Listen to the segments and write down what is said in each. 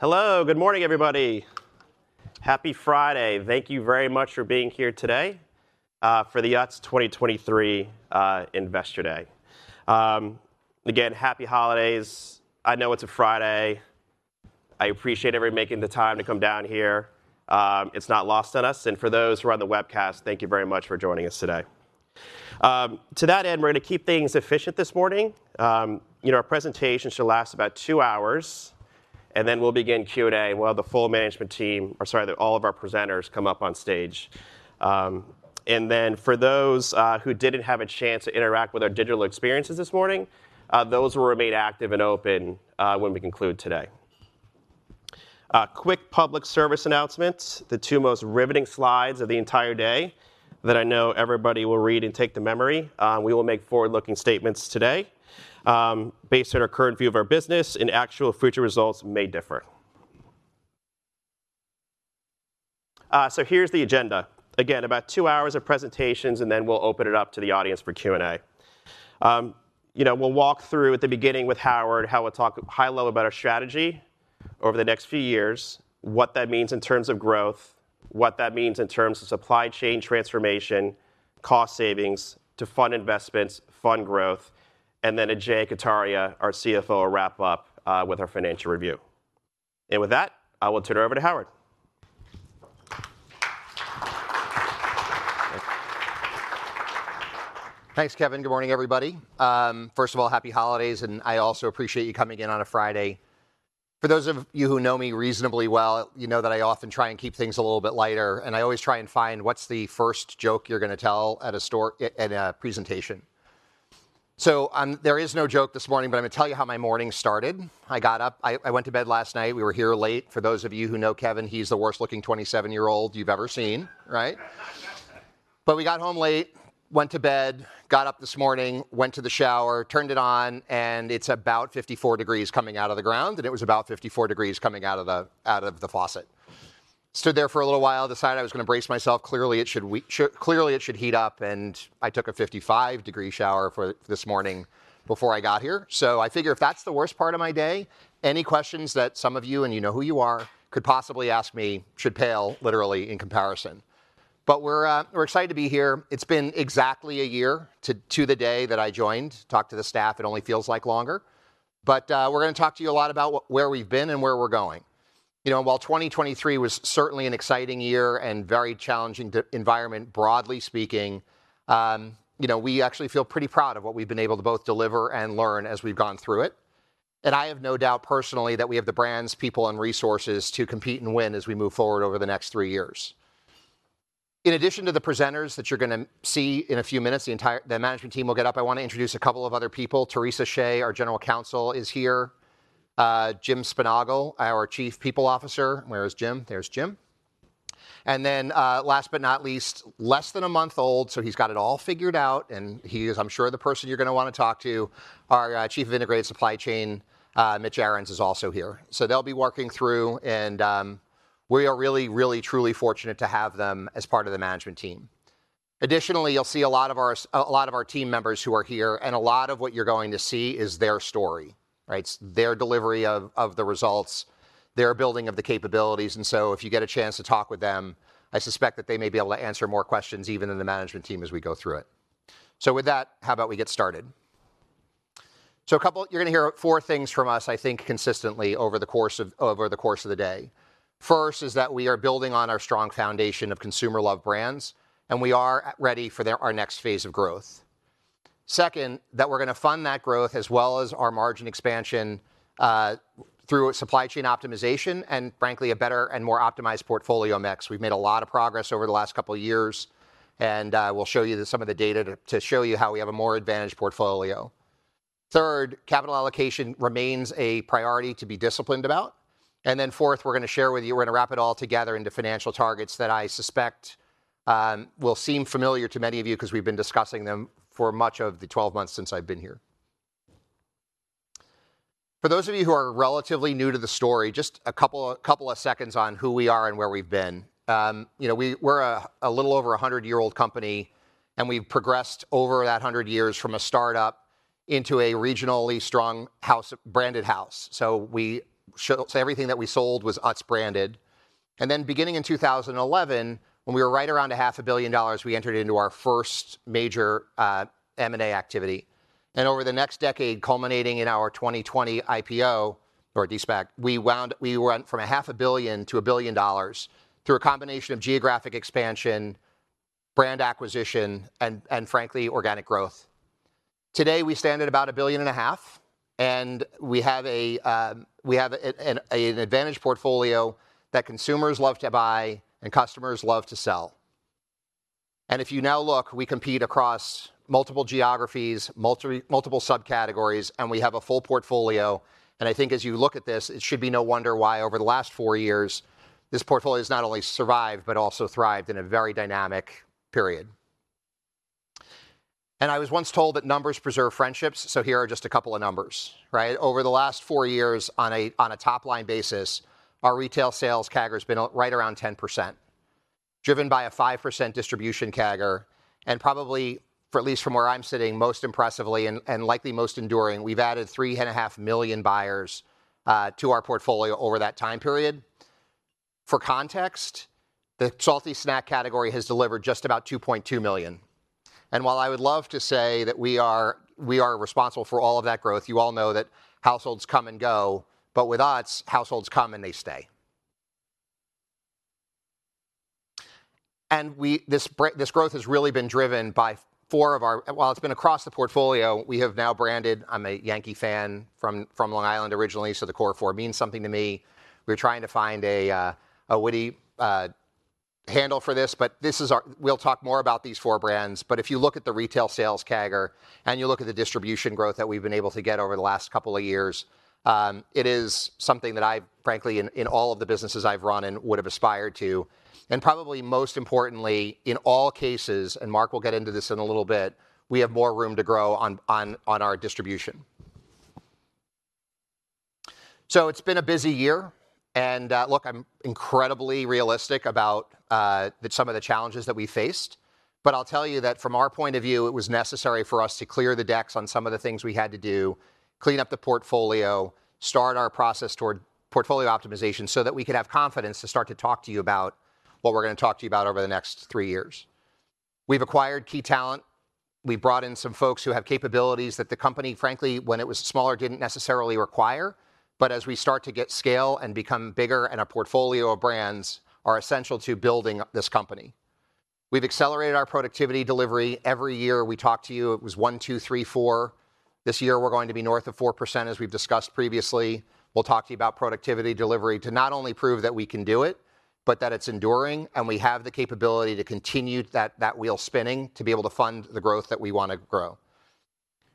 All right. Hello, good morning, everybody. Happy Friday. Thank you very much for being here today for the Utz 2023 Investor Day. Again, happy holidays. I know it's a Friday. I appreciate everybody making the time to come down here. It's not lost on us, and for those who are on the webcast, thank you very much for joining us today. To that end, we're gonna keep things efficient this morning. You know, our presentation should last about 2 hours, and then we'll begin Q&A. We'll have the full management team, or sorry, all of our presenters come up on stage. And then for those who didn't have a chance to interact with our digital experiences this morning, those will remain active and open when we conclude today. Quick public service announcements, the two most riveting slides of the entire day, that I know everybody will read and take to memory. We will make forward-looking statements today, based on our current view of our business, and actual future results may differ. So here's the agenda. Again, about two hours of presentations, and then we'll open it up to the audience for Q&A. You know, we'll walk through at the beginning with Howard, how we'll talk high level about our strategy over the next few years, what that means in terms of growth, what that means in terms of supply chain transformation, cost savings, to fund investments, fund growth, and then Ajay Kataria, our CFO, will wrap up with our financial review. And with that, I will turn it over to Howard. Thanks, Kevin. Good morning, everybody. First of all, happy holidays, and I also appreciate you coming in on a Friday. For those of you who know me reasonably well, you know that I often try and keep things a little bit lighter, and I always try and find what's the first joke you're gonna tell at a store, at a presentation. So, there is no joke this morning, but I'm gonna tell you how my morning started. I got up. I went to bed last night. We were here late. For those of you who know Kevin, he's the worst-looking 27-year-old you've ever seen, right? But we got home late, went to bed, got up this morning, went to the shower, turned it on, and it's about 54 degrees coming out of the ground, and it was about 54 degrees coming out of the faucet. Stood there for a little while, decided I was gonna brace myself. Clearly, it should heat up, and I took a 55-degree shower for this morning before I got here. So I figure if that's the worst part of my day, any questions that some of you, and you know who you are, could possibly ask me, should pale literally in comparison. But we're excited to be here. It's been exactly a year to the day that I joined. Talked to the staff, it only feels like longer. But, we're gonna talk to you a lot about where we've been and where we're going. You know, while 2023 was certainly an exciting year and very challenging environment, broadly speaking, you know, we actually feel pretty proud of what we've been able to both deliver and learn as we've gone through it. And I have no doubt personally, that we have the brands, people, and resources to compete and win as we move forward over the next three years. In addition to the presenters that you're gonna see in a few minutes, the entire management team will get up. I want to introduce a couple of other people. Theresa Shea, our General Counsel, is here. Jim Sponaugle, our Chief People Officer. Where is Jim? There's Jim. And then, last but not least, less than a month old, so he's got it all figured out, and he is, I'm sure, the person you're gonna wanna talk to, our Chief of Integrated Supply Chain, Mitch Arens, is also here. So they'll be walking through, and, we are really, really, truly fortunate to have them as part of the management team. Additionally, you'll see a lot of our team members who are here, and a lot of what you're going to see is their story, right? It's their delivery of the results, their building of the capabilities, and so if you get a chance to talk with them, I suspect that they may be able to answer more questions even than the management team as we go through it. So with that, how about we get started? So, you're gonna hear four things from us, I think, consistently over the course of the day. First, is that we are building on our strong foundation of consumer love brands, and we are already for our next phase of growth. Second, that we're gonna fund that growth as well as our margin expansion through supply chain optimization, and frankly, a better and more optimized portfolio mix. We've made a lot of progress over the last couple of years, and we'll show you some of the data to show you how we have a more advantaged portfolio. Third, capital allocation remains a priority to be disciplined about. Then fourth, we're gonna share with you. We're gonna wrap it all together into financial targets that I suspect will seem familiar to many of you because we've been discussing them for much of the 12 months since I've been here. For those of you who are relatively new to the story, just a couple of seconds on who we are and where we've been. You know, we're a little over a 100-year-old company, and we've progressed over that 100 years from a startup into a regionally strong house branded house. So everything that we sold was Utz branded. And then, beginning in 2011, when we were right around $500 million, we entered into our first major M&A activity. Over the next decade, culminating in our 2020 IPO, or de-SPAC, we went from $500 million to $1 billion through a combination of geographic expansion, brand acquisition, and frankly, organic growth. Today, we stand at about $1.5 billion, and we have an advantaged portfolio that consumers love to buy and customers love to sell. If you now look, we compete across multiple geographies, multiple subcategories, and we have a full portfolio, and I think as you look at this, it should be no wonder why, over the last 4 years, this portfolio has not only survived, but also thrived in a very dynamic period. I was once told that numbers preserve friendships, so here are just a couple of numbers, right? Over the last four years, on a top-line basis, our retail sales CAGR has been outright around 10%... driven by a 5% distribution CAGR, and probably, for at least from where I'm sitting, most impressively and likely most enduring, we've added 3.5 million buyers to our portfolio over that time period. For context, the salty snack category has delivered just about 2.2 million. And while I would love to say that we are responsible for all of that growth, you all know that households come and go, but with us, households come and they stay. And we, this growth has really been driven by four of our, while it's been across the portfolio, we have now branded, I'm a Yankee fan from Long Island originally, so the core four means something to me. We're trying to find a witty handle for this, but this is our—we'll talk more about these four brands. But if you look at the retail sales CAGR, and you look at the distribution growth that we've been able to get over the last couple of years, it is something that I've, frankly, in all of the businesses I've run and would have aspired to. And probably most importantly, in all cases, and Mark will get into this in a little bit, we have more room to grow on our distribution. So it's been a busy year, and look, I'm incredibly realistic about some of the challenges that we faced. But I'll tell you that from our point of view, it was necessary for us to clear the decks on some of the things we had to do, clean up the portfolio, start our process toward portfolio optimization, so that we could have confidence to start to talk to you about what we're gonna talk to you about over the next three years. We've acquired key talent. We brought in some folks who have capabilities that the company, frankly, when it was smaller, didn't necessarily require. But as we start to get scale and become bigger, and our portfolio of brands are essential to building up this company. We've accelerated our productivity delivery. Every year we talk to you, it was 1, 2, 3, 4. This year, we're going to be north of 4%, as we've discussed previously. We'll talk to you about productivity delivery to not only prove that we can do it, but that it's enduring and we have the capability to continue that, that wheel spinning, to be able to fund the growth that we want to grow.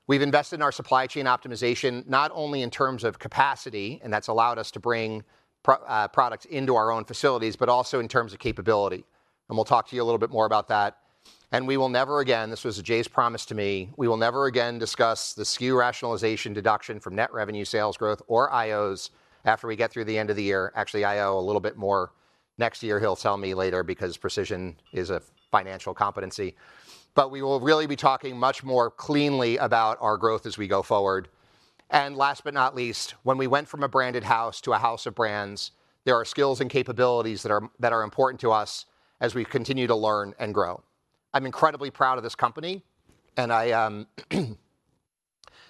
We've invested in our supply chain optimization, not only in terms of capacity, and that's allowed us to bring products into our own facilities, but also in terms of capability. And we'll talk to you a little bit more about that. And we will never again, this was Jay's promise to me, we will never again discuss the SKU rationalization deduction from net revenue sales growth or IOs after we get through the end of the year. Actually, IO a little bit more next year, he'll tell me later, because precision is a financial competency. We will really be talking much more cleanly about our growth as we go forward. Last but not least, when we went from a branded house to a house of brands, there are skills and capabilities that are important to us as we continue to learn and grow. I'm incredibly proud of this company, and I, I'm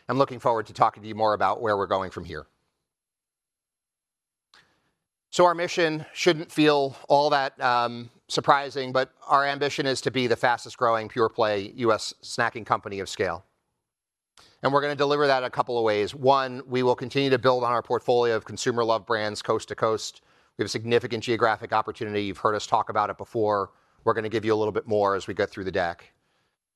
looking forward to talking to you more about where we're going from here. So our mission shouldn't feel all that, surprising, but our ambition is to be the fastest-growing pure-play U.S. snacking company of scale. We're gonna deliver that a couple of ways. One, we will continue to build on our portfolio of consumer-loved brands coast to coast. We have a significant geographic opportunity. You've heard us talk about it before. We're gonna give you a little bit more as we go through the deck.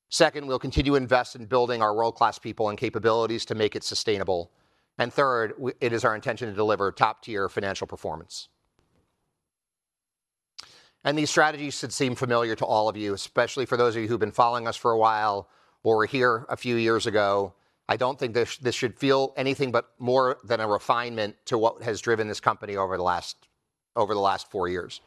Second, we'll continue to invest in building our world-class people and capabilities to make it sustainable. And third, it is our intention to deliver top-tier financial performance. And these strategies should seem familiar to all of you, especially for those of you who've been following us for a while or were here a few years ago. I don't think this should feel anything but more than a refinement to what has driven this company over the last four years.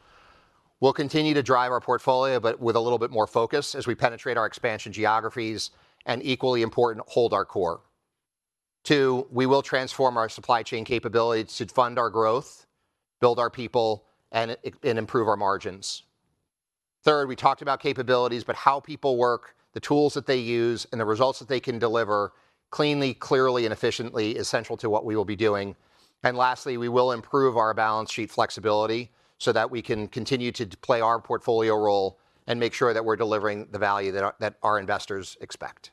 We'll continue to drive our portfolio, but with a little bit more focus as we penetrate our expansion geographies, and equally important, hold our core. Two, we will transform our supply chain capabilities to fund our growth, build our people, and improve our margins. Third, we talked about capabilities, but how people work, the tools that they use, and the results that they can deliver cleanly, clearly, and efficiently, is central to what we will be doing. And lastly, we will improve our balance sheet flexibility so that we can continue to play our portfolio role and make sure that we're delivering the value that our, that our investors expect.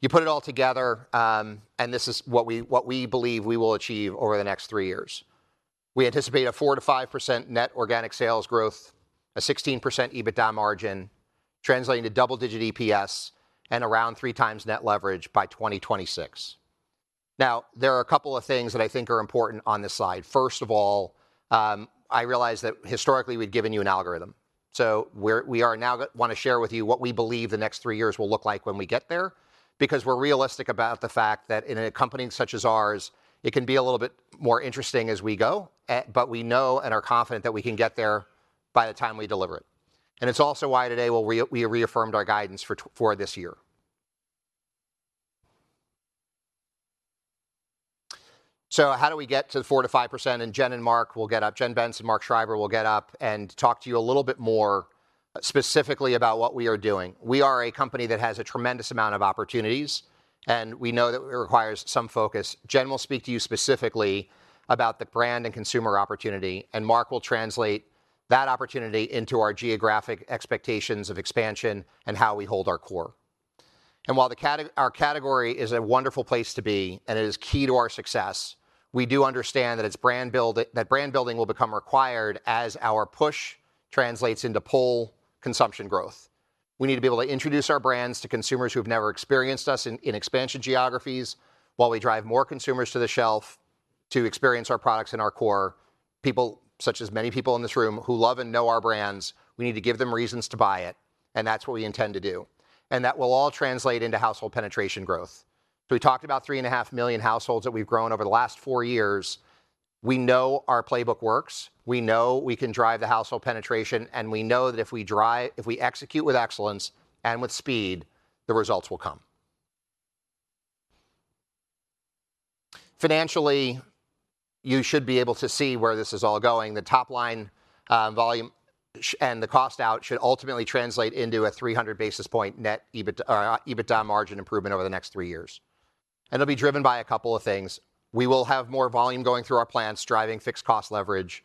You put it all together, and this is what we, what we believe we will achieve over the next three years. We anticipate a 4%-5% net organic sales growth, a 16% EBITDA margin, translating to double-digit EPS, and around 3x Net Leverage by 2026. Now, there are a couple of things that I think are important on this slide. First of all, I realize that historically, we've given you an algorithm. So where we are now, wanna share with you what we believe the next three years will look like when we get there, because we're realistic about the fact that in a company such as ours, it can be a little bit more interesting as we go. But we know and are confident that we can get there by the time we deliver it. And it's also why today, we reaffirmed our guidance for this year. So how do we get to the 4%-5%? And Jen Bentz and Mark Schreiber will get up and talk to you a little bit more specifically about what we are doing. We are a company that has a tremendous amount of opportunities, and we know that it requires some focus. Jen will speak to you specifically about the brand and consumer opportunity, and Mark will translate that opportunity into our geographic expectations of expansion and how we hold our core. While the category is a wonderful place to be and it is key to our success, we do understand that it's brand building that will become required as our push translates into pull consumption growth. We need to be able to introduce our brands to consumers who have never experienced us in expansion geographies, while we drive more consumers to the shelf to experience our products and our core. People, such as many people in this room, who love and know our brands, we need to give them reasons to buy it, and that's what we intend to do. And that will all translate into household penetration growth... So we talked about 3.5 million households that we've grown over the last 4 years. We know our playbook works, we know we can drive the household penetration, and we know that if we execute with excellence and with speed, the results will come. Financially, you should be able to see where this is all going. The top line, volume and the cost out should ultimately translate into a 300 basis point net EBITDA margin improvement over the next 3 years. And it'll be driven by a couple of things. We will have more volume going through our plants, driving fixed cost leverage.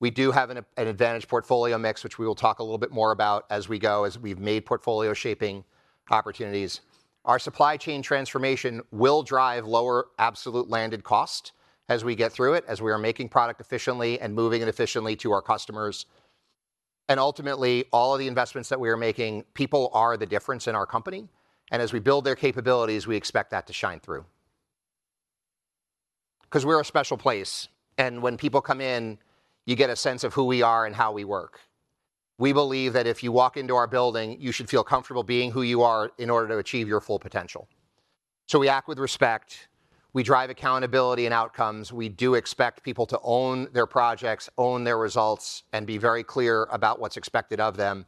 We do have an advantage portfolio mix, which we will talk a little bit more about as we go, as we've made portfolio shaping opportunities. Our supply chain transformation will drive lower absolute landed cost as we get through it, as we are making product efficiently and moving it efficiently to our customers. Ultimately, all of the investments that we are making, people are the difference in our company, and as we build their capabilities, we expect that to shine through. 'Cause we're a special place, and when people come in, you get a sense of who we are and how we work. We believe that if you walk into our building, you should feel comfortable being who you are in order to achieve your full potential. So we act with respect, we drive accountability and outcomes, we do expect people to own their projects, own their results, and be very clear about what's expected of them,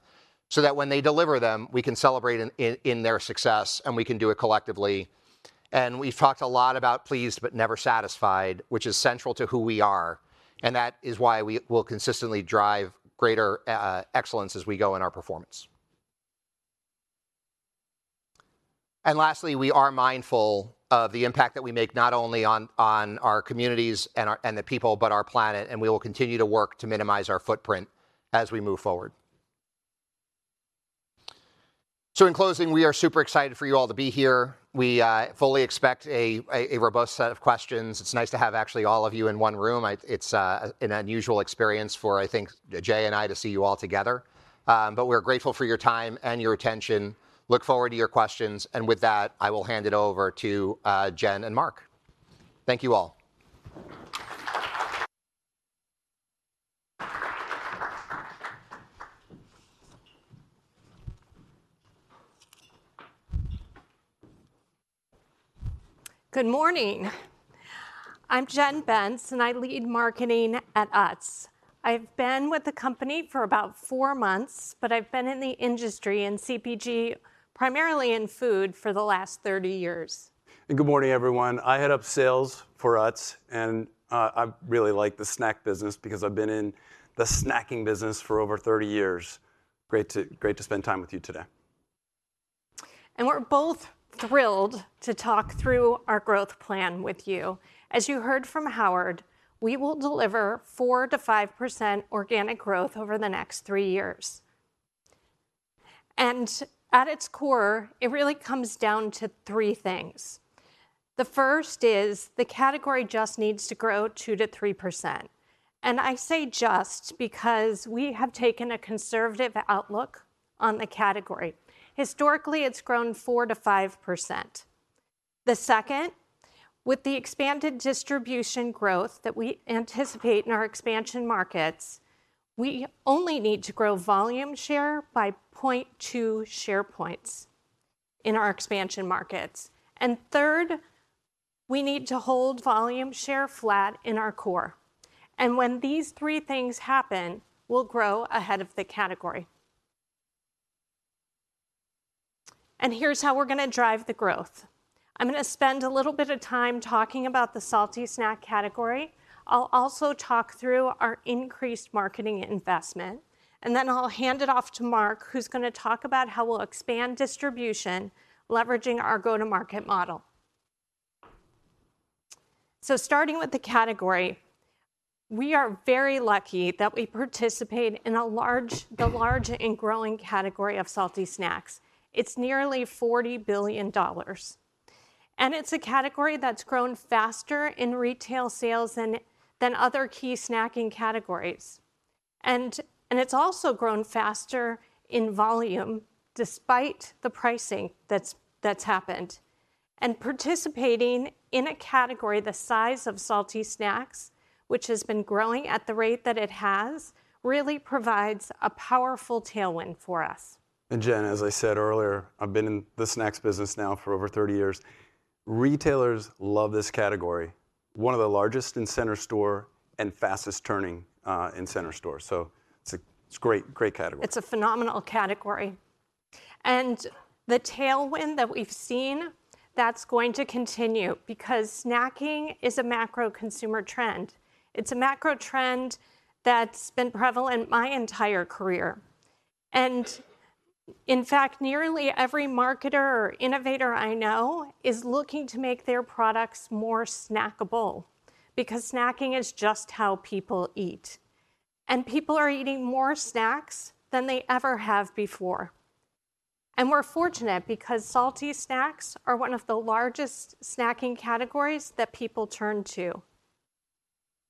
so that when they deliver them, we can celebrate in their success, and we can do it collectively. And we've talked a lot about pleased, but never satisfied, which is central to who we are, and that is why we will consistently drive greater excellence as we go in our performance. And lastly, we are mindful of the impact that we make, not only on our communities and the people, but our planet, and we will continue to work to minimize our footprint as we move forward. So in closing, we are super excited for you all to be here. We fully expect a robust set of questions. It's nice to have actually all of you in one room. It's an unusual experience for, I think, Jay and I to see you all together. But we're grateful for your time and your attention. Look forward to your questions, and with that, I will hand it over to Jen and Mark. Thank you all. Good morning. I'm Jen Bentz, and I lead marketing at Utz. I've been with the company for about 4 months, but I've been in the industry, in CPG, primarily in food, for the last 30 years. Good morning, everyone. I head up sales for Utz, and I really like the snack business because I've been in the snacking business for over 30 years. Great to, great to spend time with you today. We're both thrilled to talk through our growth plan with you. As you heard from Howard, we will deliver 4%-5% organic growth over the next 3 years. At its core, it really comes down to three things. The first is, the category just needs to grow 2%-3%, and I say just because we have taken a conservative outlook on the category. Historically, it's grown 4%-5%. The second, with the expanded distribution growth that we anticipate in our expansion markets, we only need to grow volume share by 0.2 share points in our expansion markets. Third, we need to hold volume share flat in our core. When these three things happen, we'll grow ahead of the category. Here's how we're going to drive the growth. I'm going to spend a little bit of time talking about the salty snack category. I'll also talk through our increased marketing investment, and then I'll hand it off to Mark, who's going to talk about how we'll expand distribution, leveraging our go-to-market model. So starting with the category, we are very lucky that we participate in the large and growing category of salty snacks. It's nearly $40 billion, and it's a category that's grown faster in retail sales than other key snacking categories. And it's also grown faster in volume despite the pricing that's happened. Participating in a category the size of salty snacks, which has been growing at the rate that it has, really provides a powerful tailwind for us. Jen, as I said earlier, I've been in the snacks business now for over 30 years. Retailers love this category, one of the largest in center store and fastest turning in center store. So it's a, it's a great, great category. It's a phenomenal category. The tailwind that we've seen, that's going to continue, because snacking is a macro consumer trend. It's a macro trend that's been prevalent my entire career. In fact, nearly every marketer or innovator I know is looking to make their products more snackable, because snacking is just how people eat, and people are eating more snacks than they ever have before. We're fortunate because salty snacks are one of the largest snacking categories that people turn to.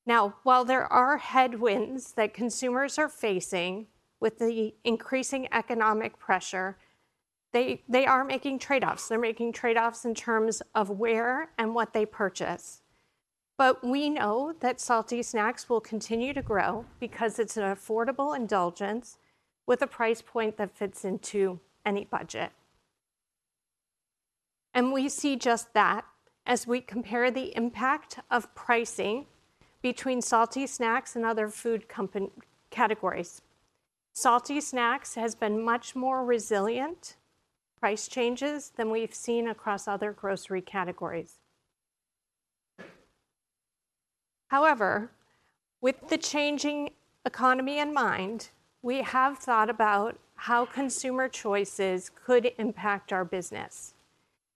Now, while there are headwinds that consumers are facing with the increasing economic pressure, they are making trade-offs. They're making trade-offs in terms of where and what they purchase... But we know that salty snacks will continue to grow, because it's an affordable indulgence with a price point that fits into any budget. We see just that as we compare the impact of pricing between salty snacks and other food categories. Salty snacks has been much more resilient price changes than we've seen across other grocery categories. However, with the changing economy in mind, we have thought about how consumer choices could impact our business,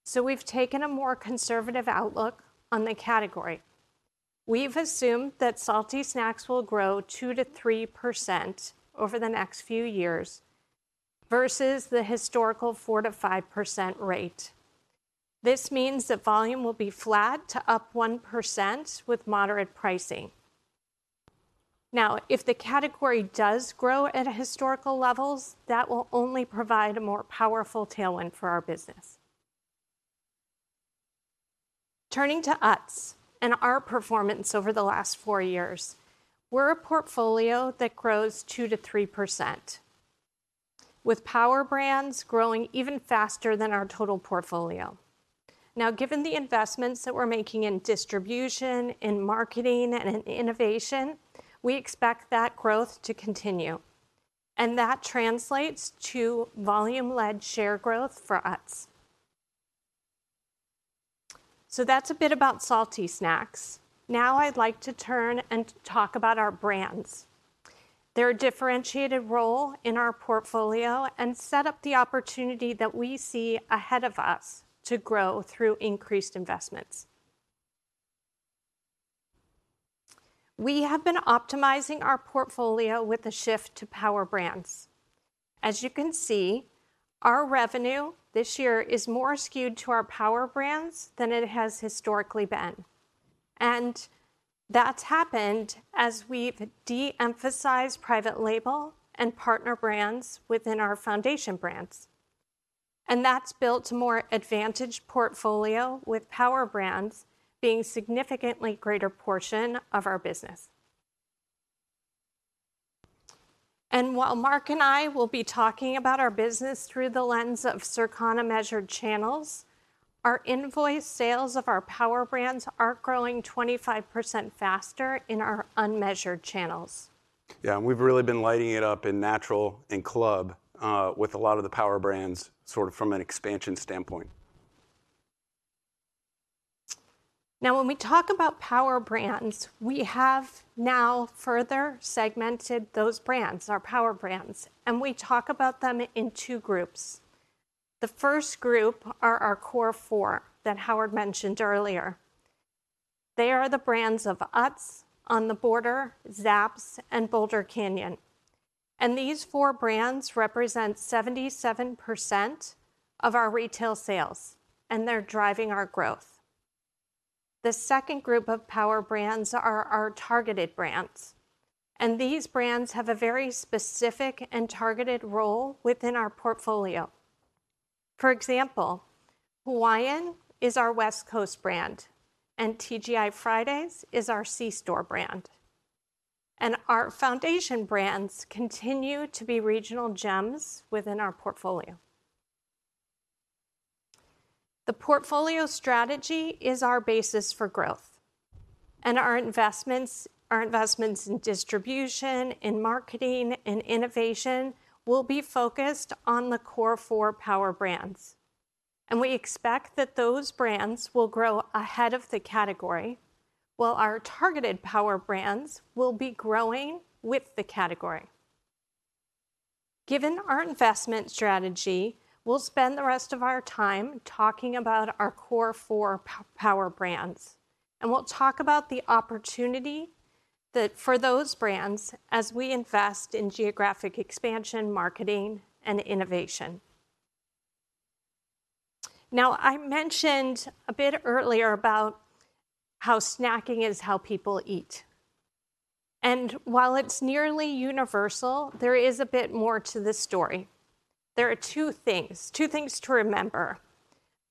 so we've taken a more conservative outlook on the category. We've assumed that salty snacks will grow 2%-3% over the next few years, versus the historical 4%-5% rate. This means that volume will be flat to up 1% with moderate pricing. Now, if the category does grow at historical levels, that will only provide a more powerful tailwind for our business. Turning to Utz and our performance over the last four years, we're a portfolio that grows 2%-3%, with power brands growing even faster than our total portfolio. Now, given the investments that we're making in distribution, in marketing, and in innovation, we expect that growth to continue, and that translates to volume-led share growth for Utz. So that's a bit about salty snacks. Now I'd like to turn and talk about our brands, their differentiated role in our portfolio, and set up the opportunity that we see ahead of us to grow through increased investments. We have been optimizing our portfolio with a shift to power brands. As you can see, our revenue this year is more skewed to our power brands than it has historically been, and that's happened as we've de-emphasized private label and partner brands within our foundation brands. That's built a more advantaged portfolio, with power brands being significantly greater portion of our business. While Mark and I will be talking about our business through the lens of Circana measured channels, our invoice sales of our power brands are growing 25% faster in our unmeasured channels. Yeah, and we've really been lighting it up in natural and club with a lot of the power brands, sort of from an expansion standpoint. Now, when we talk about power brands, we have now further segmented those brands, our power brands, and we talk about them in two groups. The first group are our core 4 that Howard mentioned earlier. They are the brands of Utz, On The Border, Zapp's, and Boulder Canyon. These 4 brands represent 77% of our retail sales, and they're driving our growth. The second group of power brands are our targeted brands, and these brands have a very specific and targeted role within our portfolio. For example, Hawaiian is our West Coast brand, and TGI Fridays is our C-store brand, and our foundation brands continue to be regional gems within our portfolio. The portfolio strategy is our basis for growth, and our investments, our investments in distribution, in marketing, and innovation will be focused on the core four power brands, and we expect that those brands will grow ahead of the category, while our targeted power brands will be growing with the category. Given our investment strategy, we'll spend the rest of our time talking about our core four power brands, and we'll talk about the opportunity that for those brands as we invest in geographic expansion, marketing, and innovation. Now, I mentioned a bit earlier about how snacking is how people eat, and while it's nearly universal, there is a bit more to this story. There are two things, two things to remember.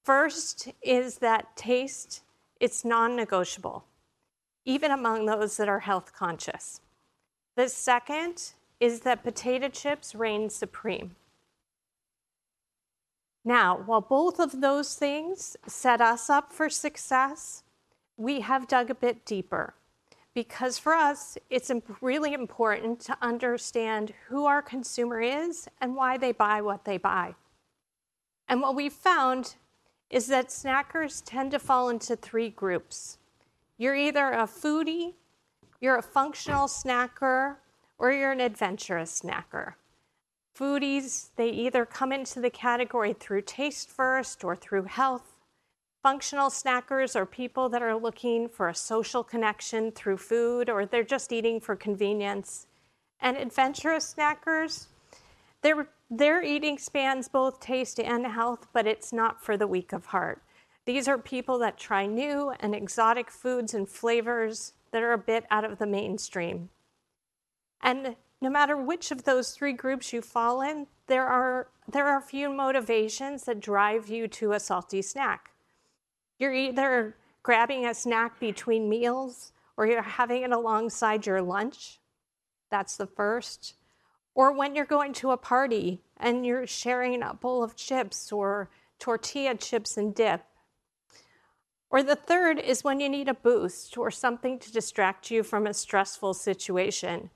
First is that taste, it's non-negotiable, even among those that are health-conscious. The second is that potato chips reign supreme. Now, while both of those things set us up for success, we have dug a bit deeper, because for us, it's really important to understand who our consumer is and why they buy what they buy. And what we've found is that snackers tend to fall into three groups. You're either a foodie, you're a functional snacker, or you're an adventurous snacker. Foodies, they either come into the category through taste first or through health. Functional snackers are people that are looking for a social connection through food, or they're just eating for convenience. And adventurous snackers, their eating spans both taste and health, but it's not for the weak of heart. These are people that try new and exotic foods and flavors that are a bit out of the mainstream.... No matter which of those three groups you fall in, there are a few motivations that drive you to a salty snack. You're either grabbing a snack between meals, or you're having it alongside your lunch, that's the first. Or when you're going to a party, and you're sharing a bowl of chips or tortilla chips and dip. Or the third is when you need a boost or something to distract you from a stressful situation.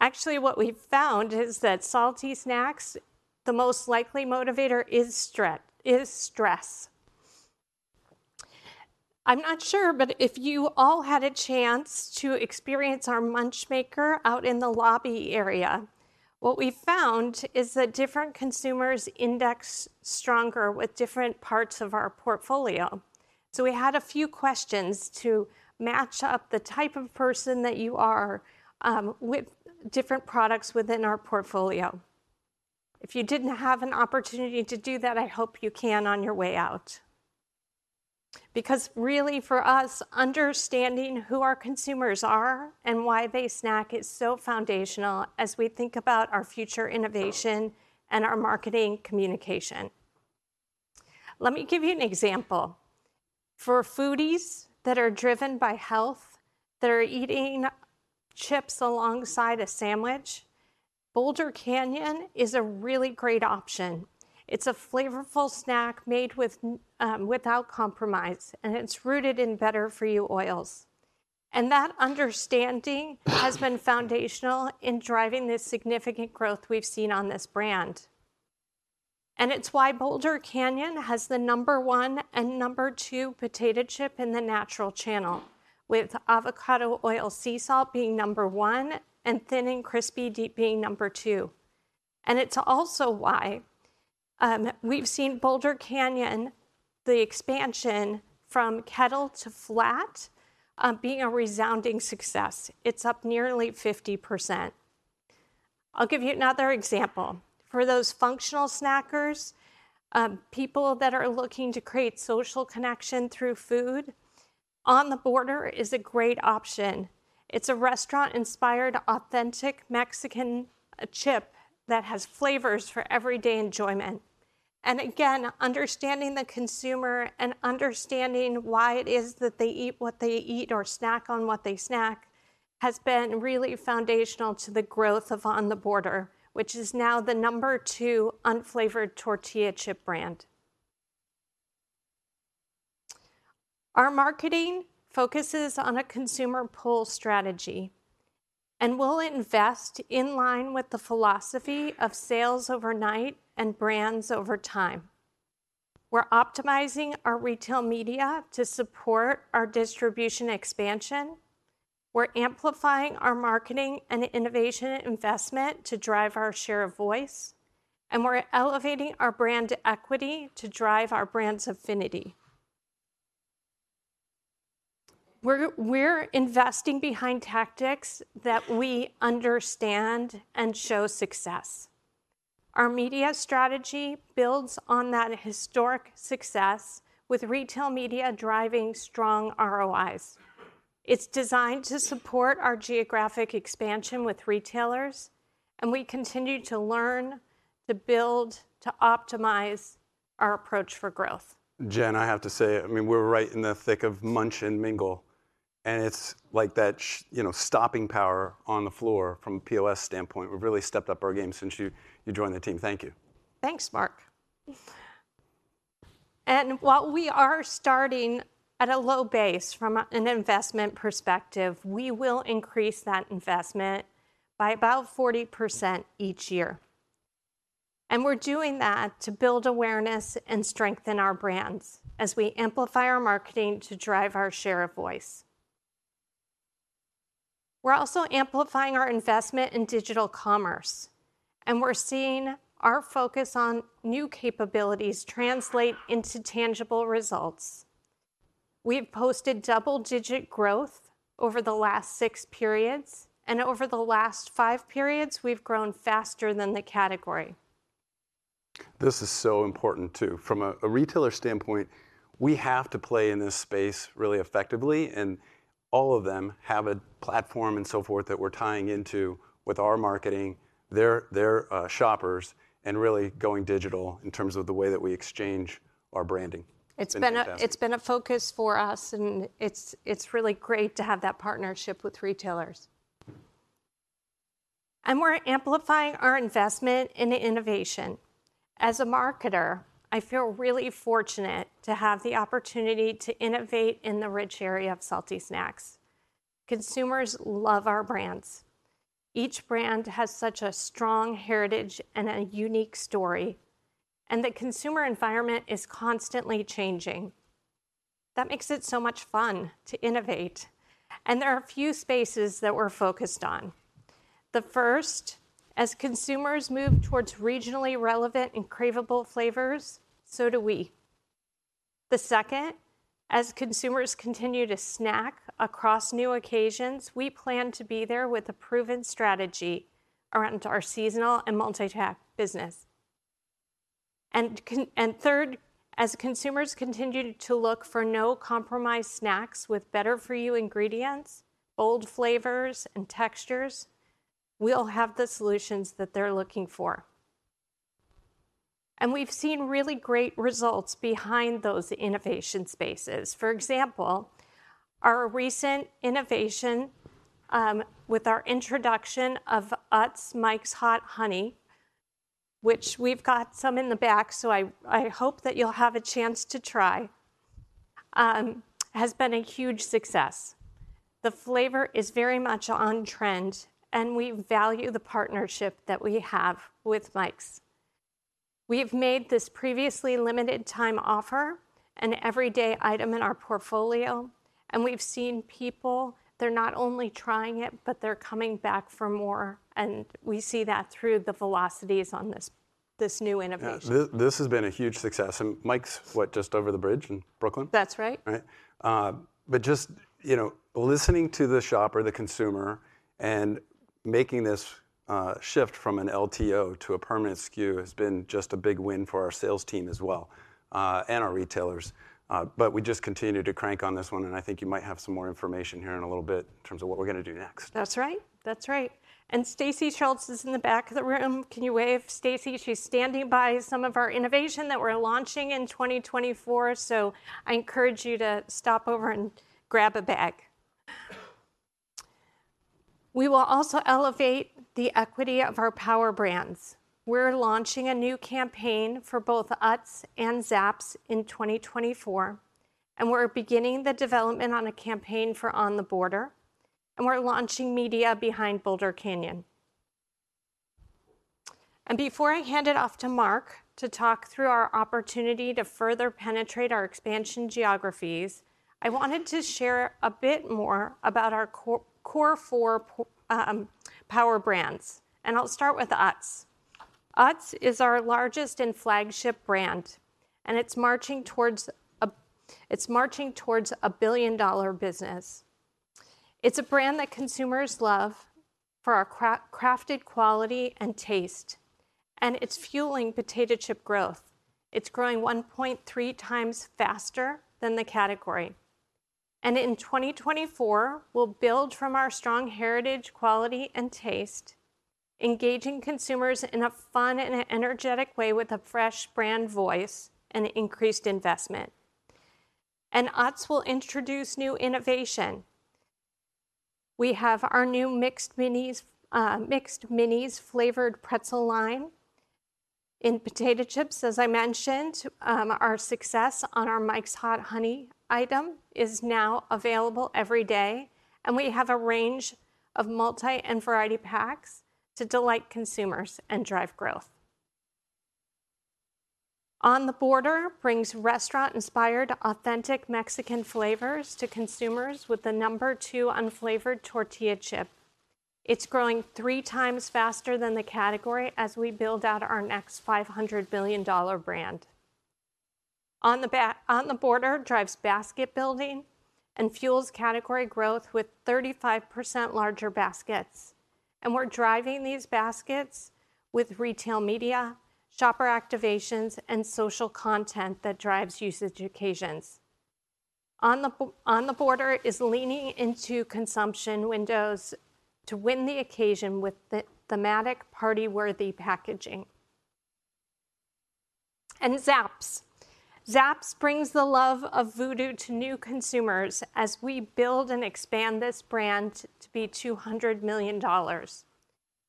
Actually, what we've found is that salty snacks, the most likely motivator is stress- is stress. I'm not sure, but if you all had a chance to experience our Munch Matcherer out in the lobby area, what we found is that different consumers index stronger with different parts of our portfolio. So we had a few questions to match up the type of person that you are, with different products within our portfolio. If you didn't have an opportunity to do that, I hope you can on your way out. Because really, for us, understanding who our consumers are and why they snack is so foundational as we think about our future innovation and our marketing communication. Let me give you an example. For foodies that are driven by health, that are eating chips alongside a sandwich, Boulder Canyon is a really great option. It's a flavorful snack made with, without compromise, and it's rooted in better-for-you oils. And that understanding has been foundational in driving this significant growth we've seen on this brand. It's why Boulder Canyon has the number one and number two potato chip in the natural channel, with avocado oil sea salt being number one, and thin and crispy dip being number two. It's also why we've seen Boulder Canyon, the expansion from kettle to flat, being a resounding success. It's up nearly 50%. I'll give you another example. For those functional snackers, people that are looking to create social connection through food, On The Border is a great option. It's a restaurant-inspired, authentic Mexican chip that has flavors for everyday enjoyment. Again, understanding the consumer and understanding why it is that they eat what they eat or snack on what they snack, has been really foundational to the growth of On The Border, which is now the number two unflavored tortilla chip brand. Our marketing focuses on a consumer pull strategy, and we'll invest in line with the philosophy of sales overnight and brands over time. We're optimizing our retail media to support our distribution expansion, we're amplifying our marketing and innovation investment to drive our share of voice, and we're elevating our brand equity to drive our brands affinity. We're investing behind tactics that we understand and show success. Our media strategy builds on that historic success, with retail media driving strong ROIs. It's designed to support our geographic expansion with retailers, and we continue to learn, to build, to optimize our approach for growth. Jen, I have to say, I mean, we're right in the thick of Munch and Mingle, and it's like that, you know, stopping power on the floor from a POS standpoint. We've really stepped up our game since you joined the team. Thank you. Thanks, Mark. While we are starting at a low base from an investment perspective, we will increase that investment by about 40% each year. We're doing that to build awareness and strengthen our brands as we amplify our marketing to drive our share of voice. We're also amplifying our investment in digital commerce, and we're seeing our focus on new capabilities translate into tangible results. We've posted double-digit growth over the last 6 periods, and over the last 5 periods, we've grown faster than the category. This is so important, too. From a retailer standpoint, we have to play in this space really effectively, and all of them have a platform and so forth that we're tying into with our marketing, their shoppers, and really going digital in terms of the way that we exchange our branding. It's fantastic. It's been a focus for us, and it's really great to have that partnership with retailers. We're amplifying our investment in innovation. As a marketer, I feel really fortunate to have the opportunity to innovate in the rich area of salty snacks. Consumers love our brands. Each brand has such a strong heritage and a unique story, and the consumer environment is constantly changing. That makes it so much fun to innovate, and there are a few spaces that we're focused on. The first, as consumers move towards regionally relevant and cravable flavors, so do we. The second, as consumers continue to snack across new occasions, we plan to be there with a proven strategy around our seasonal and multi-pack business.... and third, as consumers continue to look for no-compromise snacks with better-for-you ingredients, bold flavors, and textures, we'll have the solutions that they're looking for. And we've seen really great results behind those innovation spaces. For example, our recent innovation with our introduction of Utz Mike's Hot Honey, which we've got some in the back, so I hope that you'll have a chance to try, has been a huge success. The flavor is very much on trend, and we value the partnership that we have with Mike's. We've made this previously limited time offer an everyday item in our portfolio, and we've seen people, they're not only trying it, but they're coming back for more, and we see that through the velocities on this new innovation. Yeah, this, this has been a huge success, and Mike's, what, just over the bridge in Brooklyn? That's right. Right. But just, you know, listening to the shopper, the consumer, and making this shift from an LTO to a permanent SKU has been just a big win for our sales team as well, and our retailers. But we just continue to crank on this one, and I think you might have some more information here in a little bit in terms of what we're gonna do next. That's right. That's right, and Stacy Schultz is in the back of the room. Can you wave, Stacy? She's standing by some of our innovation that we're launching in 2024, so I encourage you to stop over and grab a bag. We will also elevate the equity of our power brands. We're launching a new campaign for both Utz and Zapp's in 2024, and we're beginning the development on a campaign for On The Border, and we're launching media behind Boulder Canyon. Before I hand it off to Mark to talk through our opportunity to further penetrate our expansion geographies, I wanted to share a bit more about our core four power brands, and I'll start with Utz. Utz is our largest and flagship brand, and it's marching towards a billion-dollar business. It's a brand that consumers love for our crafted quality and taste, and it's fueling potato chip growth. It's growing 1.3 times faster than the category, and in 2024, we'll build from our strong heritage, quality, and taste, engaging consumers in a fun and an energetic way with a fresh brand voice and increased investment. Utz will introduce new innovation. We have our new Mixed Minis, Mixed Minis flavored pretzel line. In potato chips, as I mentioned, our success on our Mike's Hot Honey item is now available every day, and we have a range of multi and variety packs to delight consumers and drive growth. On The Border brings restaurant-inspired, authentic Mexican flavors to consumers with the number two unflavored tortilla chip. It's growing three times faster than the category as we build out our next $500 million-dollar brand. On The Border drives basket building and fuels category growth with 35% larger baskets, and we're driving these baskets with retail media, shopper activations, and social content that drives usage occasions. On The Border is leaning into consumption windows to win the occasion with thematic party-worthy packaging. Zapp's brings the love of Voodoo to new consumers as we build and expand this brand to be $200 million.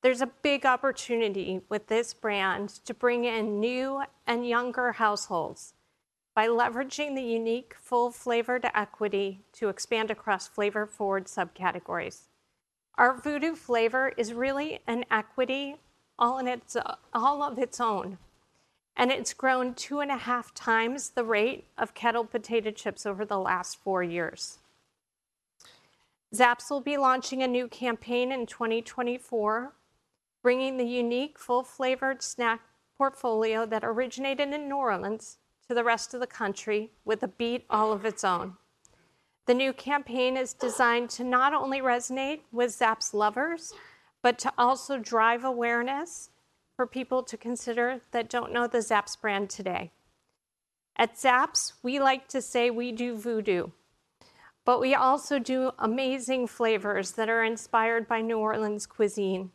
There's a big opportunity with this brand to bring in new and younger households by leveraging the unique, full-flavored equity to expand across flavor forward subcategories. Our Voodoo flavor is really an equity all in its own, and it's grown 2.5 times the rate of kettle potato chips over the last four years. Zapp's will be launching a new campaign in 2024, bringing the unique, full-flavored snack portfolio that originated in New Orleans to the rest of the country with a beat all of its own. The new campaign is designed to not only resonate with Zapp's lovers, but to also drive awareness for people to consider that don't know the Zapp's brand today. At Zapp's, we like to say we do voodoo, but we also do amazing flavors that are inspired by New Orleans cuisine.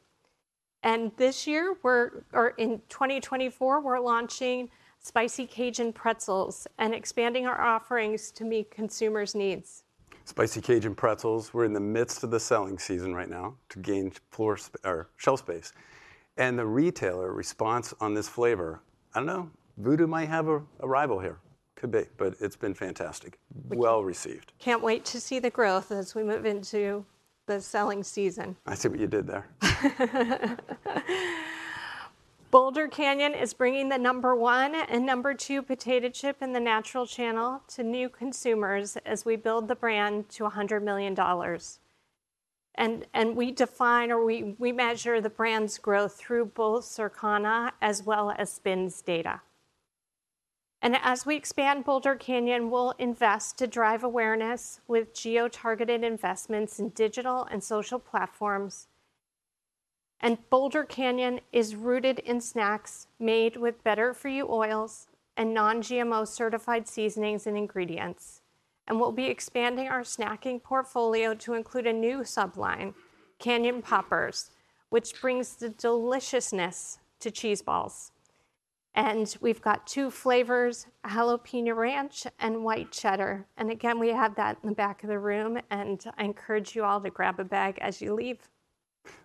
And this year, we're, or in 2024, we're launching spicy Cajun pretzels and expanding our offerings to meet consumers' needs. Spicy Cajun pretzels, we're in the midst of the selling season right now to gain floor or shelf space, and the retailer response on this flavor, I don't know, Voodoo might have a rival here. Could be, but it's been fantastic. Well-received. Can't wait to see the growth as we move into the selling season. I see what you did there. Boulder Canyon is bringing the number 1 and number 2 potato chip in the natural channel to new consumers as we build the brand to $100 million. And we define or we measure the brand's growth through both Circana as well as SPINS data. As we expand, Boulder Canyon will invest to drive awareness with geo-targeted investments in digital and social platforms, and Boulder Canyon is rooted in snacks made with better-for-you oils and non-GMO certified seasonings and ingredients. We'll be expanding our snacking portfolio to include a new sub-line, Canyon Poppers, which brings the deliciousness to cheese balls. We've got 2 flavors, jalapeño ranch and white cheddar. Again, we have that in the back of the room, and I encourage you all to grab a bag as you leave.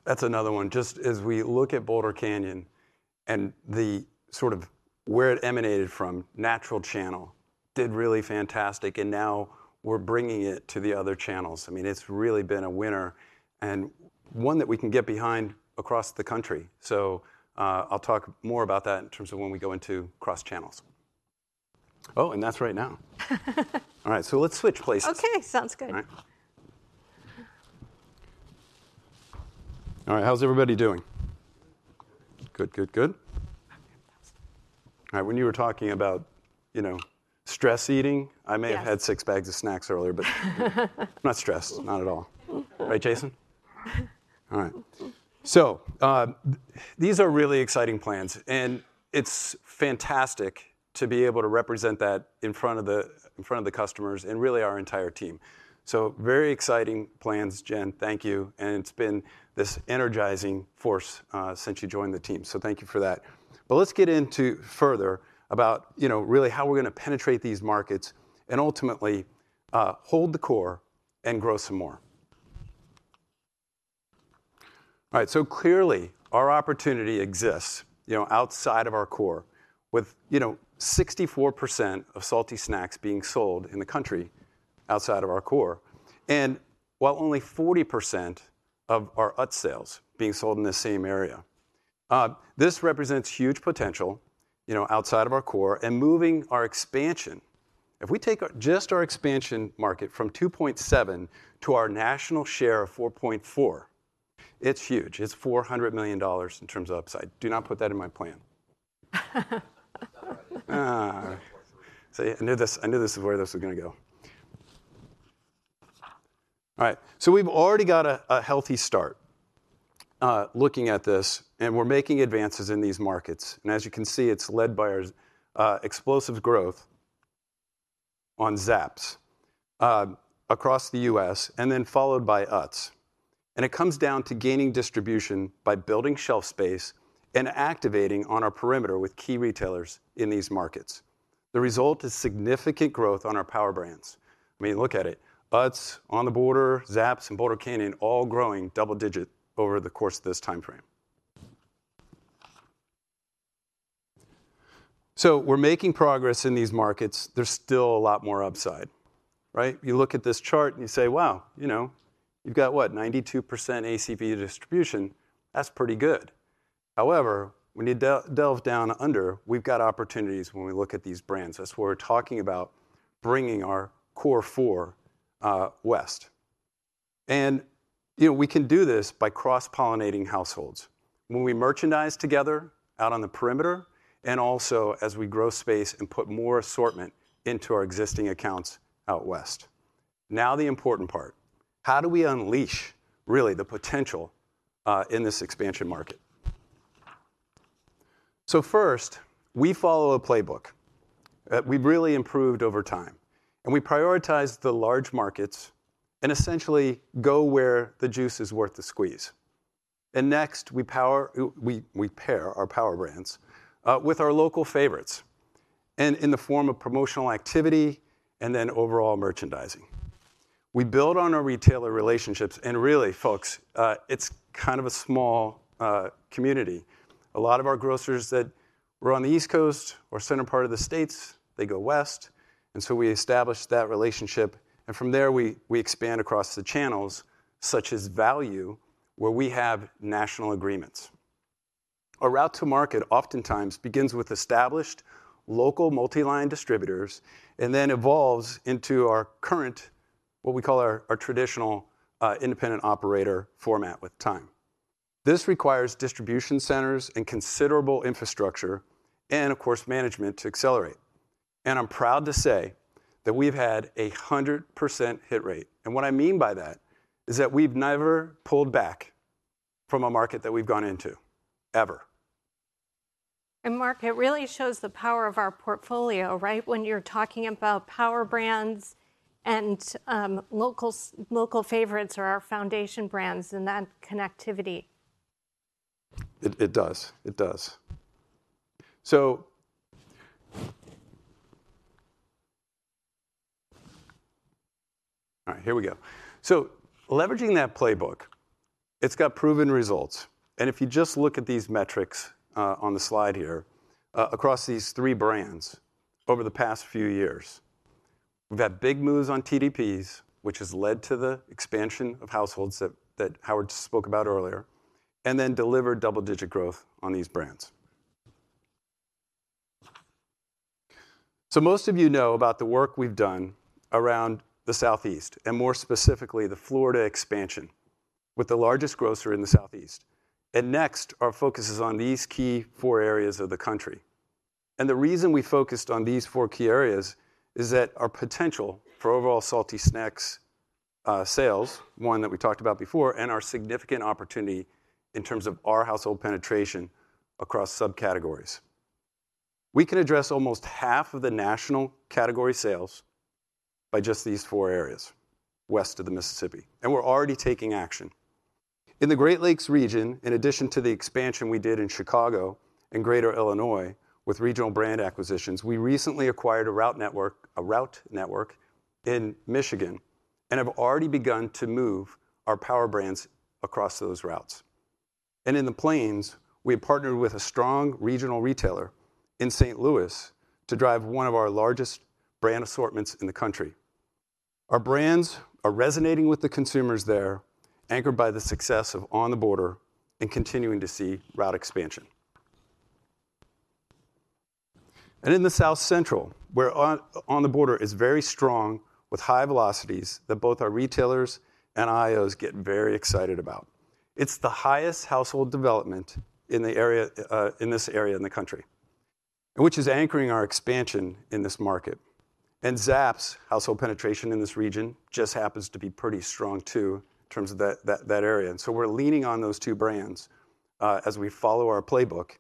That's another one. Just as we look at Boulder Canyon and the sort of where it emanated from, natural channel, did really fantastic, and now we're bringing it to the other channels. I mean, it's really been a winner and one that we can get behind across the country. So, I'll talk more about that in terms of when we go into cross channels. Oh, and that's right now. All right, so let's switch places. Okay, sounds good. All right. All right, how's everybody doing? Good, good, good. All right, when you were talking about, you know, stress eating- Yeah... I may have had 6 bags of snacks earlier, but not stressed. Not at all. Right, Jason? All right. So, these are really exciting plans, and it's fantastic to be able to represent that in front of the, in front of the customers and really our entire team. So very exciting plans, Jen. Thank you, and it's been this energizing force since you joined the team. So thank you for that. But let's get into further about, you know, really how we're going to penetrate these markets and ultimately, hold the core and grow some more. All right, so clearly, our opportunity exists, you know, outside of our core, with, you know, 64% of salty snacks being sold in the country outside of our core, and while only 40% of our UTZ sales being sold in the same area. This represents huge potential, you know, outside of our core and moving our expansion. If we take just our expansion market from 2.7 to our national share of 4.4, it's huge. It's $400 million in terms of upside. Do not put that in my plan. So I knew this, I knew this is where this was gonna go. All right, so we've already got a healthy start, looking at this, and we're making advances in these markets. As you can see, it's led by our explosive growth on Zapp's across the U.S., and then followed by Utz. And it comes down to gaining distribution by building shelf space and activating on our perimeter with key retailers in these markets. The result is significant growth on our power brands. I mean, look at it. Utz, On The Border, Zapp's, and Boulder Canyon all growing double-digit over the course of this time frame. So we're making progress in these markets. There's still a lot more upside, right? You look at this chart and you say, "Wow! You know, you've got, what, 92% ACV distribution. That's pretty good." However, when you delve down under, we've got opportunities when we look at these brands. That's why we're talking about bringing our core four west. And, you know, we can do this by cross-pollinating households when we merchandise together out on the perimeter and also as we grow space and put more assortment into our existing accounts out west. Now, the important part: How do we unleash really the potential in this expansion market? So first, we follow a playbook that we've really improved over time, and we prioritize the large markets and essentially go where the juice is worth the squeeze. And next, we pair our power brands with our local favorites, and in the form of promotional activity and then overall merchandising. We build on our retailer relationships, and really, folks, it's kind of a small community. A lot of our grocers that were on the East Coast or center part of the States, they go west, and so we establish that relationship, and from there, we expand across the channels, such as value, where we have national agreements. A route to market oftentimes begins with established local multi-line distributors and then evolves into our current, what we call our traditional independent operator format with time. This requires distribution centers and considerable infrastructure, and of course, management to accelerate. I'm proud to say that we've had a 100% hit rate. What I mean by that is that we've never pulled back from a market that we've gone into, ever. Mark, it really shows the power of our portfolio, right? When you're talking about power brands and local favorites or our foundation brands and that connectivity. It does. It does. So... All right, here we go. So leveraging that playbook, it's got proven results. And if you just look at these metrics on the slide here across these three brands over the past few years, we've had big moves on TDPs, which has led to the expansion of households that Howard spoke about earlier, and then delivered double-digit growth on these brands. So most of you know about the work we've done around the Southeast, and more specifically, the Florida expansion, with the largest grocer in the Southeast. And next, our focus is on these key four areas of the country. And the reason we focused on these four key areas is that our potential for overall salty snacks sales, one that we talked about before, and our significant opportunity in terms of our household penetration across subcategories. We can address almost half of the national category sales by just these four areas west of the Mississippi, and we're already taking action. In the Great Lakes region, in addition to the expansion we did in Chicago and Greater Illinois with regional brand acquisitions, we recently acquired a route network, a route network in Michigan, and have already begun to move our power brands across those routes. In the Plains, we have partnered with a strong regional retailer in St. Louis to drive one of our largest brand assortments in the country. Our brands are resonating with the consumers there, anchored by the success of On The Border, and continuing to see route expansion. In the South Central, where On The Border is very strong, with high velocities that both our retailers and IOs get very excited about. It's the highest household development in the area, in this area in the country, and which is anchoring our expansion in this market. Zapp's household penetration in this region just happens to be pretty strong, too, in terms of that, that, that area, and so we're leaning on those two brands, as we follow our playbook,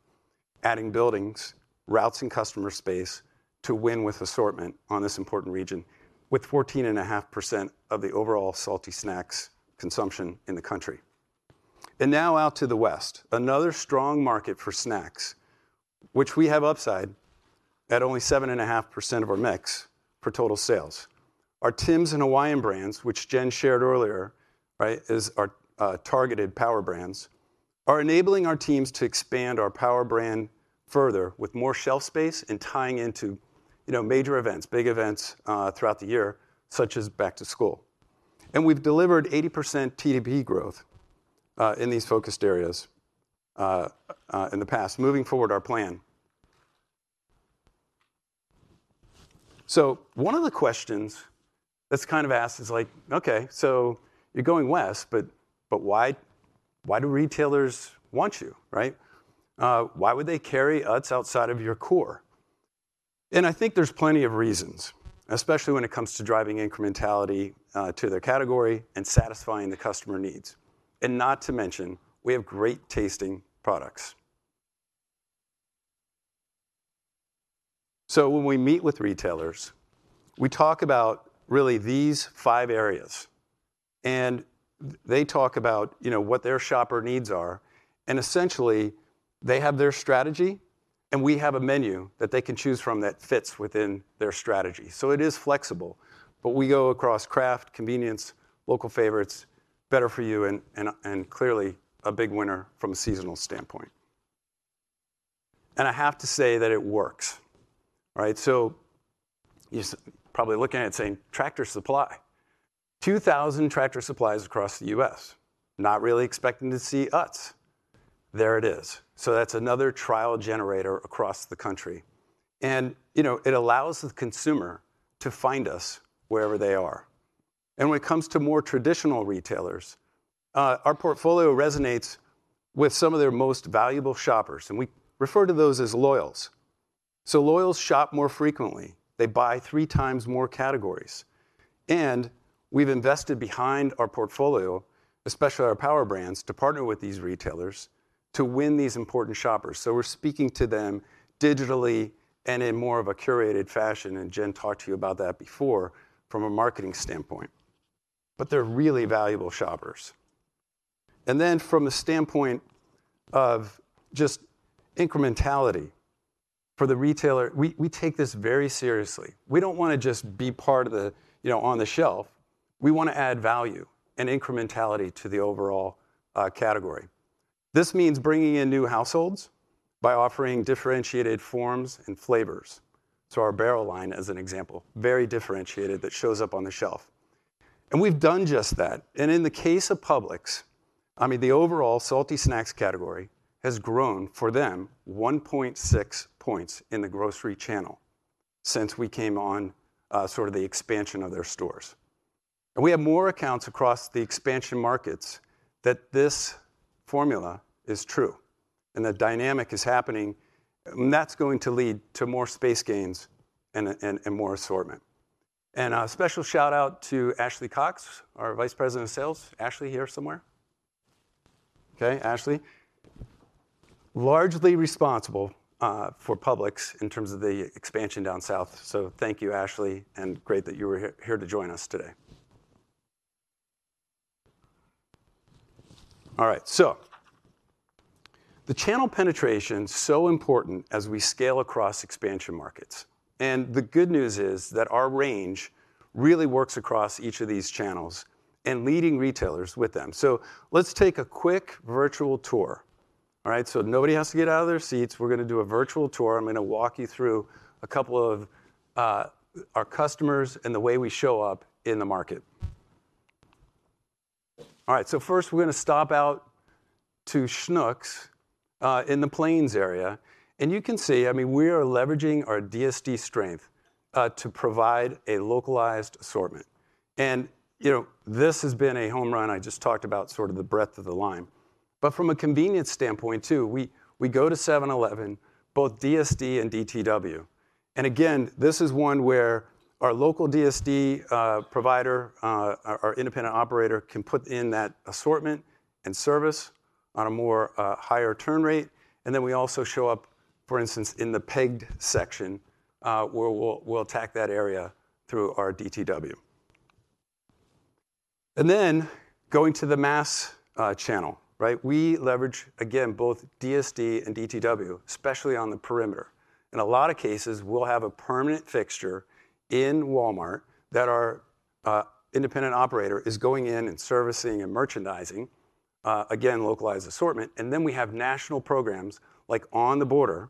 adding buildings, routes, and customer space to win with assortment on this important region, with 14.5% of the overall salty snacks consumption in the country. Now, out to the West, another strong market for snacks, which we have upside at only 7.5% of our mix for total sales. Our Tim's and Hawaiian brands, which Jen shared earlier, right, is our targeted power brands, are enabling our teams to expand our power brand further with more shelf space and tying into, you know, major events, big events, throughout the year, such as back to school. And we've delivered 80% TDP growth in these focused areas in the past. Moving forward, our plan. So one of the questions that's kind of asked is like, "Okay, so you're going west, but why, why do retailers want you, right? Why would they carry Utz outside of your core?" And I think there's plenty of reasons, especially when it comes to driving incrementality to their category and satisfying the customer needs, and not to mention, we have great-tasting products. So when we meet with retailers, we talk about really these five areas, and they talk about, you know, what their shopper needs are. And essentially, they have their strategy, and we have a menu that they can choose from that fits within their strategy. So it is flexible, but we go across craft, convenience, local favorites, better for you, and clearly a big winner from a seasonal standpoint. And I have to say that it works, right? So you're probably looking at it saying, "Tractor Supply?" 2,000 Tractor Supplies across the U.S., not really expecting to see Utz. There it is. So that's another trial generator across the country, and, you know, it allows the consumer to find us wherever they are. When it comes to more traditional retailers, our portfolio resonates with some of their most valuable shoppers, and we refer to those as loyals. Loyals shop more frequently. They buy three times more categories, and we've invested behind our portfolio, especially our power brands, to partner with these retailers to win these important shoppers. We're speaking to them digitally and in more of a curated fashion, and Jen talked to you about that before from a marketing standpoint. But they're really valuable shoppers. From a standpoint of just incrementality for the retailer, we, we take this very seriously. We don't want to just be part of the... you know, on the shelf. We want to add value and incrementality to the overall category. This means bringing in new households by offering differentiated forms and flavors, so our barrel line, as an example, very differentiated, that shows up on the shelf. And we've done just that, and in the case of Publix, I mean, the overall salty snacks category has grown, for them, 1.6 points in the grocery channel since we came on, sort of the expansion of their stores. And we have more accounts across the expansion markets that this formula is true, and that dynamic is happening, and that's going to lead to more space gains and, and, and more assortment. And a special shout-out to Ashley Cox, our Vice President of Sales. Ashley here somewhere? Okay, Ashley, largely responsible, for Publix in terms of the expansion down south. So thank you, Ashley, and great that you were here to join us today. All right, so the channel penetration's so important as we scale across expansion markets, and the good news is that our range really works across each of these channels and leading retailers with them. So let's take a quick virtual tour. All right, so nobody has to get out of their seats. We're going to do a virtual tour. I'm going to walk you through a couple of our customers and the way we show up in the market. All right, so first, we're going to stop out to Schnucks in the Plains area, and you can see, I mean, we are leveraging our DSD strength to provide a localized assortment. You know, this has been a home run. I just talked about sort of the breadth of the line. But from a convenience standpoint, too, we go to 7-Eleven, both DSD and DTW. And again, this is one where our local DSD provider, our independent operator can put in that assortment and service on a more higher turn rate. And then we also show up, for instance, in the pegged section, where we'll attack that area through our DTW. And then going to the mass channel, right? We leverage, again, both DSD and DTW, especially on the perimeter. In a lot of cases, we'll have a permanent fixture in Walmart that our independent operator is going in and servicing and merchandising again, localized assortment. And then we have national programs like On The Border,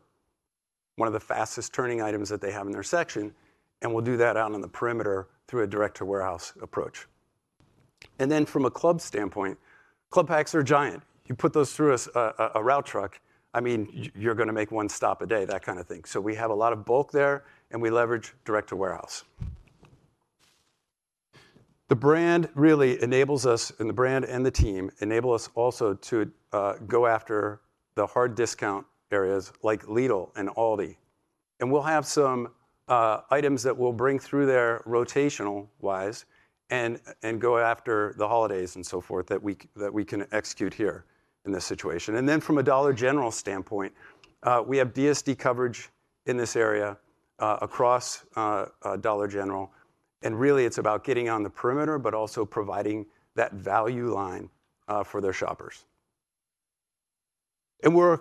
one of the fastest-turning items that they have in their section, and we'll do that out on the perimeter through a direct-to-warehouse approach. And then from a club standpoint, club packs are giant. You put those through a route truck, I mean, you're going to make one stop a day, that kind of thing. So we have a lot of bulk there, and we leverage direct-to-warehouse. The brand really enables us, and the brand and the team enable us also to go after the hard discount areas like Lidl and Aldi. And we'll have some items that we'll bring through there rotational-wise and go after the holidays and so forth, that we can execute here in this situation. And then from a Dollar General standpoint, we have DSD coverage in this area across Dollar General, and really, it's about getting on the perimeter, but also providing that value line for their shoppers. And we're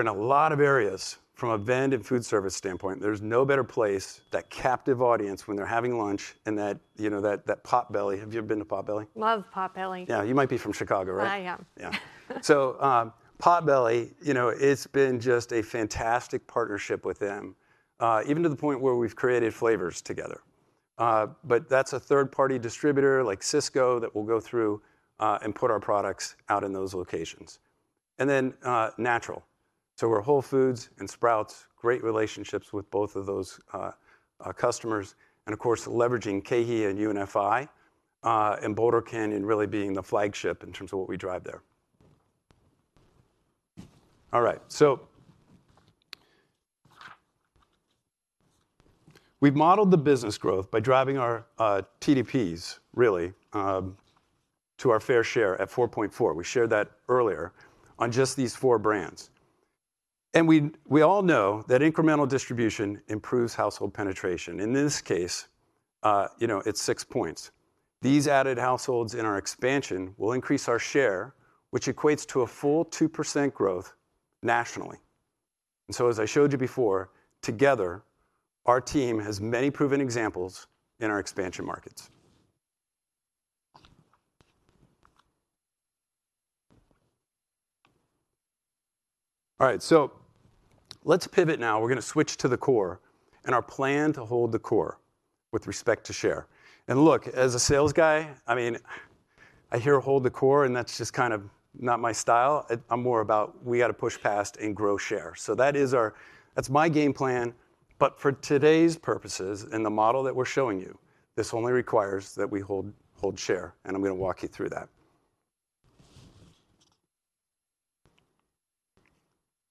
in a lot of areas. From a vended food service standpoint, there's no better place, that captive audience when they're having lunch and that, you know, that Potbelly. Have you ever been to Potbelly? Love Potbelly. Yeah. You might be from Chicago, right? I am. Yeah. So, Potbelly, you know, it's been just a fantastic partnership with them, even to the point where we've created flavors together. But that's a third-party distributor, like Sysco, that will go through and put our products out in those locations. And then, natural. So we're Whole Foods and Sprouts, great relationships with both of those customers and, of course, leveraging KeHE and UNFI, and Boulder Canyon really being the flagship in terms of what we drive there. All right. So we've modeled the business growth by driving our TDPs really to our fair share at 4.4, we shared that earlier, on just these four brands. And we all know that incremental distribution improves household penetration. In this case, you know, it's six points. These added households in our expansion will increase our share, which equates to a full 2% growth nationally. And so as I showed you before, together, our team has many proven examples in our expansion markets. All right, so let's pivot now. We're going to switch to the core and our plan to hold the core with respect to share. And look, as a sales guy, I mean, I hear "hold the core," and that's just kind of not my style. I'm more about we got to push past and grow share. So that's my game plan. But for today's purposes and the model that we're showing you, this only requires that we hold, hold share, and I'm going to walk you through that.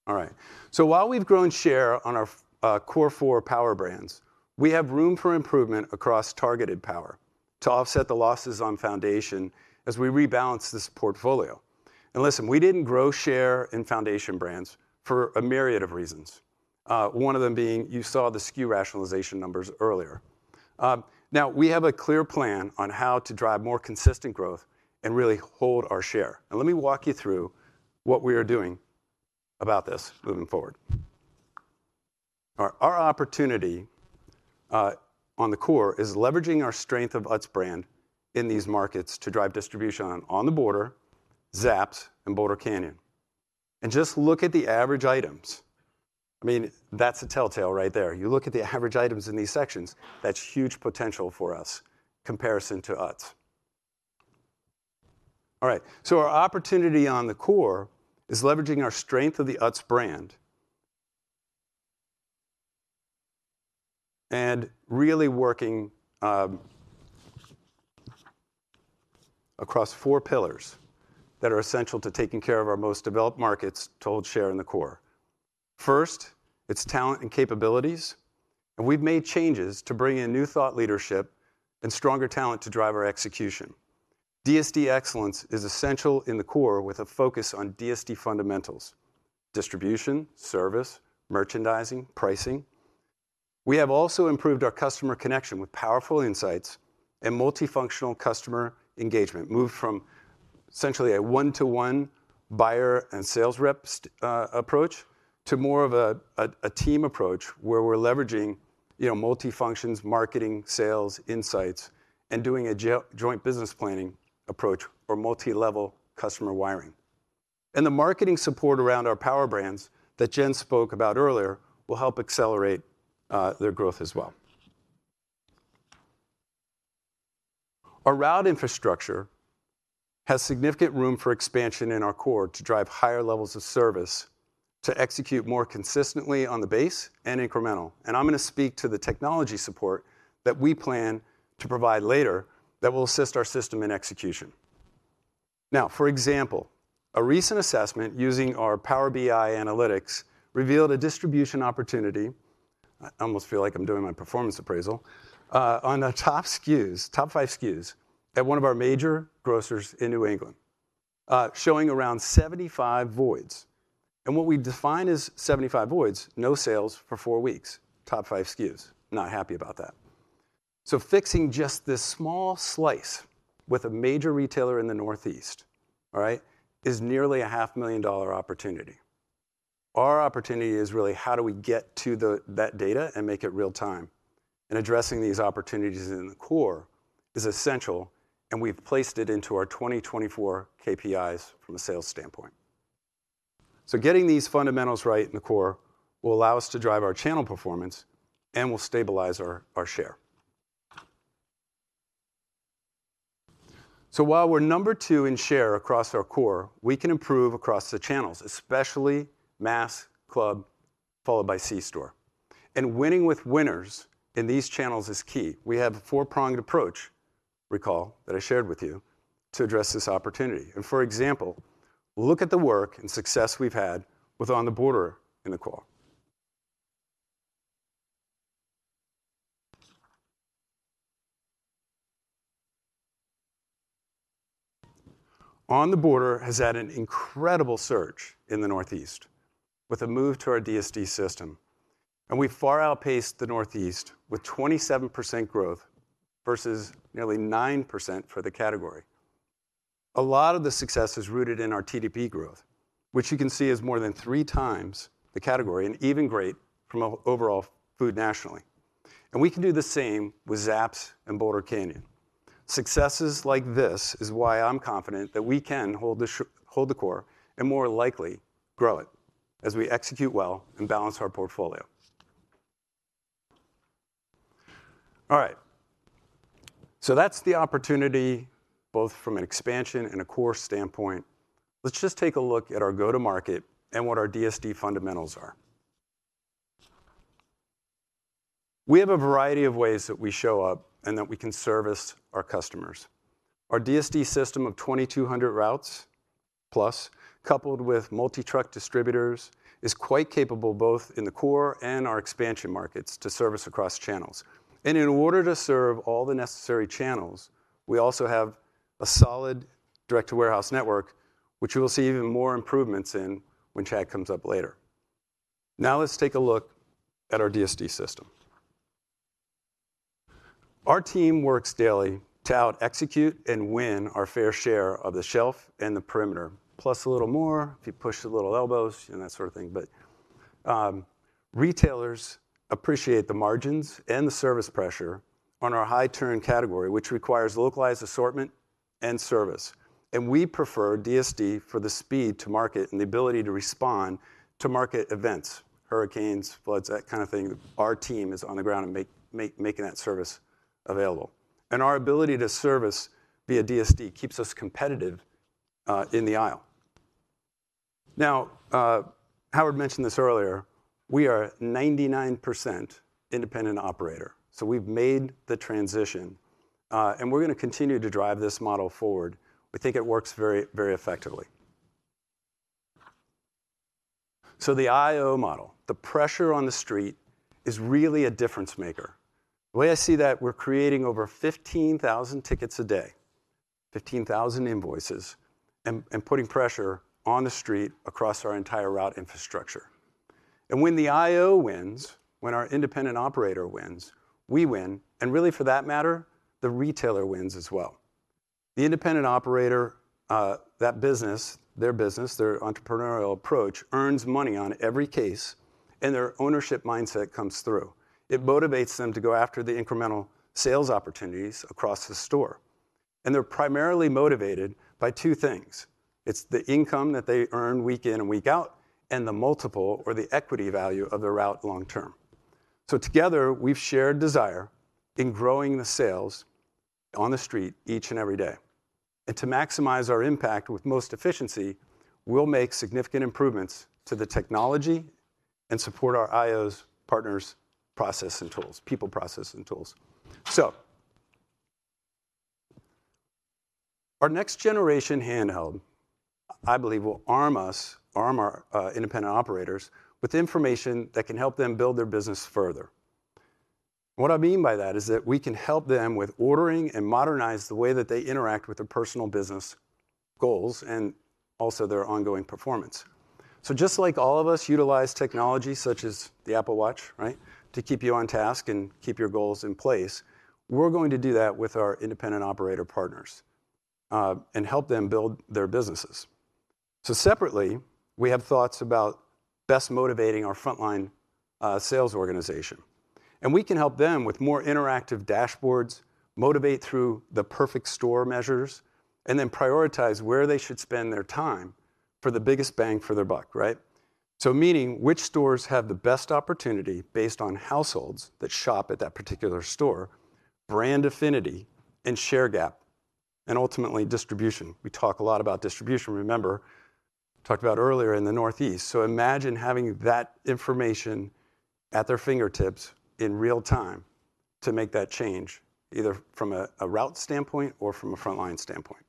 All right. So while we've grown share on our core four power brands, we have room for improvement across targeted power to offset the losses on foundation as we rebalance this portfolio. And listen, we didn't grow share in foundation brands for a myriad of reasons, one of them being you saw the SKU rationalization numbers earlier. Now, we have a clear plan on how to drive more consistent growth and really hold our share. Now, let me walk you through what we are doing about this moving forward. Our opportunity on the core is leveraging our strength of Utz brand in these markets to drive distribution on On The Border, Zapp's, and Boulder Canyon. And just look at the average items. I mean, that's a telltale right there. You look at the average items in these sections, that's huge potential for us comparison to Utz. All right, so our opportunity on the core is leveraging our strength of the Utz brand and really working across four pillars that are essential to taking care of our most developed markets to hold share in the core. First, it's talent and capabilities, and we've made changes to bring in new thought leadership and stronger talent to drive our execution. DSD excellence is essential in the core with a focus on DSD fundamentals: distribution, service, merchandising, pricing. We have also improved our customer connection with powerful insights and multifunctional customer engagement. Moved from essentially a one-to-one buyer and sales rep approach to more of a team approach, where we're leveraging, you know, multi-functions, marketing, sales, insights, and doing a joint business planning approach or multi-level customer wiring. The marketing support around our power brands that Jen spoke about earlier will help accelerate their growth as well. Our route infrastructure has significant room for expansion in our core to drive higher levels of service, to execute more consistently on the base and incremental. I'm gonna speak to the technology support that we plan to provide later that will assist our system in execution. Now, for example, a recent assessment using our Power BI analytics revealed a distribution opportunity. I almost feel like I'm doing my performance appraisal on the top SKUs, top 5 SKUs, at one of our major grocers in New England, showing around 75 voids. What we define as 75 voids, no sales for 4 weeks, top 5 SKUs. Not happy about that. Fixing just this small slice with a major retailer in the Northeast, all right, is nearly a $500,000 opportunity. Our opportunity is really how do we get to that data and make it real time? Addressing these opportunities in the core is essential, and we've placed it into our 2024 KPIs from a sales standpoint. Getting these fundamentals right in the core will allow us to drive our channel performance and will stabilize our, our share. So while we're number 2 in share across our core, we can improve across the channels, especially mass, club, followed by C-store. Winning with winners in these channels is key. We have a four-pronged approach, recall, that I shared with you, to address this opportunity. For example, look at the work and success we've had with On The Border in the core. On The Border has had an incredible surge in the Northeast with a move to our DSD system, and we far outpaced the Northeast with 27% growth versus nearly 9% for the category. A lot of the success is rooted in our TDP growth, which you can see is more than 3x the category, and even greater from overall food nationally. We can do the same with Zapp's and Boulder Canyon. Successes like this is why I'm confident that we can hold the core and more likely, grow it as we execute well and balance our portfolio. All right. So that's the opportunity, both from an expansion and a core standpoint. Let's just take a look at our go-to-market and what our DSD fundamentals are. We have a variety of ways that we show up and that we can service our customers. Our DSD system of 2,200 routes, plus, coupled with multi-truck distributors, is quite capable, both in the core and our expansion markets, to service across channels. And in order to serve all the necessary channels, we also have a solid direct-to-warehouse network, which you will see even more improvements in when Chad comes up later. Now, let's take a look at our DSD system. Our team works daily to out-execute and win our fair share of the shelf and the perimeter, plus a little more if you push the little elbows and that sort of thing. But retailers appreciate the margins and the service pressure on our high-turn category, which requires localized assortment and service, and we prefer DSD for the speed to market and the ability to respond to market events, hurricanes, floods, that kind of thing. Our team is on the ground and making that service available. And our ability to service via DSD keeps us competitive in the aisle. Now, Howard mentioned this earlier, we are 99% independent operator, so we've made the transition, and we're gonna continue to drive this model forward. We think it works very, very effectively. So the IO model, the pressure on the street, is really a difference maker. The way I see that, we're creating over 15,000 tickets a day, 15,000 invoices, and putting pressure on the street across our entire route infrastructure. And when the IO wins, when our independent operator wins, we win, and really, for that matter, the retailer wins as well. The independent operator, that business, their business, their entrepreneurial approach, earns money on every case, and their ownership mindset comes through. It motivates them to go after the incremental sales opportunities across the store, and they're primarily motivated by two things: it's the income that they earn week in and week out, and the multiple or the equity value of the route long term. So together, we've shared desire in growing the sales on the street each and every day. To maximize our impact with most efficiency, we'll make significant improvements to the technology and support our IO partners, process and tools, people, process, and tools. So our next generation handheld, I believe, will arm our independent operators with information that can help them build their business further. What I mean by that is that we can help them with ordering and modernize the way that they interact with their personal business goals and also their ongoing performance. So just like all of us utilize technology such as the Apple Watch, right, to keep you on task and keep your goals in place, we're going to do that with our independent operator partners and help them build their businesses. So separately, we have thoughts about best motivating our frontline sales organization, and we can help them with more interactive dashboards, motivate through the perfect store measures, and then prioritize where they should spend their time for the biggest bang for their buck, right? So meaning, which stores have the best opportunity based on households that shop at that particular store, brand affinity and share gap, and ultimately, distribution? We talk a lot about distribution. Remember, talked about earlier in the Northeast. So imagine having that information at their fingertips in real time to make that change, either from a route standpoint or from a frontline standpoint.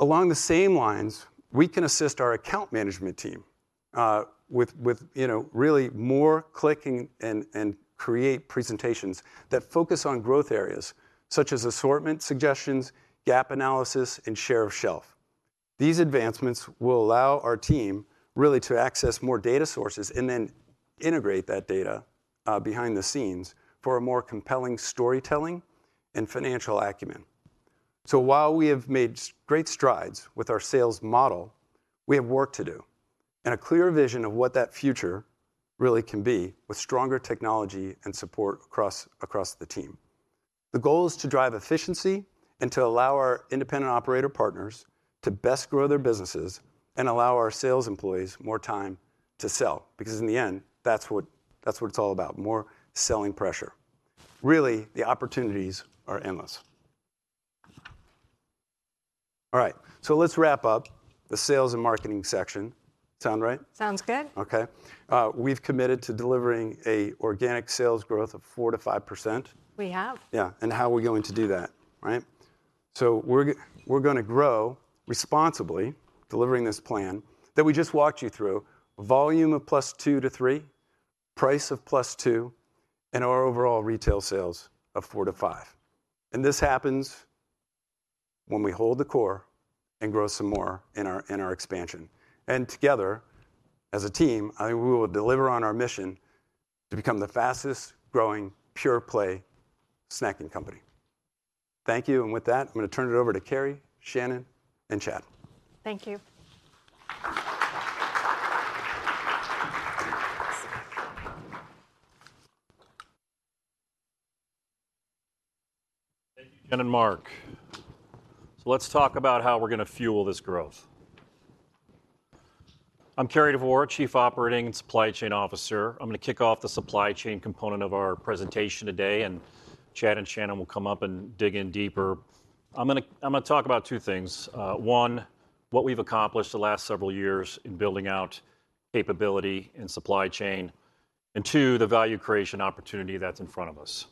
Along the same lines, we can assist our account management team with you know, really more clicking and create presentations that focus on growth areas such as assortment suggestions, gap analysis, and share of shelf. These advancements will allow our team really to access more data sources, and then integrate that data behind the scenes for a more compelling storytelling and financial acumen. So while we have made great strides with our sales model, we have work to do, and a clear vision of what that future really can be with stronger technology and support across, across the team. The goal is to drive efficiency and to allow our independent operator partners to best grow their businesses and allow our sales employees more time to sell, because in the end, that's what, that's what it's all about, more selling pressure. Really, the opportunities are endless. All right, so let's wrap up the sales and marketing section. Sound right? Sounds good. Okay. We've committed to delivering a organic sales growth of 4%-5%. We have. Yeah, and how are we going to do that, right? So we're gonna grow responsibly, delivering this plan that we just walked you through, volume of +2-3, price of +2, and our overall retail sales of 4-5. And this happens when we hold the core and grow some more in our, in our expansion. And together, as a team, I think we will deliver on our mission to become the fastest-growing, pure-play snacking company. Thank you, and with that, I'm gonna turn it over to Cary, Shannan, and Chad. Thank you. Thank you, Shannan and Mark. So let's talk about how we're gonna fuel this growth. I'm Cary Devore, Chief Operating and Supply Chain Officer. I'm gonna kick off the supply chain component of our presentation today, and Chad and Shannan will come up and dig in deeper. I'm gonna talk about two things: one, what we've accomplished the last several years in building out capability and supply chain, and two, the value creation opportunity that's in front of us.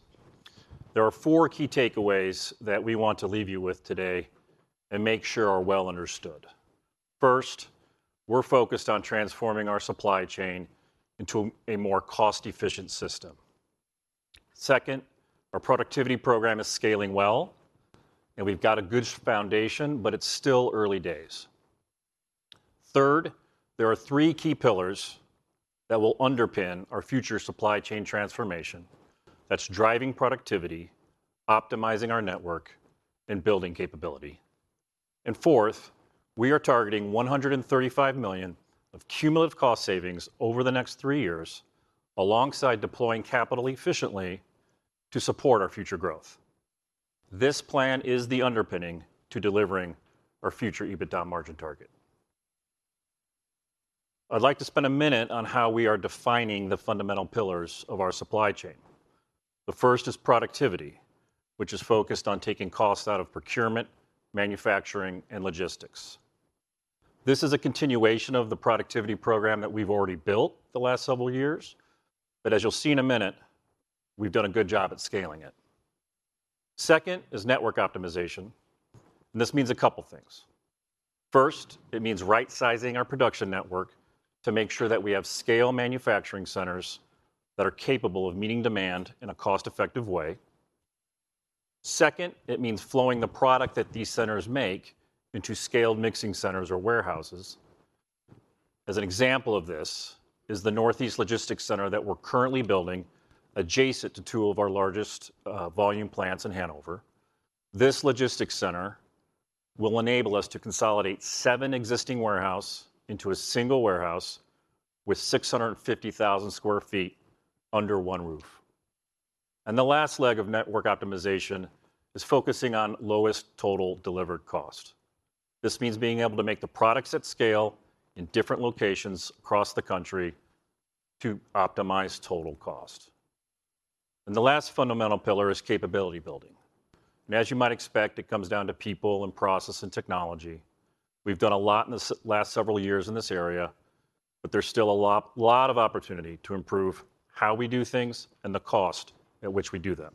There are four key takeaways that we want to leave you with today and make sure are well understood. First, we're focused on transforming our supply chain into a more cost-efficient system. Second, our productivity program is scaling well, and we've got a good foundation, but it's still early days. Third, there are three key pillars that will underpin our future supply chain transformation. That's driving productivity, optimizing our network, and building capability. Fourth, we are targeting $135 million of cumulative cost savings over the next three years, alongside deploying capital efficiently to support our future growth. This plan is the underpinning to delivering our future EBITDA margin target. I'd like to spend a minute on how we are defining the fundamental pillars of our supply chain. The first is productivity, which is focused on taking costs out of procurement, manufacturing, and logistics. This is a continuation of the productivity program that we've already built the last several years, but as you'll see in a minute, we've done a good job at scaling it. Second is network optimization, and this means a couple things. First, it means right-sizing our production network to make sure that we have scale manufacturing centers that are capable of meeting demand in a cost-effective way. Second, it means flowing the product that these centers make into scaled mixing centers or warehouses. As an example of this is the Northeast Logistics Center that we're currently building adjacent to two of our largest, volume plants in Hanover. This logistics center will enable us to consolidate seven existing warehouses into a single warehouse with 650,000 sq ft under one roof. And the last leg of network optimization is focusing on lowest total delivered cost. This means being able to make the products at scale in different locations across the country to optimize total cost. And the last fundamental pillar is capability building. And as you might expect, it comes down to people and process and technology. We've done a lot in the last several years in this area, but there's still a lot, lot of opportunity to improve how we do things and the cost at which we do them.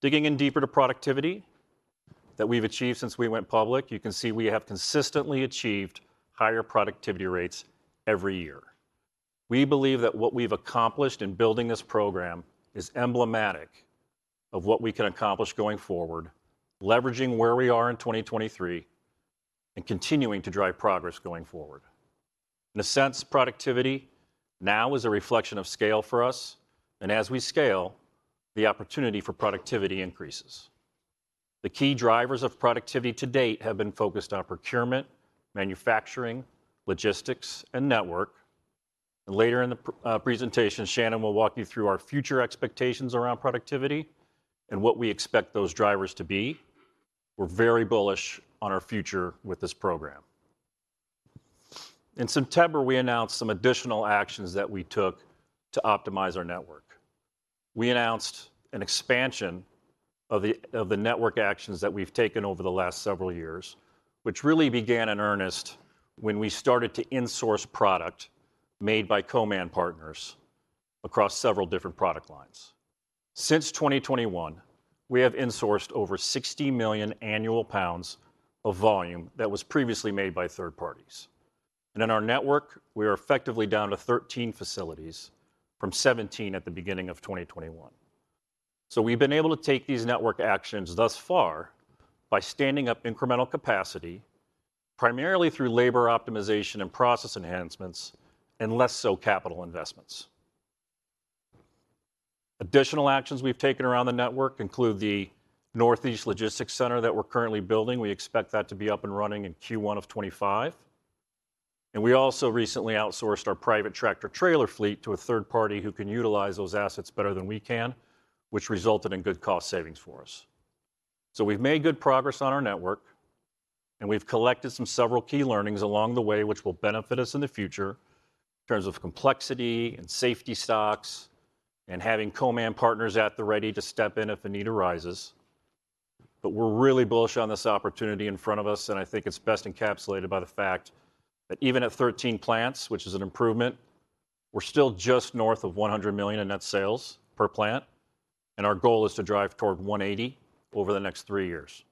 Digging in deeper to productivity that we've achieved since we went public, you can see we have consistently achieved higher productivity rates every year. We believe that what we've accomplished in building this program is emblematic of what we can accomplish going forward, leveraging where we are in 2023, and continuing to drive progress going forward. In a sense, productivity now is a reflection of scale for us, and as we scale, the opportunity for productivity increases. The key drivers of productivity to date have been focused on procurement, manufacturing, logistics, and network.... Later in the presentation, Shannan will walk you through our future expectations around productivity and what we expect those drivers to be. We're very bullish on our future with this program. In September, we announced some additional actions that we took to optimize our network. We announced an expansion of the network actions that we've taken over the last several years which really began in earnest when we started to insource product made by co-man partners across several different product lines. Since 2021, we have insourced over 60 million annual pounds of volume that was previously made by third parties. In our network, we are effectively down to 13 facilities from 17 at the beginning of 2021. So we've been able to take these network actions thus far by standing up incremental capacity, primarily through labor optimization and process enhancements, and less so, capital investments. Additional actions we've taken around the network include the Northeast Logistics Center that we're currently building. We expect that to be up and running in Q1 of 2025. And we also recently outsourced our private tractor trailer fleet to a third party who can utilize those assets better than we can, which resulted in good cost savings for us. So we've made good progress on our network, and we've collected some several key learnings along the way, which will benefit us in the future in terms of complexity and safety stocks and having co-man partners at the ready to step in if the need arises. But we're really bullish on this opportunity in front of us, and I think it's best encapsulated by the fact that even at 13 plants, which is an improvement, we're still just north of $100 million in net sales per plant, and our goal is to drive toward $180 million over the next three years.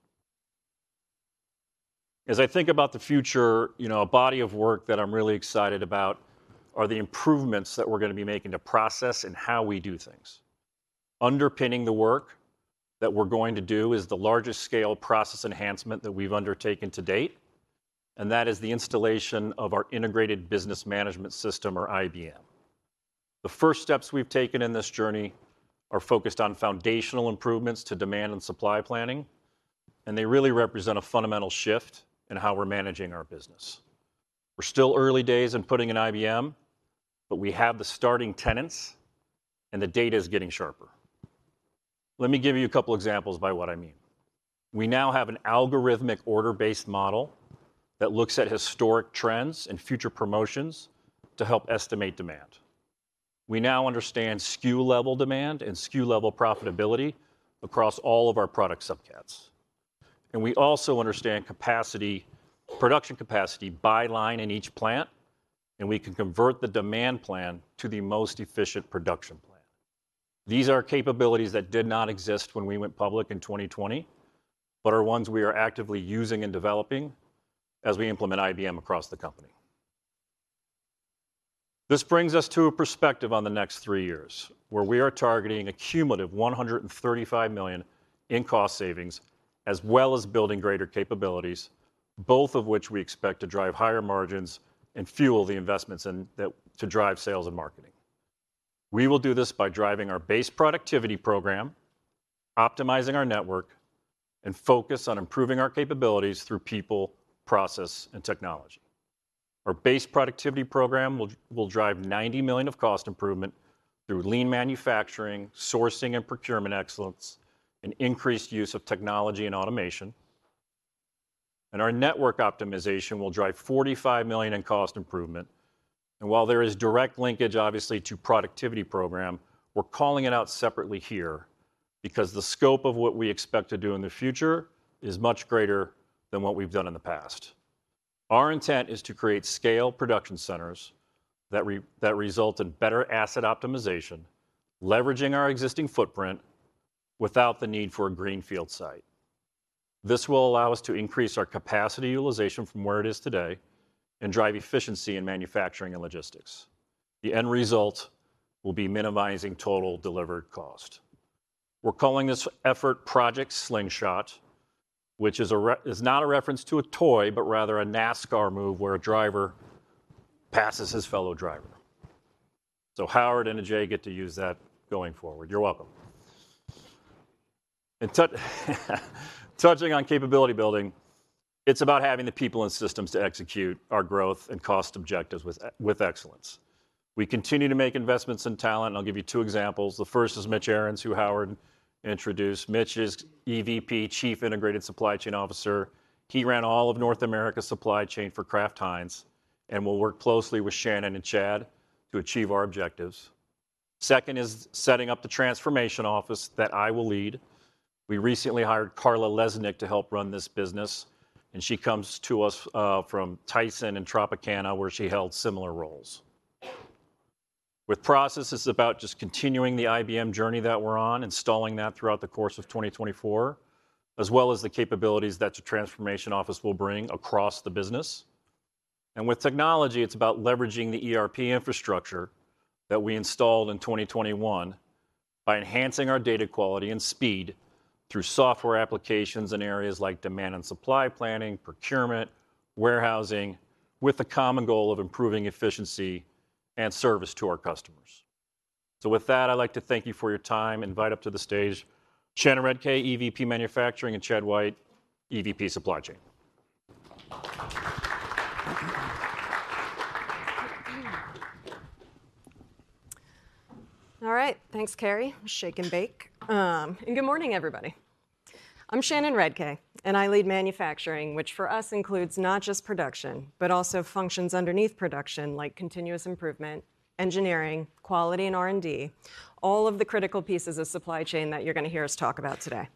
As I think about the future, you know, a body of work that I'm really excited about are the improvements that we're gonna be making to process and how we do things. Underpinning the work that we're going to do is the largest scale process enhancement that we've undertaken to date, and that is the installation of our integrated business management system, or IBM. The first steps we've taken in this journey are focused on foundational improvements to demand and supply planning, and they really represent a fundamental shift in how we're managing our business. We're still early days in putting in IBM, but we have the starting tenets, and the data is getting sharper. Let me give you a couple examples of what I mean. We now have an algorithmic order-based model that looks at historic trends and future promotions to help estimate demand. We now understand SKU-level demand and SKU-level profitability across all of our product subcats. And we also understand capacity, production capacity by line in each plant, and we can convert the demand plan to the most efficient production plan. These are capabilities that did not exist when we went public in 2020, but are ones we are actively using and developing as we implement IBM across the company. This brings us to a perspective on the next three years, where we are targeting a cumulative $135 million in cost savings, as well as building greater capabilities, both of which we expect to drive higher margins and fuel the investments and that to drive sales and marketing. We will do this by driving our base productivity program, optimizing our network, and focus on improving our capabilities through people, process, and technology. Our base productivity program will drive $90 million of cost improvement through lean manufacturing, sourcing and procurement excellence, and increased use of technology and automation. Our network optimization will drive $45 million in cost improvement. While there is direct linkage, obviously, to productivity program, we're calling it out separately here because the scope of what we expect to do in the future is much greater than what we've done in the past. Our intent is to create scale production centers that result in better asset optimization, leveraging our existing footprint without the need for a greenfield site. This will allow us to increase our capacity utilization from where it is today and drive efficiency in manufacturing and logistics. The end result will be minimizing total delivered cost. We're calling this effort Project Slingshot, which is not a reference to a toy, but rather a NASCAR move where a driver passes his fellow driver. So Howard and Ajay get to use that going forward. You're welcome. And touching on capability building, it's about having the people and systems to execute our growth and cost objectives with excellence. We continue to make investments in talent, and I'll give you two examples. The first is Mitch Ahrens, who Howard introduced. Mitch is EVP, Chief Integrated Supply Chain Officer. He ran all of North America's supply chain for Kraft Heinz and will work closely with Shannan and Chad to achieve our objectives. Second is setting up the transformation office that I will lead. We recently hired Carla Lisnicki to help run this business, and she comes to us from Tyson and Tropicana, where she held similar roles. With process, it's about just continuing the IBM journey that we're on, installing that throughout the course of 2024, as well as the capabilities that the transformation office will bring across the business. With technology, it's about leveraging the ERP infrastructure that we installed in 2021 by enhancing our data quality and speed through software applications in areas like demand and supply planning, procurement, warehousing, with the common goal of improving efficiency and service to our customers. So with that, I'd like to thank you for your time, invite up to the stage Shannan Redcay, EVP Manufacturing, and Chad Whyte, EVP Supply Chain. All right, thanks, Cary. Shake and bake. And good morning, everybody. I'm Shannan Redcay, and I lead manufacturing, which for us includes not just production, but also functions underneath production, like continuous improvement, engineering, quality, and R&D, all of the critical pieces of supply chain that you're gonna hear us talk about today.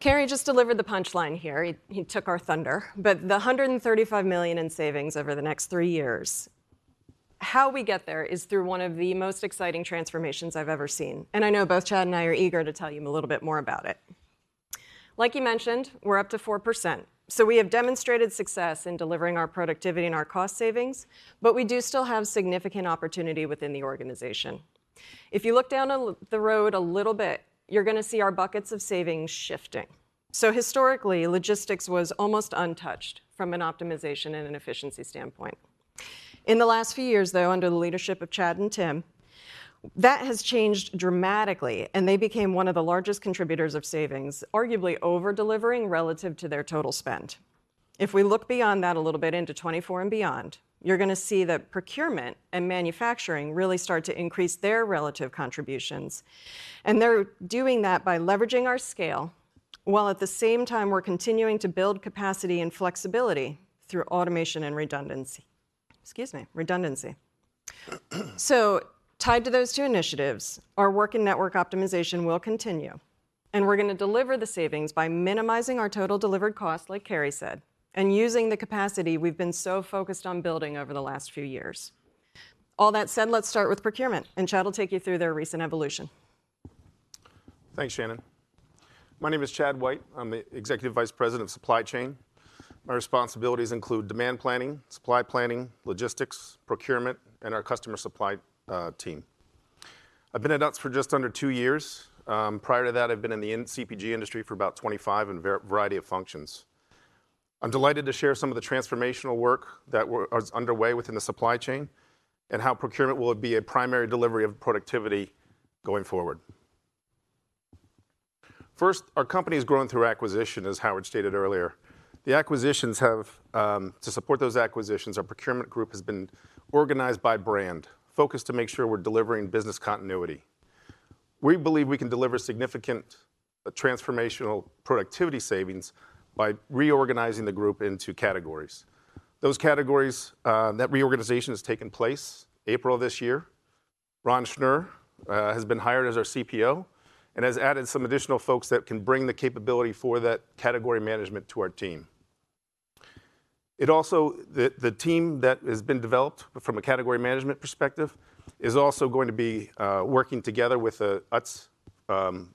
Cary just delivered the punchline here. He, he took our thunder, but the $135 million in savings over the next three years, how we get there is through one of the most exciting transformations I've ever seen, and I know both Chad and I are eager to tell you a little bit more about it. Like he mentioned, we're up to 4%, so we have demonstrated success in delivering our productivity and our cost savings, but we do still have significant opportunity within the organization. If you look down on the road a little bit, you're gonna see our buckets of savings shifting. So historically, logistics was almost untouched from an optimization and an efficiency standpoint. In the last few years, though, under the leadership of Chad and Tim, that has changed dramatically, and they became one of the largest contributors of savings, arguably over-delivering relative to their total spend. If we look beyond that a little bit into 2024 and beyond, you're gonna see that procurement and manufacturing really start to increase their relative contributions, and they're doing that by leveraging our scale, while at the same time, we're continuing to build capacity and flexibility through automation and redundancy. Excuse me, redundancy. So tied to those two initiatives, our work in network optimization will continue, and we're gonna deliver the savings by minimizing our total delivered cost, like Cary said, and using the capacity we've been so focused on building over the last few years. All that said, let's start with procurement, and Chad will take you through their recent evolution. Thanks, Shannan. My name is Chad Whyte. I'm the Executive Vice President of Supply Chain. My responsibilities include demand planning, supply planning, logistics, procurement, and our customer supply team. I've been at Utz for just under 2 years. Prior to that, I've been in the CPG industry for about 25, in a variety of functions. I'm delighted to share some of the transformational work that is underway within the supply chain and how procurement will be a primary delivery of productivity going forward. First, our company has grown through acquisition, as Howard stated earlier. The acquisitions have. To support those acquisitions, our procurement group has been organized by brand, focused to make sure we're delivering business continuity. We believe we can deliver significant transformational productivity savings by reorganizing the group into categories. Those categories, that reorganization has taken place April this year. Ron Schnur has been hired as our CPO and has added some additional folks that can bring the capability for that category management to our team. It also, the team that has been developed from a category management perspective is also going to be working together with the Utz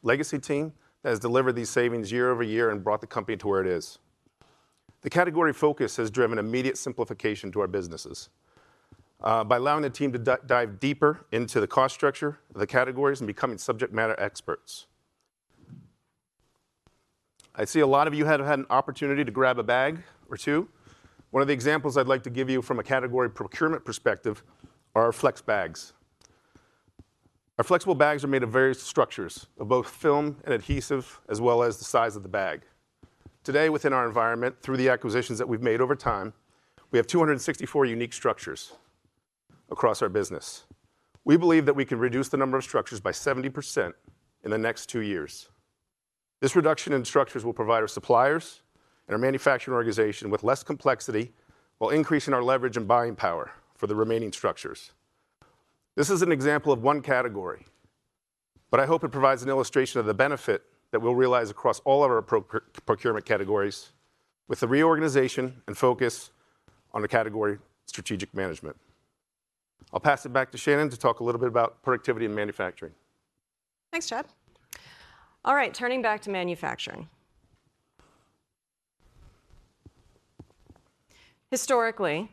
legacy team that has delivered these savings year over year and brought the company to where it is. The category focus has driven immediate simplification to our businesses by allowing the team to dive deeper into the cost structure of the categories and becoming subject matter experts. I see a lot of you had an opportunity to grab a bag or two. One of the examples I'd like to give you from a category procurement perspective are our flex bags. Our flexible bags are made of various structures, of both film and adhesive, as well as the size of the bag. Today, within our environment, through the acquisitions that we've made over time, we have 264 unique structures across our business. We believe that we can reduce the number of structures by 70% in the next 2 years. This reduction in structures will provide our suppliers and our manufacturing organization with less complexity, while increasing our leverage and buying power for the remaining structures. This is an example of one category, but I hope it provides an illustration of the benefit that we'll realize across all of our procurement categories with the reorganization and focus on the category strategic management. I'll pass it back to Shannan to talk a little bit about productivity and manufacturing. Thanks, Chad. All right, turning back to manufacturing. Historically,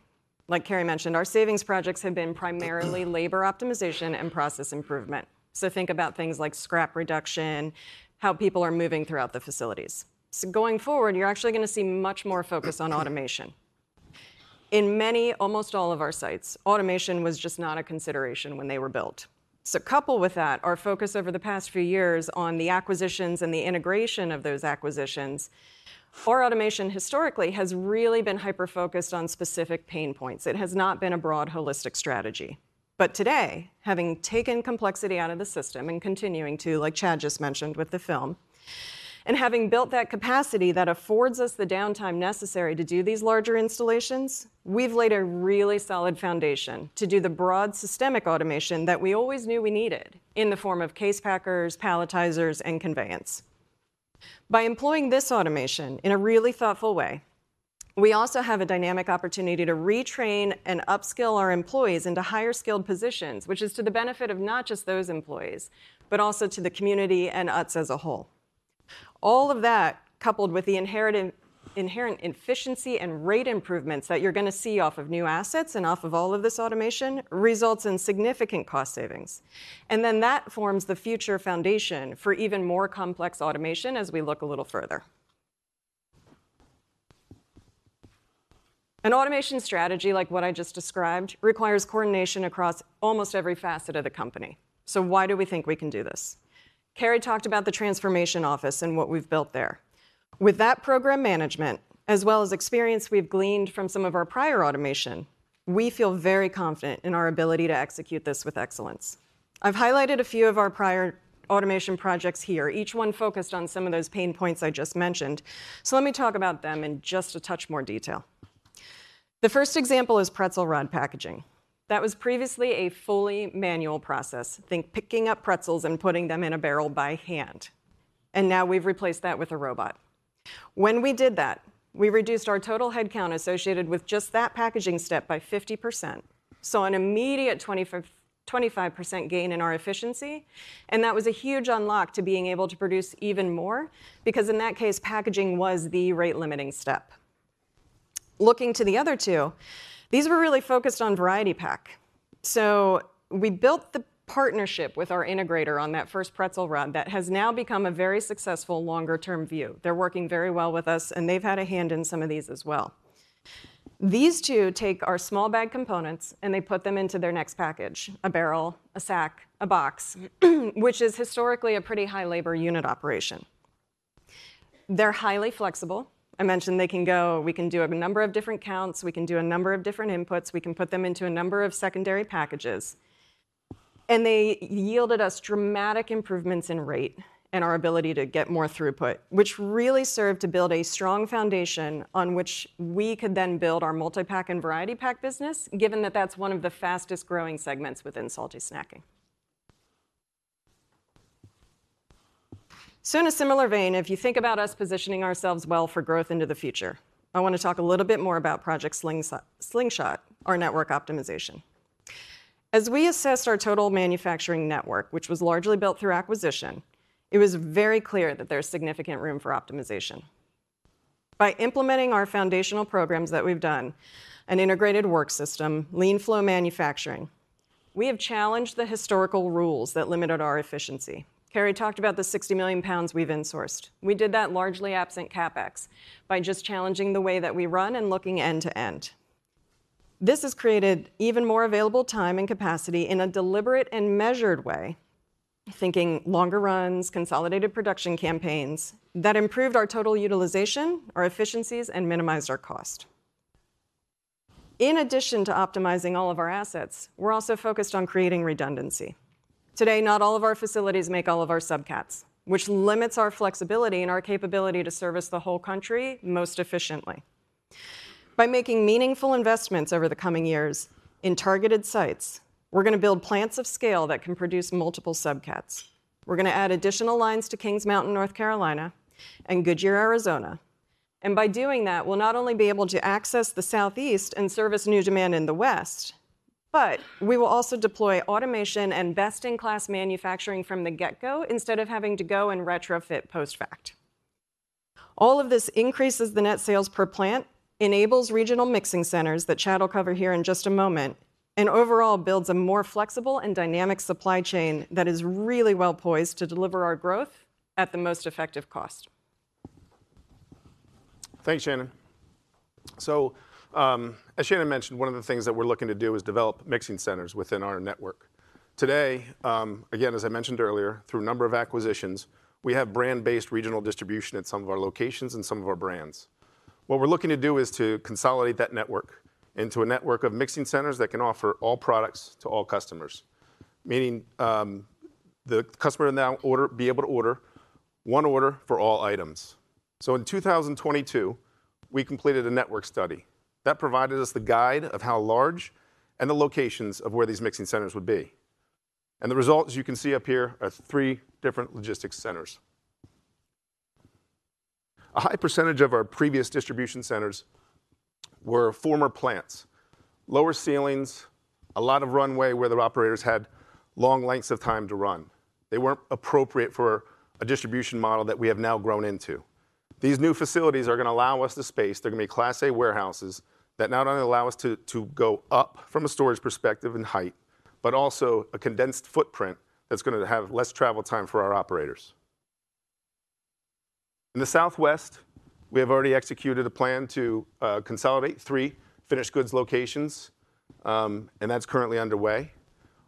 like Cary mentioned, our savings projects have been primarily labor optimization and process improvement. So think about things like scrap reduction, how people are moving throughout the facilities. So going forward, you're actually gonna see much more focus on automation. In many, almost all of our sites, automation was just not a consideration when they were built. So coupled with that, our focus over the past few years on the acquisitions and the integration of those acquisitions for automation historically has really been hyper-focused on specific pain points. It has not been a broad, holistic strategy. But today, having taken complexity out of the system and continuing to, like Chad just mentioned with the film, and having built that capacity that affords us the downtime necessary to do these larger installations, we've laid a really solid foundation to do the broad, systemic automation that we always knew we needed in the form of case packers, palletizers, and conveyance. By employing this automation in a really thoughtful way, we also have a dynamic opportunity to retrain and upskill our employees into higher skilled positions, which is to the benefit of not just those employees, but also to the community and Utz as a whole. All of that, coupled with the inherent efficiency and rate improvements that you're gonna see off of new assets and off of all of this automation, results in significant cost savings. That forms the future foundation for even more complex automation as we look a little further... An automation strategy like what I just described requires coordination across almost every facet of the company. So why do we think we can do this? Cary talked about the transformation office and what we've built there. With that program management, as well as experience we've gleaned from some of our prior automation, we feel very confident in our ability to execute this with excellence. I've highlighted a few of our prior automation projects here. Each one focused on some of those pain points I just mentioned. So let me talk about them in just a touch more detail. The first example is pretzel rod packaging. That was previously a fully manual process. Think picking up pretzels and putting them in a barrel by hand, and now we've replaced that with a robot. When we did that, we reduced our total headcount associated with just that packaging step by 50%, so an immediate 25% gain in our efficiency, and that was a huge unlock to being able to produce even more, because in that case, packaging was the rate-limiting step. Looking to the other two, these were really focused on variety pack. So we built the partnership with our integrator on that first pretzel rod that has now become a very successful longer-term view. They're working very well with us, and they've had a hand in some of these as well. These two take our small bag components, and they put them into their next package: a barrel, a sack, a box, which is historically a pretty high labor unit operation. They're highly flexible. I mentioned they can go—we can do a number of different counts, we can do a number of different inputs, we can put them into a number of secondary packages, and they yielded us dramatic improvements in rate and our ability to get more throughput, which really served to build a strong foundation on which we could then build our multi-pack and variety pack business, given that that's one of the fastest-growing segments within salty snacking. So in a similar vein, if you think about us positioning ourselves well for growth into the future, I wanna talk a little bit more about Project Slingshot, our network optimization. As we assessed our total manufacturing network, which was largely built through acquisition, it was very clear that there's significant room for optimization. By implementing our foundational programs that we've done, an integrated work system, lean flow manufacturing, we have challenged the historical rules that limited our efficiency. Cary talked about the 60 million pounds we've insourced. We did that largely absent CapEx, by just challenging the way that we run and looking end to end. This has created even more available time and capacity in a deliberate and measured way, thinking longer runs, consolidated production campaigns, that improved our total utilization, our efficiencies, and minimized our cost. In addition to optimizing all of our assets, we're also focused on creating redundancy. Today, not all of our facilities make all of our subcats, which limits our flexibility and our capability to service the whole country most efficiently. By making meaningful investments over the coming years in targeted sites, we're gonna build plants of scale that can produce multiple subcats. We're gonna add additional lines to Kings Mountain, North Carolina, and Goodyear, Arizona. And by doing that, we'll not only be able to access the Southeast and service new demand in the West, but we will also deploy automation and best-in-class manufacturing from the get-go, instead of having to go and retrofit post-fact. All of this increases the net sales per plant, enables regional mixing centers that Chad will cover here in just a moment, and overall, builds a more flexible and dynamic supply chain that is really well poised to deliver our growth at the most effective cost. Thanks, Shannan. As Shannan mentioned, one of the things that we're looking to do is develop mixing centers within our network. Today, again, as I mentioned earlier, through a number of acquisitions, we have brand-based regional distribution at some of our locations and some of our brands. What we're looking to do is to consolidate that network into a network of mixing centers that can offer all products to all customers. Meaning, the customer now be able to order one order for all items. In 2022, we completed a network study. That provided us the guide of how large and the locations of where these mixing centers would be. And the results, you can see up here, are three different logistics centers. A high percentage of our previous distribution centers were former plants. Lower ceilings, a lot of runway where the operators had long lengths of time to run. They weren't appropriate for a distribution model that we have now grown into. These new facilities are gonna allow us the space, they're gonna be Class A warehouses, that not only allow us to go up from a storage perspective and height, but also a condensed footprint that's gonna have less travel time for our operators. In the Southwest, we have already executed a plan to consolidate three finished goods locations, and that's currently underway.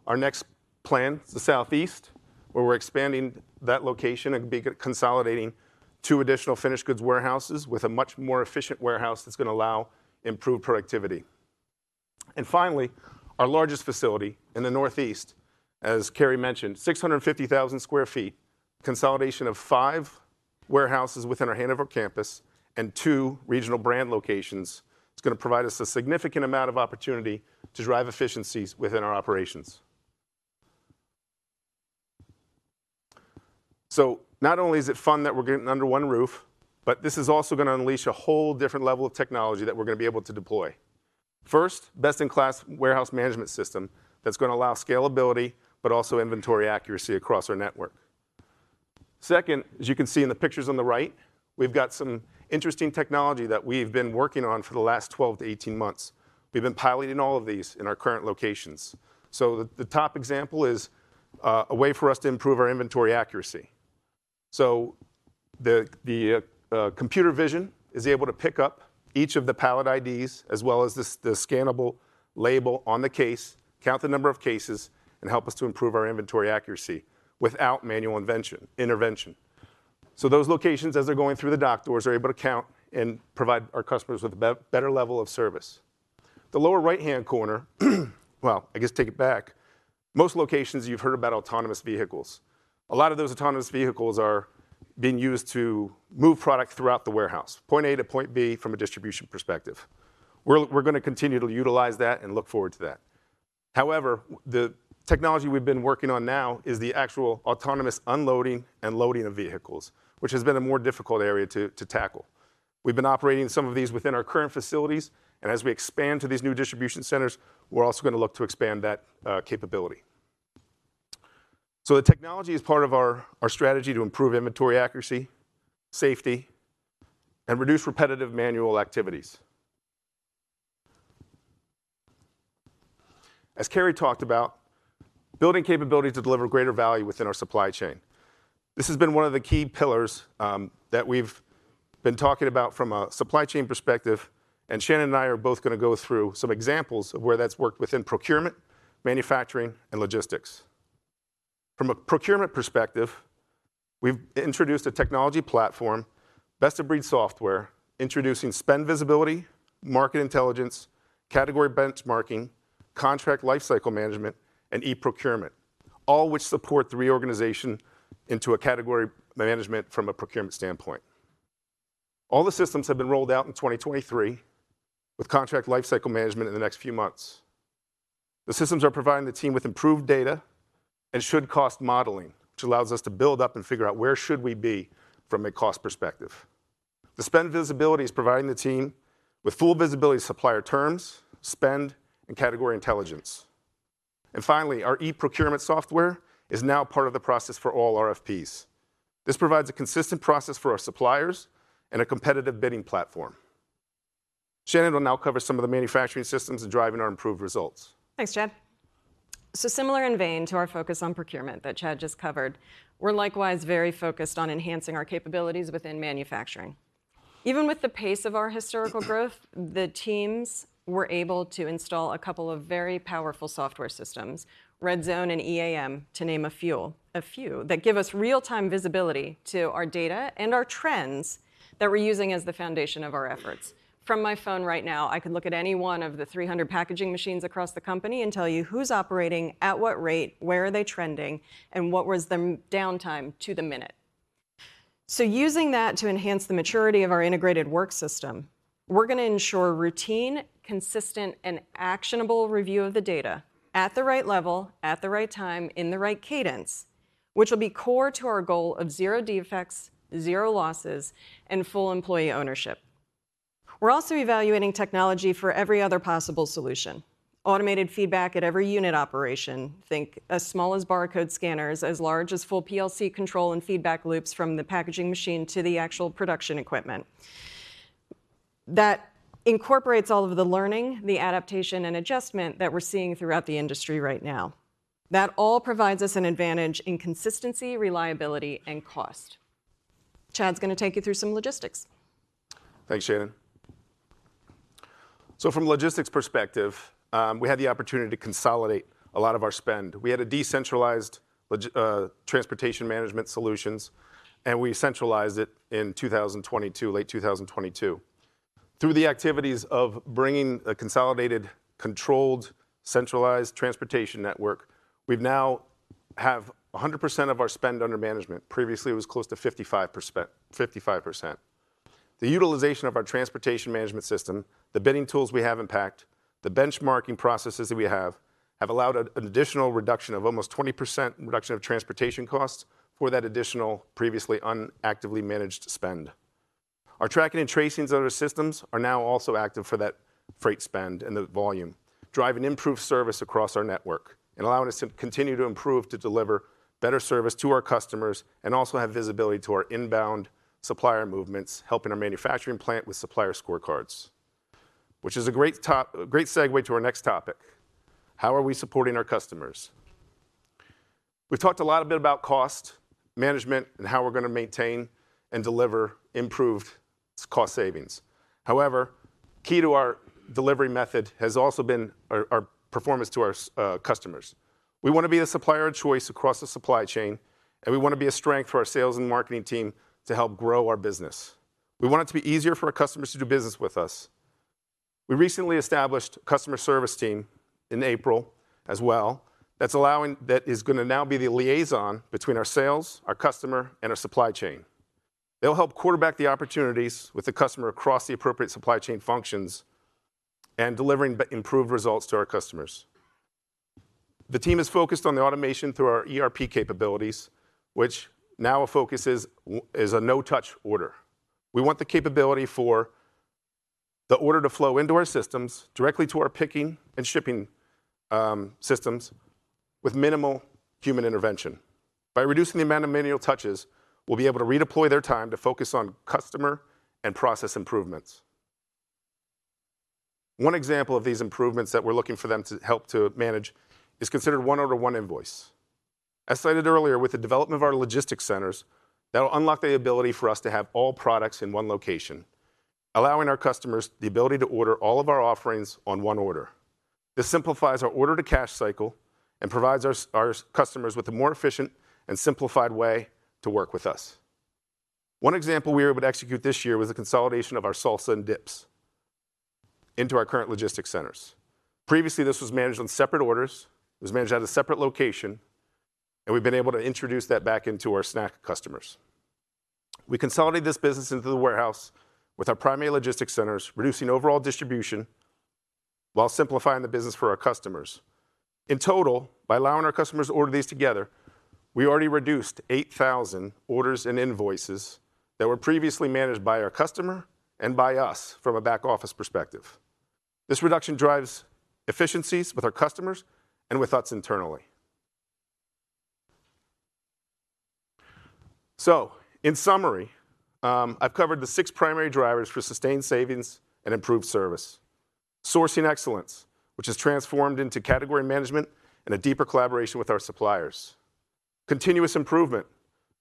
Our next plan is the Southeast, where we're expanding that location and consolidating two additional finished goods warehouses with a much more efficient warehouse that's gonna allow improved productivity. Finally, our largest facility in the Northeast, as Cary mentioned, 650,000 sq ft, consolidation of five warehouses within our Hanover campus and two regional brand locations. It's gonna provide us a significant amount of opportunity to drive efficiencies within our operations. So not only is it fun that we're getting under one roof, but this is also gonna unleash a whole different level of technology that we're gonna be able to deploy. First, best-in-class warehouse management system that's gonna allow scalability, but also inventory accuracy across our network. Second, as you can see in the pictures on the right, we've got some interesting technology that we've been working on for the last 12-18 months. We've been piloting all of these in our current locations. So the top example is a way for us to improve our inventory accuracy.... So the computer vision is able to pick up each of the pallet IDs as well as the scannable label on the case, count the number of cases, and help us to improve our inventory accuracy without manual intervention. So those locations, as they're going through the dock doors, are able to count and provide our customers with a better level of service. The lower right-hand corner, well, I guess, take it back. Most locations you've heard about autonomous vehicles. A lot of those autonomous vehicles are being used to move product throughout the warehouse, point A to point B, from a distribution perspective. We're gonna continue to utilize that and look forward to that. However, the technology we've been working on now is the actual autonomous unloading and loading of vehicles, which has been a more difficult area to tackle. We've been operating some of these within our current facilities, and as we expand to these new distribution centers, we're also gonna look to expand that capability. So the technology is part of our strategy to improve inventory accuracy, safety, and reduce repetitive manual activities. As Cary talked about, building capability to deliver greater value within our supply chain. This has been one of the key pillars that we've been talking about from a supply chain perspective, and Shannan and I are both gonna go through some examples of where that's worked within procurement, manufacturing, and logistics. From a procurement perspective, we've introduced a technology platform, best-of-breed software, introducing spend visibility, market intelligence, category benchmarking, contract lifecycle management, and e-procurement, all which support the reorganization into a category management from a procurement standpoint. All the systems have been rolled out in 2023, with contract lifecycle management in the next few months. The systems are providing the team with improved data and should-cost modeling, which allows us to build up and figure out: where should we be from a cost perspective? The spend visibility is providing the team with full visibility of supplier terms, spend, and category intelligence. And finally, our e-procurement software is now part of the process for all RFPs. This provides a consistent process for our suppliers and a competitive bidding platform. Shannan will now cover some of the manufacturing systems and driving our improved results. Thanks, Chad. So similar in the same vein to our focus on procurement that Chad just covered, we're likewise very focused on enhancing our capabilities within manufacturing. Even with the pace of our historical growth, the teams were able to install a couple of very powerful software systems, Redzone and EAM, to name a few, that give us real-time visibility to our data and our trends that we're using as the foundation of our efforts. From my phone right now, I can look at any one of the 300 packaging machines across the company and tell you who's operating, at what rate, where are they trending, and what was the downtime to the minute. So using that to enhance the maturity of our integrated work system, we're gonna ensure routine, consistent, and actionable review of the data at the right level, at the right time, in the right cadence, which will be core to our goal of zero defects, zero losses, and full employee ownership. We're also evaluating technology for every other possible solution. Automated feedback at every unit operation, think as small as barcode scanners, as large as full PLC control and feedback loops from the packaging machine to the actual production equipment. That incorporates all of the learning, the adaptation, and adjustment that we're seeing throughout the industry right now. That all provides us an advantage in consistency, reliability, and cost. Chad's gonna take you through some logistics. Thanks, Shannan. So from a logistics perspective, we had the opportunity to consolidate a lot of our spend. We had a decentralized transportation management solutions, and we centralized it in 2022, late 2022. Through the activities of bringing a consolidated, controlled, centralized transportation network, we've now have 100% of our spend under management. Previously, it was close to 55%, 55%. The utilization of our transportation management system, the bidding tools we have impacted, the benchmarking processes that we have, have allowed an additional reduction of almost 20% reduction of transportation costs for that additional previously unactively managed spend. Our tracking and tracings on our systems are now also active for that freight spend and the volume, driving improved service across our network and allowing us to continue to improve, to deliver better service to our customers, and also have visibility to our inbound supplier movements, helping our manufacturing plant with supplier scorecards. Which is a great segue to our next topic: How are we supporting our customers? We've talked a lot a bit about cost management and how we're gonna maintain and deliver improved cost savings. However, key to our delivery method has also been our performance to our customers. We wanna be the supplier of choice across the supply chain, and we wanna be a strength for our sales and marketing team to help grow our business. We want it to be easier for our customers to do business with us. We recently established a customer service team in April as well, that is gonna now be the liaison between our sales, our customer, and our supply chain. They'll help quarterback the opportunities with the customer across the appropriate supply chain functions and delivering improved results to our customers. The team is focused on the automation through our ERP capabilities, which now a focus is, is a no-touch order. We want the capability for the order to flow into our systems, directly to our picking and shipping systems, with minimal human intervention. By reducing the amount of manual touches, we'll be able to redeploy their time to focus on customer and process improvements. One example of these improvements that we're looking for them to help to manage is considered one order, one invoice. As stated earlier, with the development of our logistics centers, that'll unlock the ability for us to have all products in one location, allowing our customers the ability to order all of our offerings on one order. This simplifies our order-to-cash cycle and provides our customers with a more efficient and simplified way to work with us. One example we were able to execute this year was the consolidation of our salsa and dips into our current logistics centers. Previously, this was managed on separate orders. It was managed out of a separate location, and we've been able to introduce that back into our snack customers. We consolidated this business into the warehouse with our primary logistics centers, reducing overall distribution while simplifying the business for our customers. In total, by allowing our customers to order these together, we already reduced 8,000 orders and invoices that were previously managed by our customer and by us from a back office perspective. This reduction drives efficiencies with our customers and with us internally. So in summary, I've covered the six primary drivers for sustained savings and improved service. Sourcing excellence, which has transformed into category management and a deeper collaboration with our suppliers. Continuous improvement,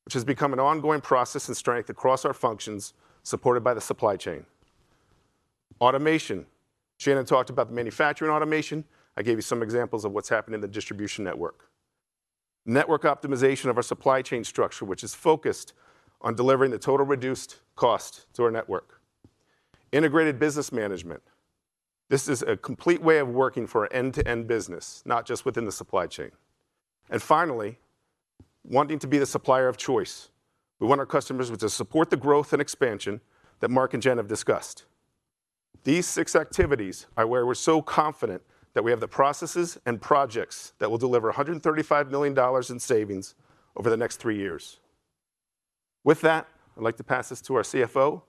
which has become an ongoing process and strength across our functions, supported by the supply chain. Automation. Shannan talked about the manufacturing automation. I gave you some examples of what's happening in the distribution network. Network optimization of our supply chain structure, which is focused on delivering the total reduced cost to our network. Integrated business management. This is a complete way of working for an end-to-end business, not just within the supply chain. Finally, wanting to be the supplier of choice. We want our customers to support the growth and expansion that Mark and Jen have discussed. These six activities are where we're so confident that we have the processes and projects that will deliver $135 million in savings over the next three years. With that, I'd like to pass this to our CFO,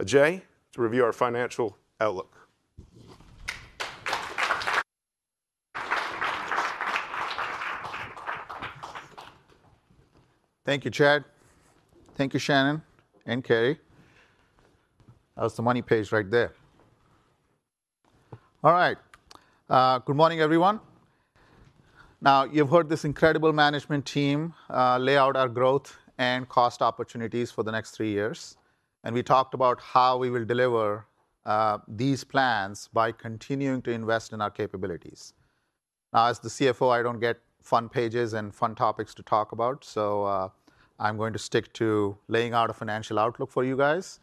Ajay, to review our financial outlook. Thank you, Chad. Thank you, Shannan and Cary. That was the money page right there. All right. Good morning, everyone. Now, you've heard this incredible management team lay out our growth and cost opportunities for the next three years, and we talked about how we will deliver these plans by continuing to invest in our capabilities. Now, as the CFO, I don't get fun pages and fun topics to talk about, so I'm going to stick to laying out a financial outlook for you guys.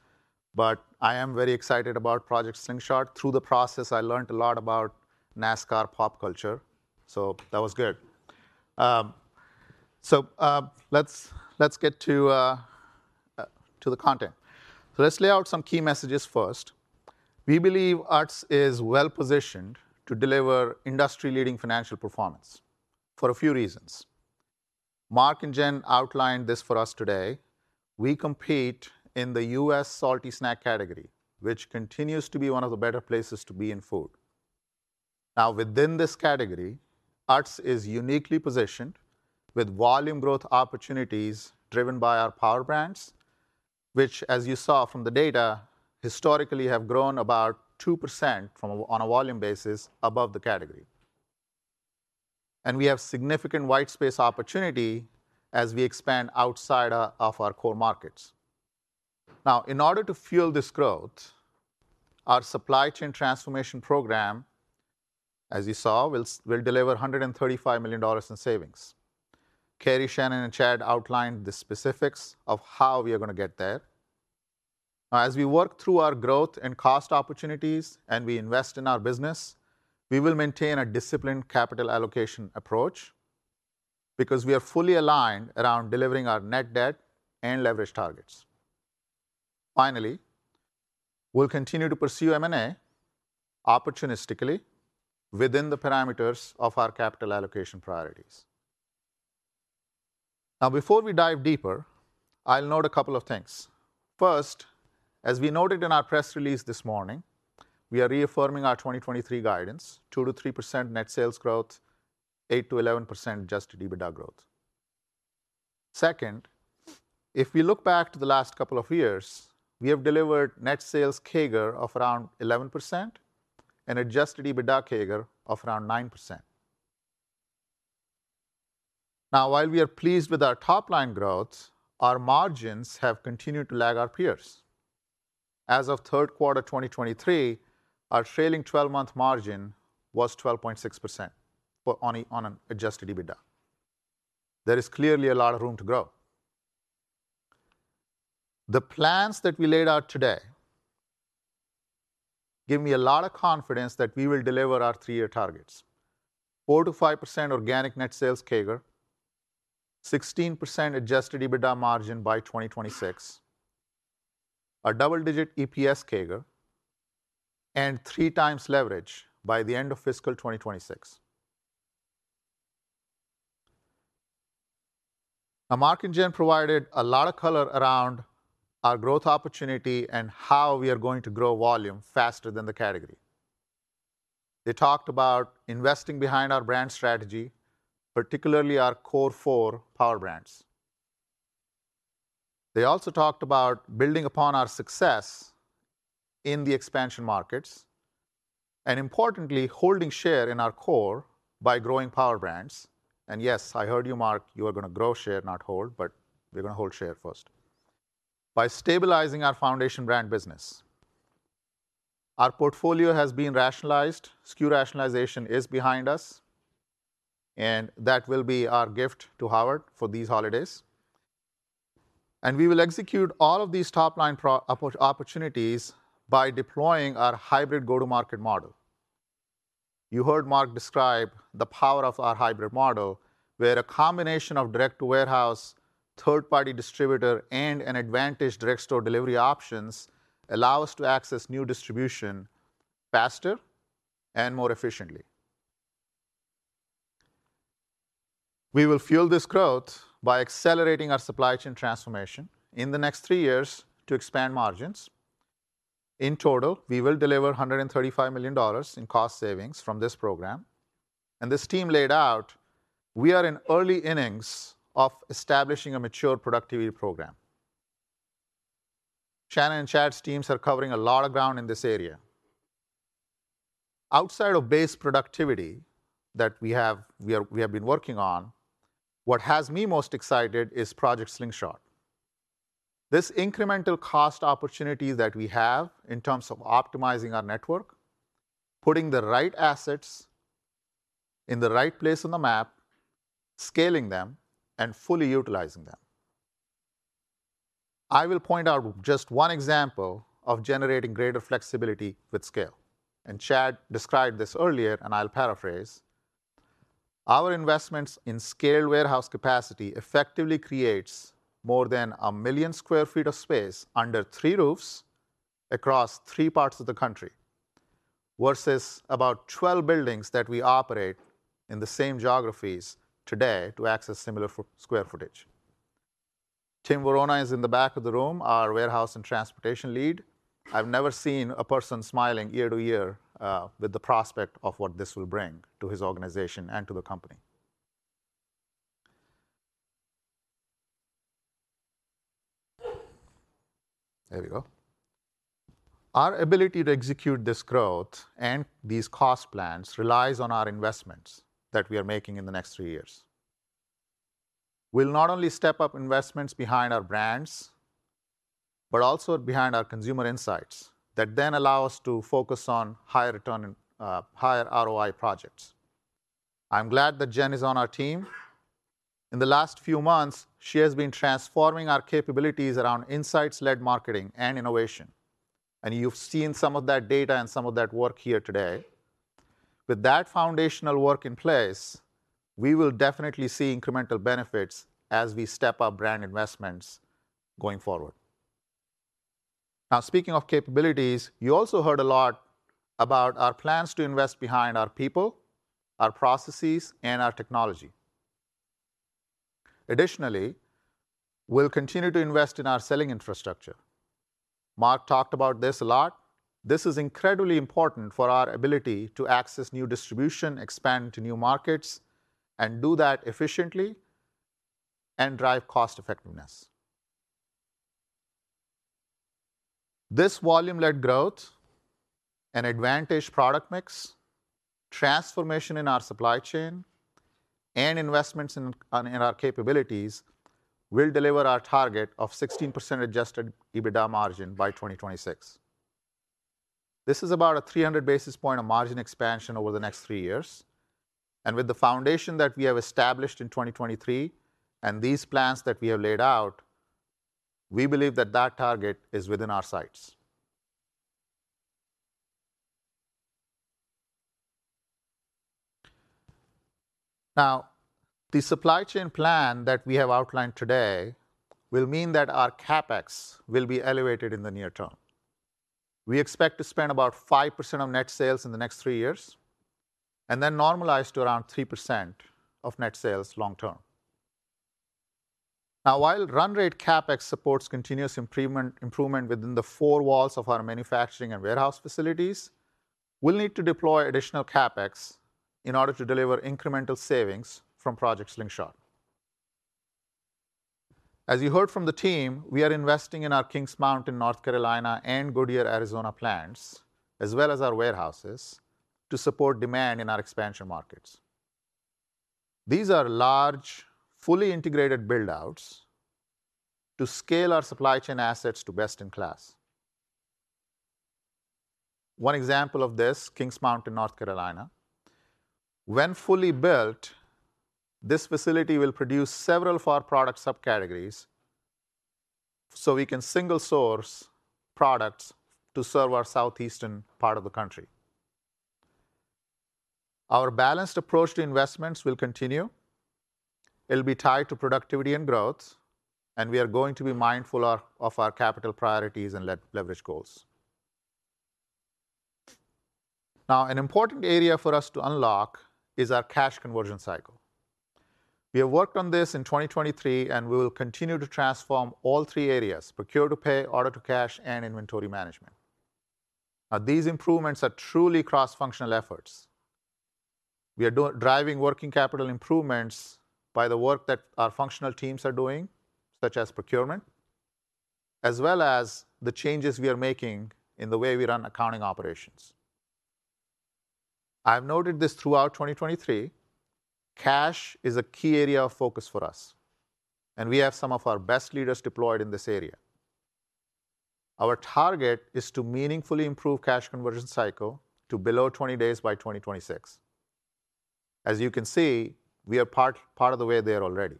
But I am very excited about Project Slingshot. Through the process, I learned a lot about NASCAR pop culture, so that was good. So let's get to the content. So let's lay out some key messages first. We believe Utz is well positioned to deliver industry-leading financial performance for a few reasons. Mark and Jen outlined this for us today. We compete in the U.S. salty snack category, which continues to be one of the better places to be in food. Now, within this category, Utz is uniquely positioned with volume growth opportunities driven by our power brands, which, as you saw from the data, historically, have grown about 2% on a volume basis above the category. We have significant white space opportunity as we expand outside of our core markets. Now, in order to fuel this growth, our supply chain transformation program, as you saw, will deliver $135 million in savings. Cary, Shannan, and Chad outlined the specifics of how we are gonna get there. Now, as we work through our growth and cost opportunities and we invest in our business, we will maintain a disciplined capital allocation approach because we are fully aligned around delivering our net debt and leverage targets. Finally, we'll continue to pursue M&A opportunistically within the parameters of our capital allocation priorities. Now, before we dive deeper, I'll note a couple of things. First, as we noted in our press release this morning, we are reaffirming our 2023 guidance, 2%-3% net sales growth, 8%-11% adjusted EBITDA growth. Second, if we look back to the last couple of years, we have delivered net sales CAGR of around 11% and adjusted EBITDA CAGR of around 9%. Now, while we are pleased with our top-line growth, our margins have continued to lag our peers. As of third quarter 2023, our trailing twelve-month margin was 12.6%, but on an adjusted EBITDA. There is clearly a lot of room to grow. The plans that we laid out today give me a lot of confidence that we will deliver our three-year targets: 4%-5% organic net sales CAGR, 16% adjusted EBITDA margin by 2026, a double-digit EPS CAGR, and 3x leverage by the end of fiscal 2026. Now, Mark and Jen provided a lot of color around our growth opportunity and how we are going to grow volume faster than the category. They talked about investing behind our brand strategy, particularly our core four power brands.... They also talked about building upon our success in the expansion markets, and importantly, holding share in our core by growing power brands. And yes, I heard you, Mark, you are gonna grow share, not hold, but we're gonna hold share first. By stabilizing our foundation brand business, our portfolio has been rationalized. SKU rationalization is behind us, and that will be our gift to Howard for these holidays. And we will execute all of these top-line opportunities by deploying our hybrid go-to-market model. You heard Mark describe the power of our hybrid model, where a combination of direct-to-warehouse, third-party distributor, and an advantage direct store delivery options allow us to access new distribution faster and more efficiently. We will fuel this growth by accelerating our supply chain transformation in the next three years to expand margins. In total, we will deliver $135 million in cost savings from this program, and this team laid out we are in early innings of establishing a mature productivity program. Shannan and Chad's teams are covering a lot of ground in this area. Outside of base productivity that we have, we have been working on, what has me most excited is Project Slingshot. This incremental cost opportunity that we have in terms of optimizing our network, putting the right assets in the right place on the map, scaling them, and fully utilizing them. I will point out just one example of generating greater flexibility with scale, and Chad described this earlier, and I'll paraphrase: Our investments in scaled warehouse capacity effectively creates more than 1 million sq ft of space under three roofs across three parts of the country, versus about 12 buildings that we operate in the same geographies today to access similar sq ft. Tim Varner is in the back of the room, our warehouse and transportation lead. I've never seen a person smiling ear to ear, with the prospect of what this will bring to his organization and to the company. There we go. Our ability to execute this growth and these cost plans relies on our investments that we are making in the next three years. We'll not only step up investments behind our brands, but also behind our consumer insights, that then allow us to focus on higher return and, higher ROI projects. I'm glad that Jen is on our team. In the last few months, she has been transforming our capabilities around insights-led marketing and innovation, and you've seen some of that data and some of that work here today. With that foundational work in place, we will definitely see incremental benefits as we step up brand investments going forward. Now, speaking of capabilities, you also heard a lot about our plans to invest behind our people, our processes, and our technology. Additionally, we'll continue to invest in our selling infrastructure. Mark talked about this a lot. This is incredibly important for our ability to access new distribution, expand to new markets, and do that efficiently and drive cost effectiveness. This volume-led growth and advantage product mix, transformation in our supply chain, and investments in our capabilities will deliver our target of 16% adjusted EBITDA margin by 2026. This is about a 300 basis point of margin expansion over the next three years, and with the foundation that we have established in 2023 and these plans that we have laid out, we believe that that target is within our sights. Now, the supply chain plan that we have outlined today will mean that our CapEx will be elevated in the near term. We expect to spend about 5% of net sales in the next 3 years, and then normalize to around 3% of net sales long term. Now, while run rate CapEx supports continuous improvement, improvement within the four walls of our manufacturing and warehouse facilities, we'll need to deploy additional CapEx in order to deliver incremental savings from Project Slingshot. As you heard from the team, we are investing in our Kings Mountain, North Carolina, and Goodyear, Arizona, plants, as well as our warehouses, to support demand in our expansion markets. These are large, fully integrated build-outs to scale our supply chain assets to best-in-class. One example of this, Kings Mountain, North Carolina. When fully built, this facility will produce several of our product subcategories, so we can single source products to serve our southeastern part of the country. Our balanced approach to investments will continue. It'll be tied to productivity and growth, and we are going to be mindful of our capital priorities and leverage goals. Now, an important area for us to unlock is our cash conversion cycle. We have worked on this in 2023, and we will continue to transform all three areas: procure to pay, order to cash, and inventory management. Now, these improvements are truly cross-functional efforts. We are driving working capital improvements by the work that our functional teams are doing, such as procurement, as well as the changes we are making in the way we run accounting operations. I've noted this throughout 2023, cash is a key area of focus for us, and we have some of our best leaders deployed in this area. Our target is to meaningfully improve cash conversion cycle to below 20 days by 2026. As you can see, we are part of the way there already.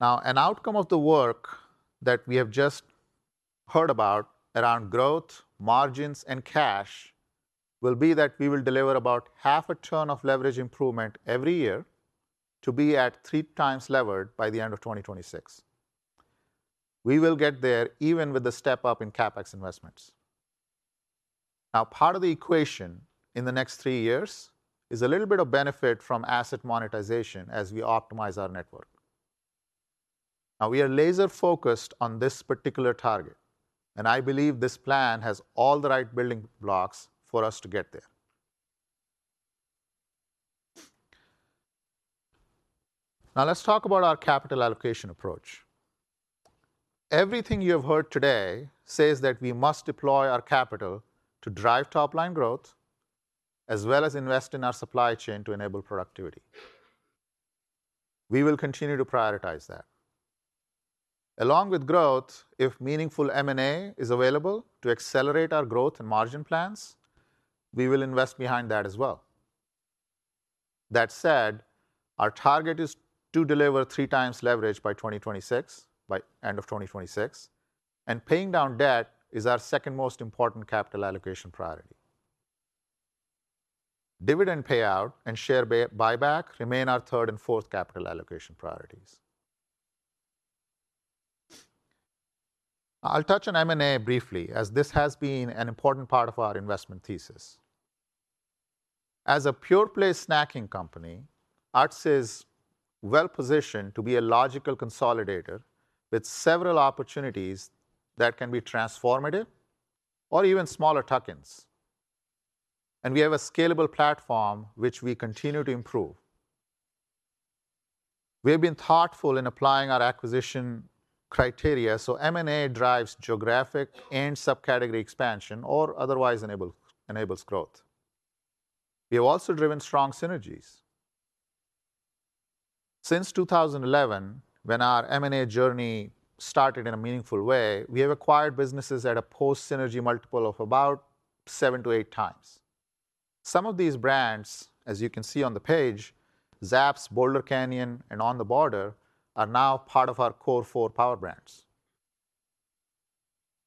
Now, an outcome of the work that we have just heard about around growth, margins, and cash, will be that we will deliver about half a turn of leverage improvement every year to be at 3x levered by the end of 2026. We will get there even with the step-up in CapEx investments. Now, part of the equation in the next three years is a little bit of benefit from asset monetization as we optimize our network. Now, we are laser-focused on this particular target, and I believe this plan has all the right building blocks for us to get there. Now, let's talk about our capital allocation approach. Everything you have heard today says that we must deploy our capital to drive top-line growth, as well as invest in our supply chain to enable productivity. We will continue to prioritize that. Along with growth, if meaningful M&A is available to accelerate our growth and margin plans, we will invest behind that as well. That said, our target is to deliver 3x leverage by 2026, by end of 2026, and paying down debt is our second most important capital allocation priority. Dividend payout and share buyback remain our third and fourth capital allocation priorities. I'll touch on M&A briefly, as this has been an important part of our investment thesis. As a pure-play snacking company, Utz is well positioned to be a logical consolidator with several opportunities that can be transformative or even smaller tuck-ins. We have a scalable platform, which we continue to improve. We have been thoughtful in applying our acquisition criteria, so M&A drives geographic and subcategory expansion or otherwise enable, enables growth. We have also driven strong synergies. Since 2011, when our M&A journey started in a meaningful way, we have acquired businesses at a post-synergy multiple of about 7-8 times. Some of these brands, as you can see on the page, Zapp's, Boulder Canyon, and On The Border, are now part of our core four power brands.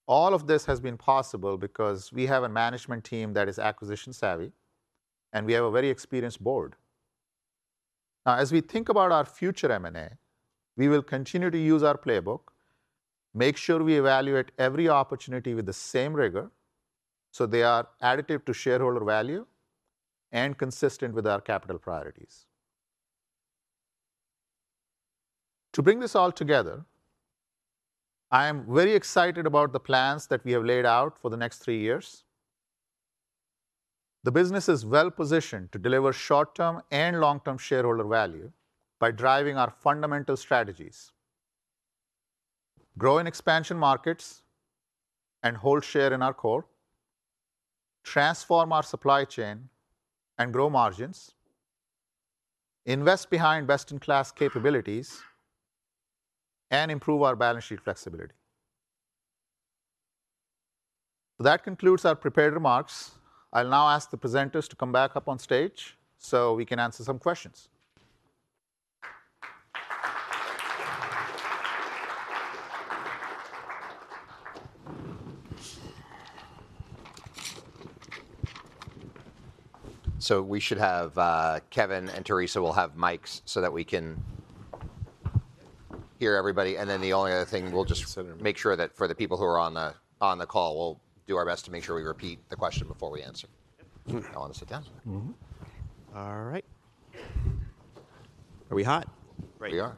All of this has been possible because we have a management team that is acquisition savvy, and we have a very experienced board. Now, as we think about our future M&A, we will continue to use our playbook, make sure we evaluate every opportunity with the same rigor, so they are additive to shareholder value and consistent with our capital priorities. To bring this all together, I am very excited about the plans that we have laid out for the next three years. The business is well positioned to deliver short-term and long-term shareholder value by driving our fundamental strategies: grow in expansion markets and hold share in our core, transform our supply chain and grow margins, invest behind best-in-class capabilities, and improve our balance sheet flexibility. That concludes our prepared remarks. I'll now ask the presenters to come back up on stage so we can answer some questions. So we should have Kevin and Theresa will have mics so that we can hear everybody. And then the only other thing, we'll just- Sit in. Make sure that for the people who are on the, on the call, we'll do our best to make sure we repeat the question before we answer. Mm-hmm. You all want to sit down? Mm-hmm. All right. Are we hot? We are.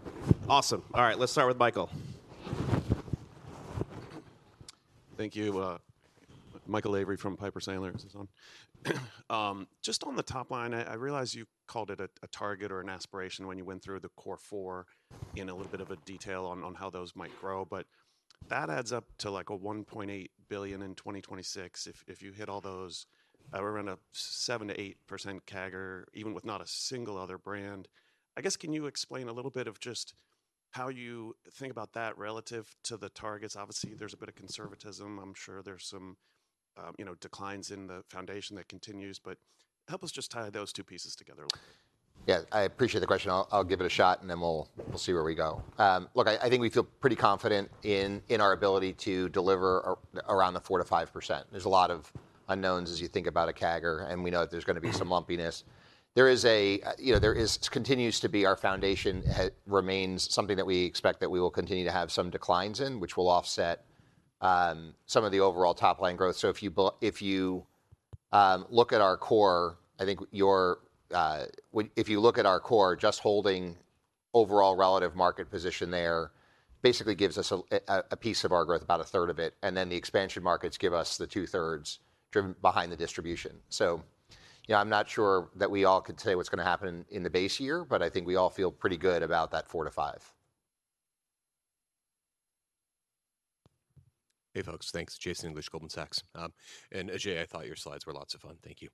Awesome. All right, let's start with Michael. Thank you. Michael Lavery from Piper Sandler. Is this on? Just on the top line, I realize you called it a target or an aspiration when you went through the core four in a little bit of a detail on how those might grow, but that adds up to, like, $1.8 billion in 2026. If you hit all those, around a 7%-8% CAGR, even with not a single other brand. I guess, can you explain a little bit of just how you think about that relative to the targets? Obviously, there's a bit of conservatism. I'm sure there's some, you know, declines in the foundation that continues, but help us just tie those two pieces together a little bit. Yeah, I appreciate the question. I'll give it a shot, and then we'll see where we go. Look, I think we feel pretty confident in our ability to deliver around the 4%-5%. There's a lot of unknowns as you think about a CAGR, and we know that there's going to be some lumpiness. There is, you know, there continues to be our foundation, it remains something that we expect that we will continue to have some declines in, which will offset some of the overall top-line growth. So if you look at our core, I think your, when— If you look at our core, just holding... Overall relative market position there basically gives us a piece of our growth, about a third of it, and then the expansion markets give us the two-thirds driven behind the distribution. So yeah, I'm not sure that we all can say what's gonna happen in the base year, but I think we all feel pretty good about that 4-5. Hey, folks. Thanks. Jason English, Goldman Sachs. And Ajay, I thought your slides were lots of fun. Thank you.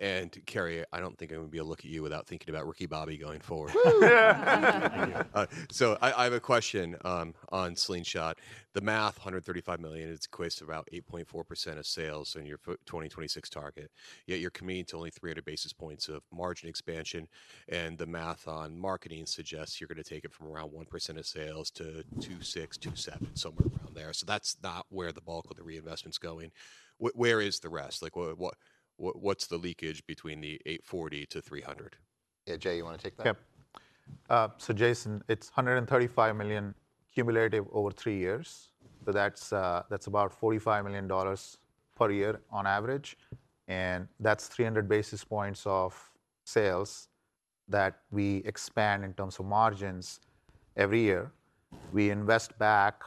And Kerry, I don't think I'm gonna be able to look at you without thinking about Ricky Bobby going forward. Woo! So I have a question on Slingshot. The math, $135 million, it equates to about 8.4% of sales in your FY 2026 target, yet you're committing to only 300 basis points of margin expansion, and the math on marketing suggests you're gonna take it from around 1% of sales to 2.6-2.7, somewhere around there. So that's not where the bulk of the reinvestment's going. Where is the rest? Like, what's the leakage between the 840 to 300? Yeah, Ajay, you want to take that? Yep. So Jason, it's $135 million cumulative over three years. So that's about $45 million per year on average, and that's 300 basis points of sales that we expand in terms of margins every year. We invest back,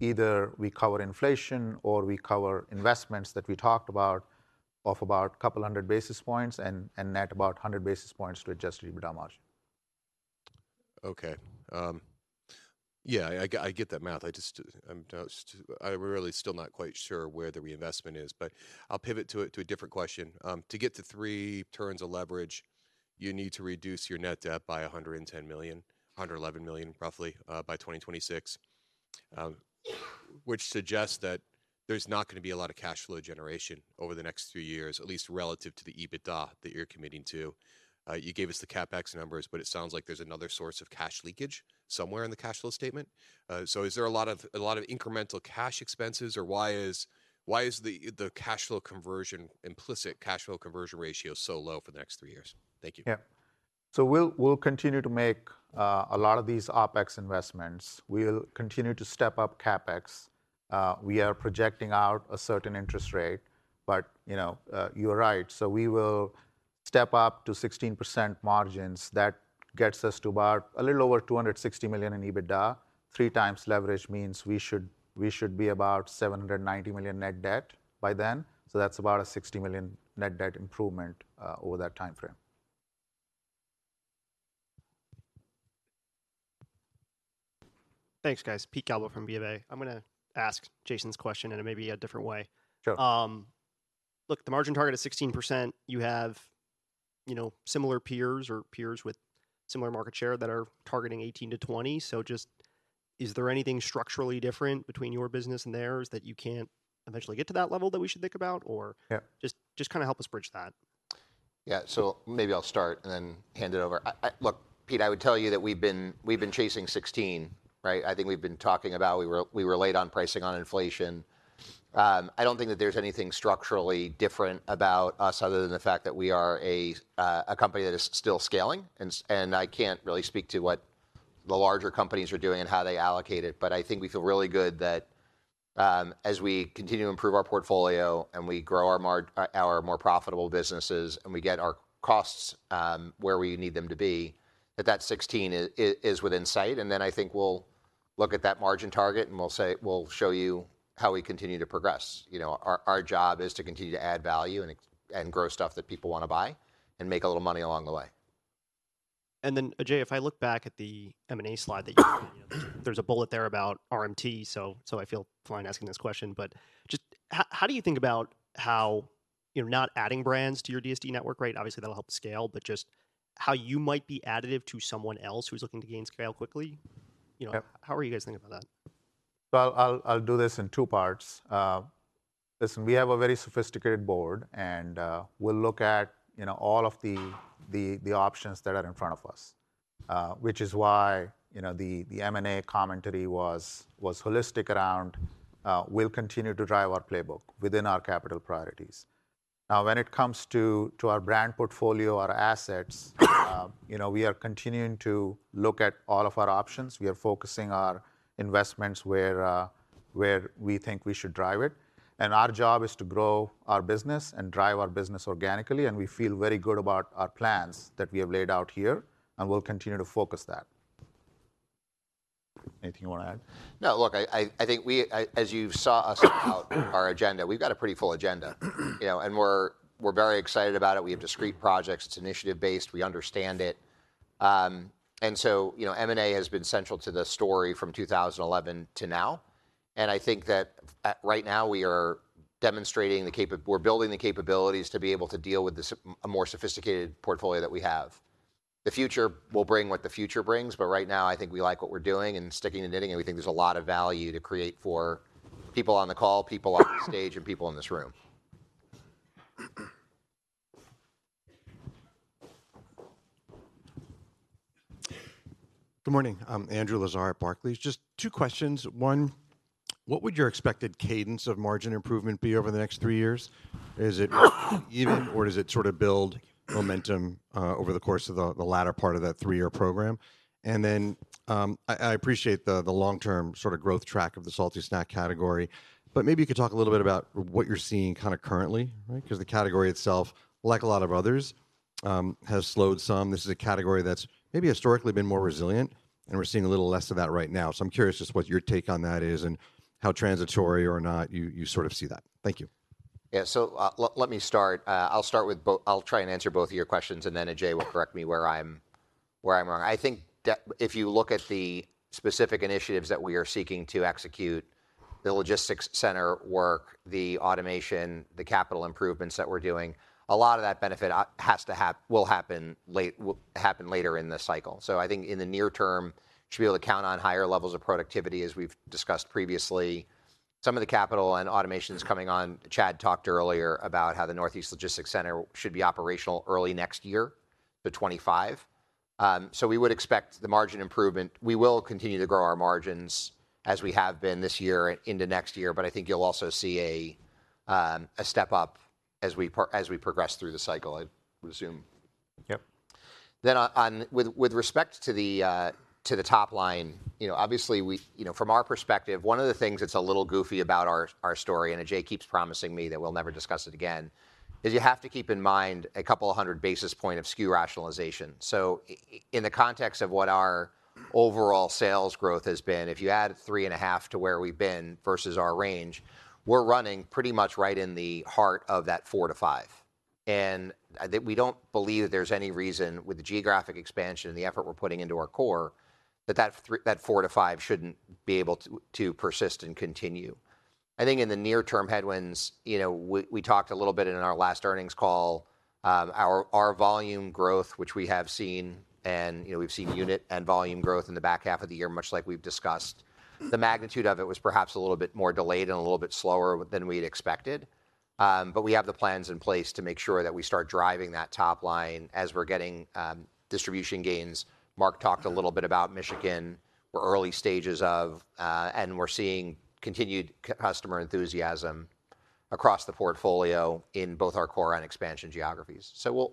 either we cover inflation or we cover investments that we talked about, of about a couple hundred basis points and net about 100 basis points to adjusted EBITDA margin. Okay, yeah, I get that math. I just, I'm really still not quite sure where the reinvestment is, but I'll pivot to a different question. To get to three turns of leverage, you need to reduce your net debt by $110 million, $111 million, roughly, by 2026, which suggests that there's not gonna be a lot of cash flow generation over the next few years, at least relative to the EBITDA that you're committing to. You gave us the CapEx numbers, but it sounds like there's another source of cash leakage somewhere in the cash flow statement. So is there a lot of incremental cash expenses, or why is the cash flow conversion, implicit cash flow conversion ratio so low for the next three years? Thank you. Yeah. So we'll continue to make a lot of these OpEx investments. We'll continue to step up CapEx. We are projecting out a certain interest rate, but, you know, you're right, so we will step up to 16% margins. That gets us to about a little over $260 million in EBITDA. 3x leverage means we should be about $790 million net debt by then, so that's about a $60 million net debt improvement over that timeframe. Thanks, guys. Pete Galbo from BofA. I'm gonna ask Jason's question in maybe a different way. Sure. Look, the margin target is 16%. You have, you know, similar peers or peers with similar market share that are targeting 18%-20%. So just... Is there anything structurally different between your business and theirs that you can't eventually get to that level that we should think about? Or- Yeah... just kind of help us bridge that. Yeah, so maybe I'll start and then hand it over. I look, Pete, I would tell you that we've been chasing 16, right? I think we've been talking about we were late on pricing on inflation. I don't think that there's anything structurally different about us other than the fact that we are a company that is still scaling, and I can't really speak to what the larger companies are doing and how they allocate it, but I think we feel really good that, as we continue to improve our portfolio and we grow our more profitable businesses, and we get our costs where we need them to be, that 16 is within sight. And then I think we'll look at that margin target, and we'll say, we'll show you how we continue to progress. You know, our, our job is to continue to add value and, and grow stuff that people want to buy, and make a little money along the way. And then, Ajay, if I look back at the M&A slide that you... There's a bullet there about RTM, so, so I feel fine asking this question, but just how, how do you think about how you're not adding brands to your DSD network, right? Obviously, that'll help the scale, but just how you might be additive to someone else who's looking to gain scale quickly? Yep. You know, how are you guys thinking about that? Well, I'll do this in two parts. Listen, we have a very sophisticated board, and we'll look at, you know, all of the options that are in front of us, which is why, you know, the M&A commentary was holistic around we'll continue to drive our playbook within our capital priorities. Now, when it comes to our brand portfolio, our assets, you know, we are continuing to look at all of our options. We are focusing our investments where we think we should drive it. And our job is to grow our business and drive our business organically, and we feel very good about our plans that we have laid out here, and we'll continue to focus that. Anything you want to add? No, look, I think we, as you saw us lay out our agenda, we've got a pretty full agenda. You know, and we're very excited about it. We have discrete projects. It's initiative based. We understand it. And so, you know, M&A has been central to the story from 2011 to now, and I think that right now we are demonstrating the capabilities we're building to be able to deal with a more sophisticated portfolio that we have. The future will bring what the future brings, but right now I think we like what we're doing and sticking to the knitting, and we think there's a lot of value to create for people on the call, people on the stage, and people in this room. Good morning, I'm Andrew Lazar at Barclays. Just two questions. One, what would your expected cadence of margin improvement be over the next three years? Is it even or does it sort of build momentum over the course of the latter part of that three-year program?... and then, I appreciate the long-term sort of growth track of the salty snack category, but maybe you could talk a little bit about what you're seeing kind of currently, right? 'Cause the category itself, like a lot of others, has slowed some. This is a category that's maybe historically been more resilient, and we're seeing a little less of that right now. So I'm curious just what your take on that is and how transitory or not you sort of see that. Thank you. Yeah, so, let me start. I'll try and answer both of your questions, and then Ajay will correct me where I'm wrong. I think if you look at the specific initiatives that we are seeking to execute, the logistics center work, the automation, the capital improvements that we're doing, a lot of that benefit will happen later in the cycle. So I think in the near term, should be able to count on higher levels of productivity, as we've discussed previously. Some of the capital and automation's coming on. Chad talked earlier about how the Northeast Logistics Center should be operational early next year, by 2025. So we would expect the margin improvement. We will continue to grow our margins as we have been this year into next year, but I think you'll also see a step up as we progress through the cycle, I'd assume. Yep. With respect to the top line, you know, obviously we, you know, from our perspective, one of the things that's a little goofy about our story, and Ajay keeps promising me that we'll never discuss it again, is you have to keep in mind a couple of hundred basis points of SKU rationalization. So in the context of what our overall sales growth has been, if you add 3.5 to where we've been versus our range, we're running pretty much right in the heart of that 4-5. And that we don't believe that there's any reason, with the geographic expansion and the effort we're putting into our core, that that 4-5 shouldn't be able to persist and continue. I think in the near-term headwinds, you know, we talked a little bit in our last earnings call, our volume growth, which we have seen, and, you know, we've seen unit and volume growth in the back half of the year, much like we've discussed. The magnitude of it was perhaps a little bit more delayed and a little bit slower than we'd expected, but we have the plans in place to make sure that we start driving that top line as we're getting distribution gains. Mark talked a little bit about Michigan. We're early stages of, and we're seeing continued customer enthusiasm across the portfolio in both our core and expansion geographies. So we'll,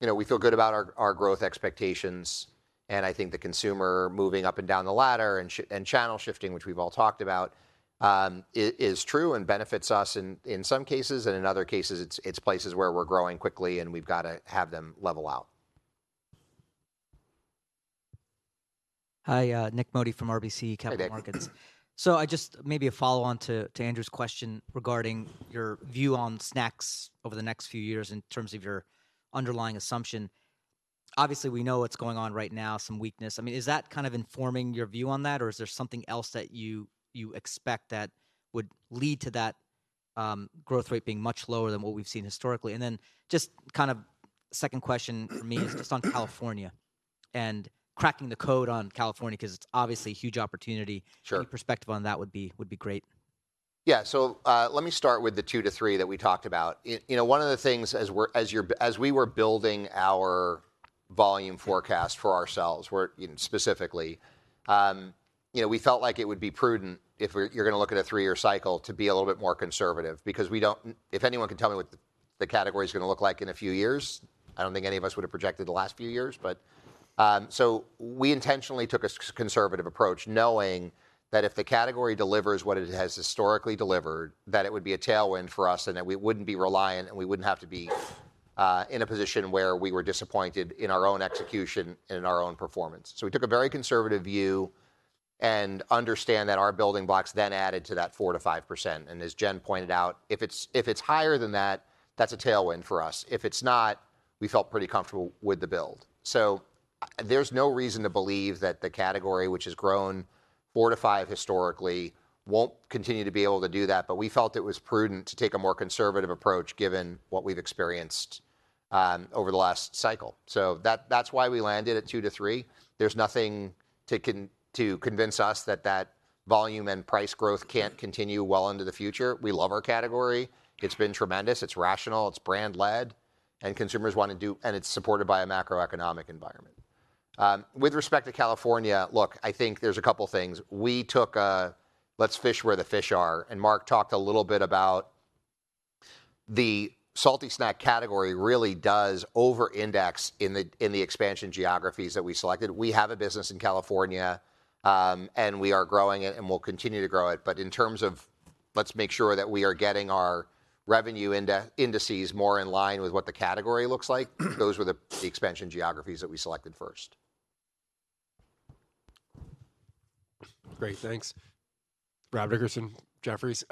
you know, we feel good about our growth expectations, and I think the consumer moving up and down the ladder and channel shifting, which we've all talked about, is true and benefits us in some cases, and in other cases, it's places where we're growing quickly, and we've got to have them level out. Hi, Nick Modi from RBC Capital Markets. Hi, Nick. So I just maybe a follow-on to, to Andrew's question regarding your view on snacks over the next few years in terms of your underlying assumption. Obviously, we know what's going on right now, some weakness. I mean, is that kind of informing your view on that, or is there something else that you, you expect that would lead to that, growth rate being much lower than what we've seen historically? And then just kind of second question for me is just on California and cracking the code on California, 'cause it's obviously a huge opportunity. Sure. Your perspective on that would be great. Yeah. So, let me start with the 2-3 that we talked about. You know, one of the things as we were building our volume forecast for ourselves, we're, you know, specifically, you know, we felt like it would be prudent if you're gonna look at a 3-year cycle to be a little bit more conservative because we don't... If anyone can tell me what the category is gonna look like in a few years, I don't think any of us would have projected the last few years, but so we intentionally took a conservative approach, knowing that if the category delivers what it has historically delivered, that it would be a tailwind for us and that we wouldn't be reliant and we wouldn't have to be in a position where we were disappointed in our own execution and in our own performance. So we took a very conservative view and understand that our building blocks then added to that 4%-5%. And as Jen pointed out, if it's higher than that, that's a tailwind for us. If it's not, we felt pretty comfortable with the build. So there's no reason to believe that the category, which has grown 4-5 historically, won't continue to be able to do that, but we felt it was prudent to take a more conservative approach, given what we've experienced over the last cycle. So that, that's why we landed at 2-3. There's nothing to convince us that volume and price growth can't continue well into the future. We love our category. It's been tremendous, it's rational, it's brand-led, and consumers want to do and it's supported by a macroeconomic environment. With respect to California, look, I think there's a couple things. We took a "let's fish where the fish are," and Mark talked a little bit about the salty snack category really does overindex in the expansion geographies that we selected. We have a business in California, and we are growing it, and we'll continue to grow it, but in terms of let's make sure that we are getting our revenue indices more in line with what the category looks like, those were the expansion geographies that we selected first. Great, thanks. Rob Dickerson, Jefferies.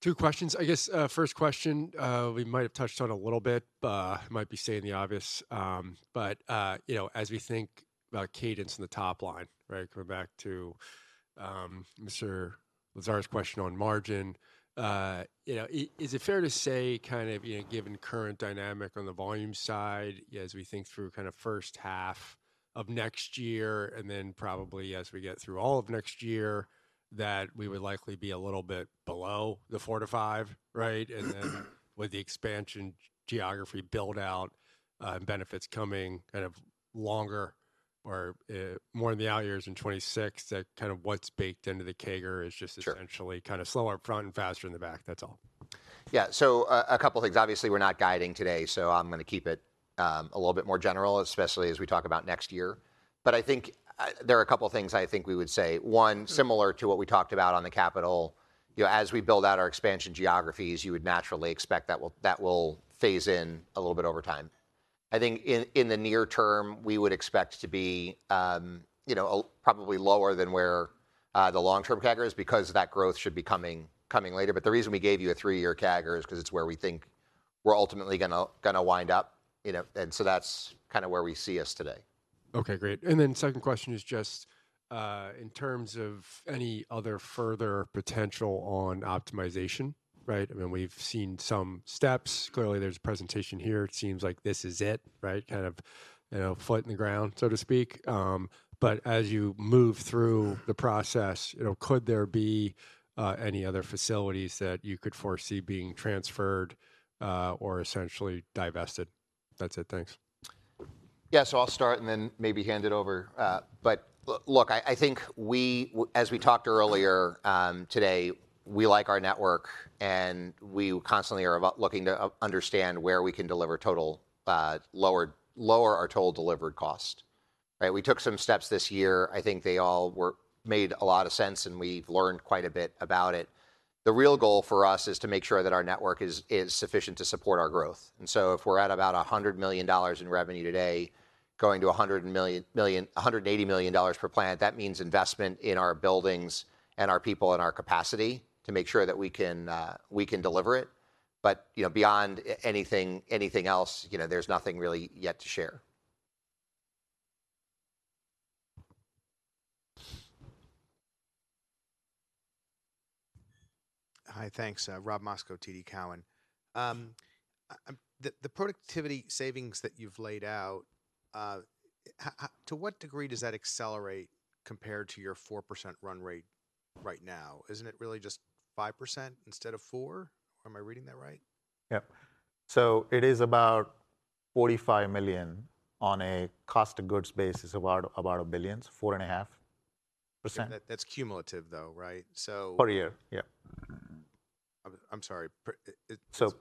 Two questions. I guess, first question, we might have touched on a little bit, might be stating the obvious, but, you know, as we think about cadence in the top line, right, coming back to, Mr. Lazar's question on margin, you know, is it fair to say kind of, you know, given current dynamic on the volume side, as we think through kind of first half of next year, and then probably as we get through all of next year, that we would likely be a little bit below the 4-5, right? And then with the expansion geography build-out, and benefits coming kind of longer or, more in the out years in 2026, that kind of what's baked into the CAGR is just- Sure... essentially kind of slower up front and faster in the back. That's all.... Yeah, so, a couple things. Obviously, we're not guiding today, so I'm gonna keep it, a little bit more general, especially as we talk about next year. But I think, there are a couple things I think we would say. One, similar to what we talked about on the capital, you know, as we build out our expansion geographies, you would naturally expect that will phase in a little bit over time. I think in the near term, we would expect to be, you know, probably lower than where the long-term CAGR is, because that growth should be coming later. But the reason we gave you a three-year CAGR is 'cause it's where we think we're ultimately gonna wind up, you know? And so that's kind of where we see us today. Okay, great. And then second question is just, in terms of any other further potential on optimization, right? I mean, we've seen some steps. Clearly, there's a presentation here. It seems like this is it, right? Kind of, you know, foot in the ground, so to speak. But as you move through the process, you know, could there be any other facilities that you could foresee being transferred, or essentially divested? That's it. Thanks. Yeah, so I'll start and then maybe hand it over. But look, I think we as we talked earlier, today, we like our network, and we constantly are about looking to understand where we can deliver total, lower our total delivered cost, right? We took some steps this year. I think they all were made a lot of sense, and we've learned quite a bit about it. The real goal for us is to make sure that our network is sufficient to support our growth. And so if we're at about $100 million in revenue today, going to $180 million per plant, that means investment in our buildings and our people and our capacity to make sure that we can deliver it. But, you know, beyond anything, anything else, you know, there's nothing really yet to share. Hi, thanks. Rob Moskow, TD Cowen. The productivity savings that you've laid out, how... To what degree does that accelerate compared to your 4% run rate right now? Isn't it really just 5% instead of 4%? Am I reading that right? Yep. So it is about $45 million on a cost of goods basis, about $1 billion, so 4.5%. That, that's cumulative, though, right? So- Per year. Yeah. I'm sorry.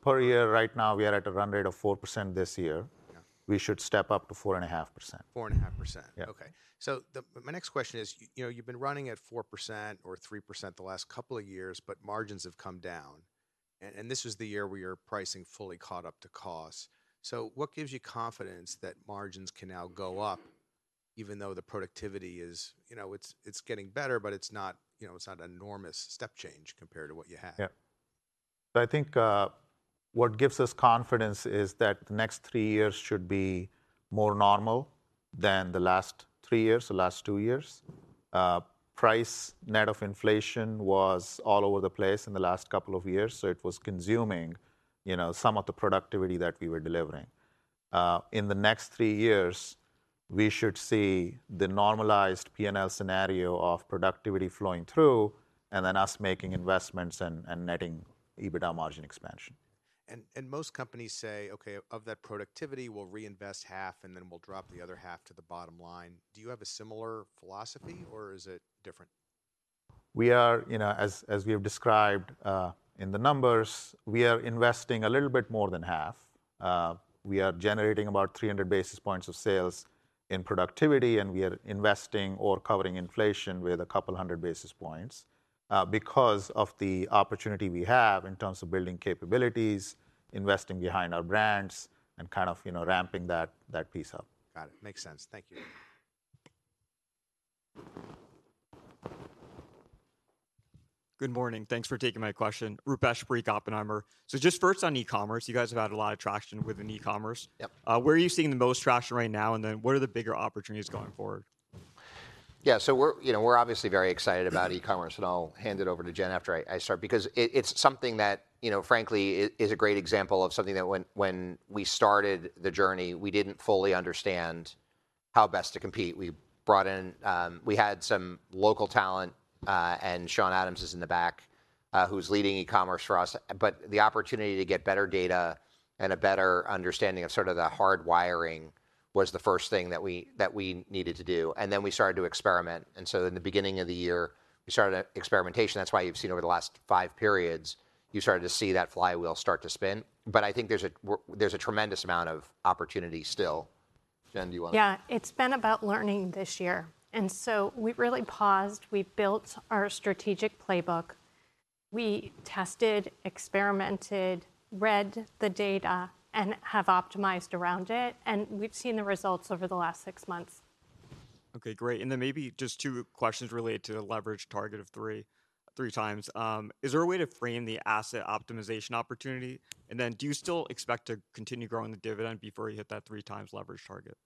Per year right now, we are at a run rate of 4% this year. Yeah. We should step up to 4.5%. 4.5%? Yeah. Okay. So my next question is, you know, you've been running at 4% or 3% the last couple of years, but margins have come down. And this was the year where your pricing fully caught up to cost. So what gives you confidence that margins can now go up, even though the productivity is... You know, it's getting better, but it's not, you know, it's not an enormous step change compared to what you had? Yeah. So I think what gives us confidence is that the next three years should be more normal than the last three years, the last two years. Price net of inflation was all over the place in the last couple of years, so it was consuming, you know, some of the productivity that we were delivering. In the next three years, we should see the normalized P&L scenario of productivity flowing through, and then us making investments and netting EBITDA margin expansion. And most companies say: "Okay, of that productivity, we'll reinvest half, and then we'll drop the other half to the bottom line." Do you have a similar philosophy, or is it different? We are, you know, as we have described in the numbers, we are investing a little bit more than half. We are generating about 300 basis points of sales in productivity, and we are investing or covering inflation with a couple hundred basis points, because of the opportunity we have in terms of building capabilities, investing behind our brands, and kind of, you know, ramping that piece up. Got it. Makes sense. Thank you. Good morning. Thanks for taking my question. Rupesh Parikh, Oppenheimer. So just first on e-commerce, you guys have had a lot of traction within e-commerce. Yep. Where are you seeing the most traction right now, and then what are the bigger opportunities going forward? Yeah. So we're, you know, we're obviously very excited about e-commerce, and I'll hand it over to Jen after I, I start, because it- it's something that, you know, frankly, it is a great example of something that when, when we started the journey, we didn't fully understand how best to compete. We brought in... We had some local talent, and Shawn Adams is in the back, who's leading e-commerce for us. But the opportunity to get better data and a better understanding of sort of the hard wiring was the first thing that we, that we needed to do, and then we started to experiment, and so in the beginning of the year, we started experimentation. That's why you've seen over the last five periods, you started to see that flywheel start to spin. But I think there's a tremendous amount of opportunity still. Jen, do you want to- Yeah. It's been about learning this year, and so we've really paused. We've built our strategic playbook, we tested, experimented, read the data, and have optimized around it, and we've seen the results over the last six months. Okay, great. And then maybe just 2 questions related to the leverage target of 3x. Is there a way to frame the asset optimization opportunity? And then, do you still expect to continue growing the dividend before you hit that 3x leverage target?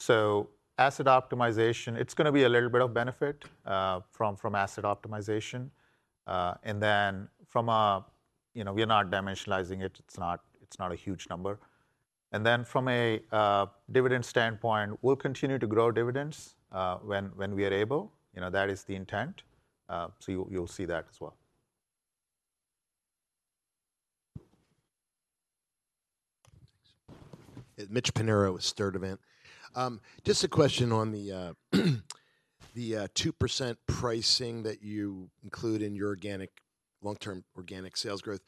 So asset optimization, it's gonna be a little bit of benefit from asset optimization. And then from a... You know, we are not dimensionalizing it, it's not a huge number. And then from a dividend standpoint, we'll continue to grow dividends when we are able. You know, that is the intent, so you'll see that as well.... Mitch Pinheiro with Sturdivant. Just a question on the 2% pricing that you include in your organic, long-term organic sales growth.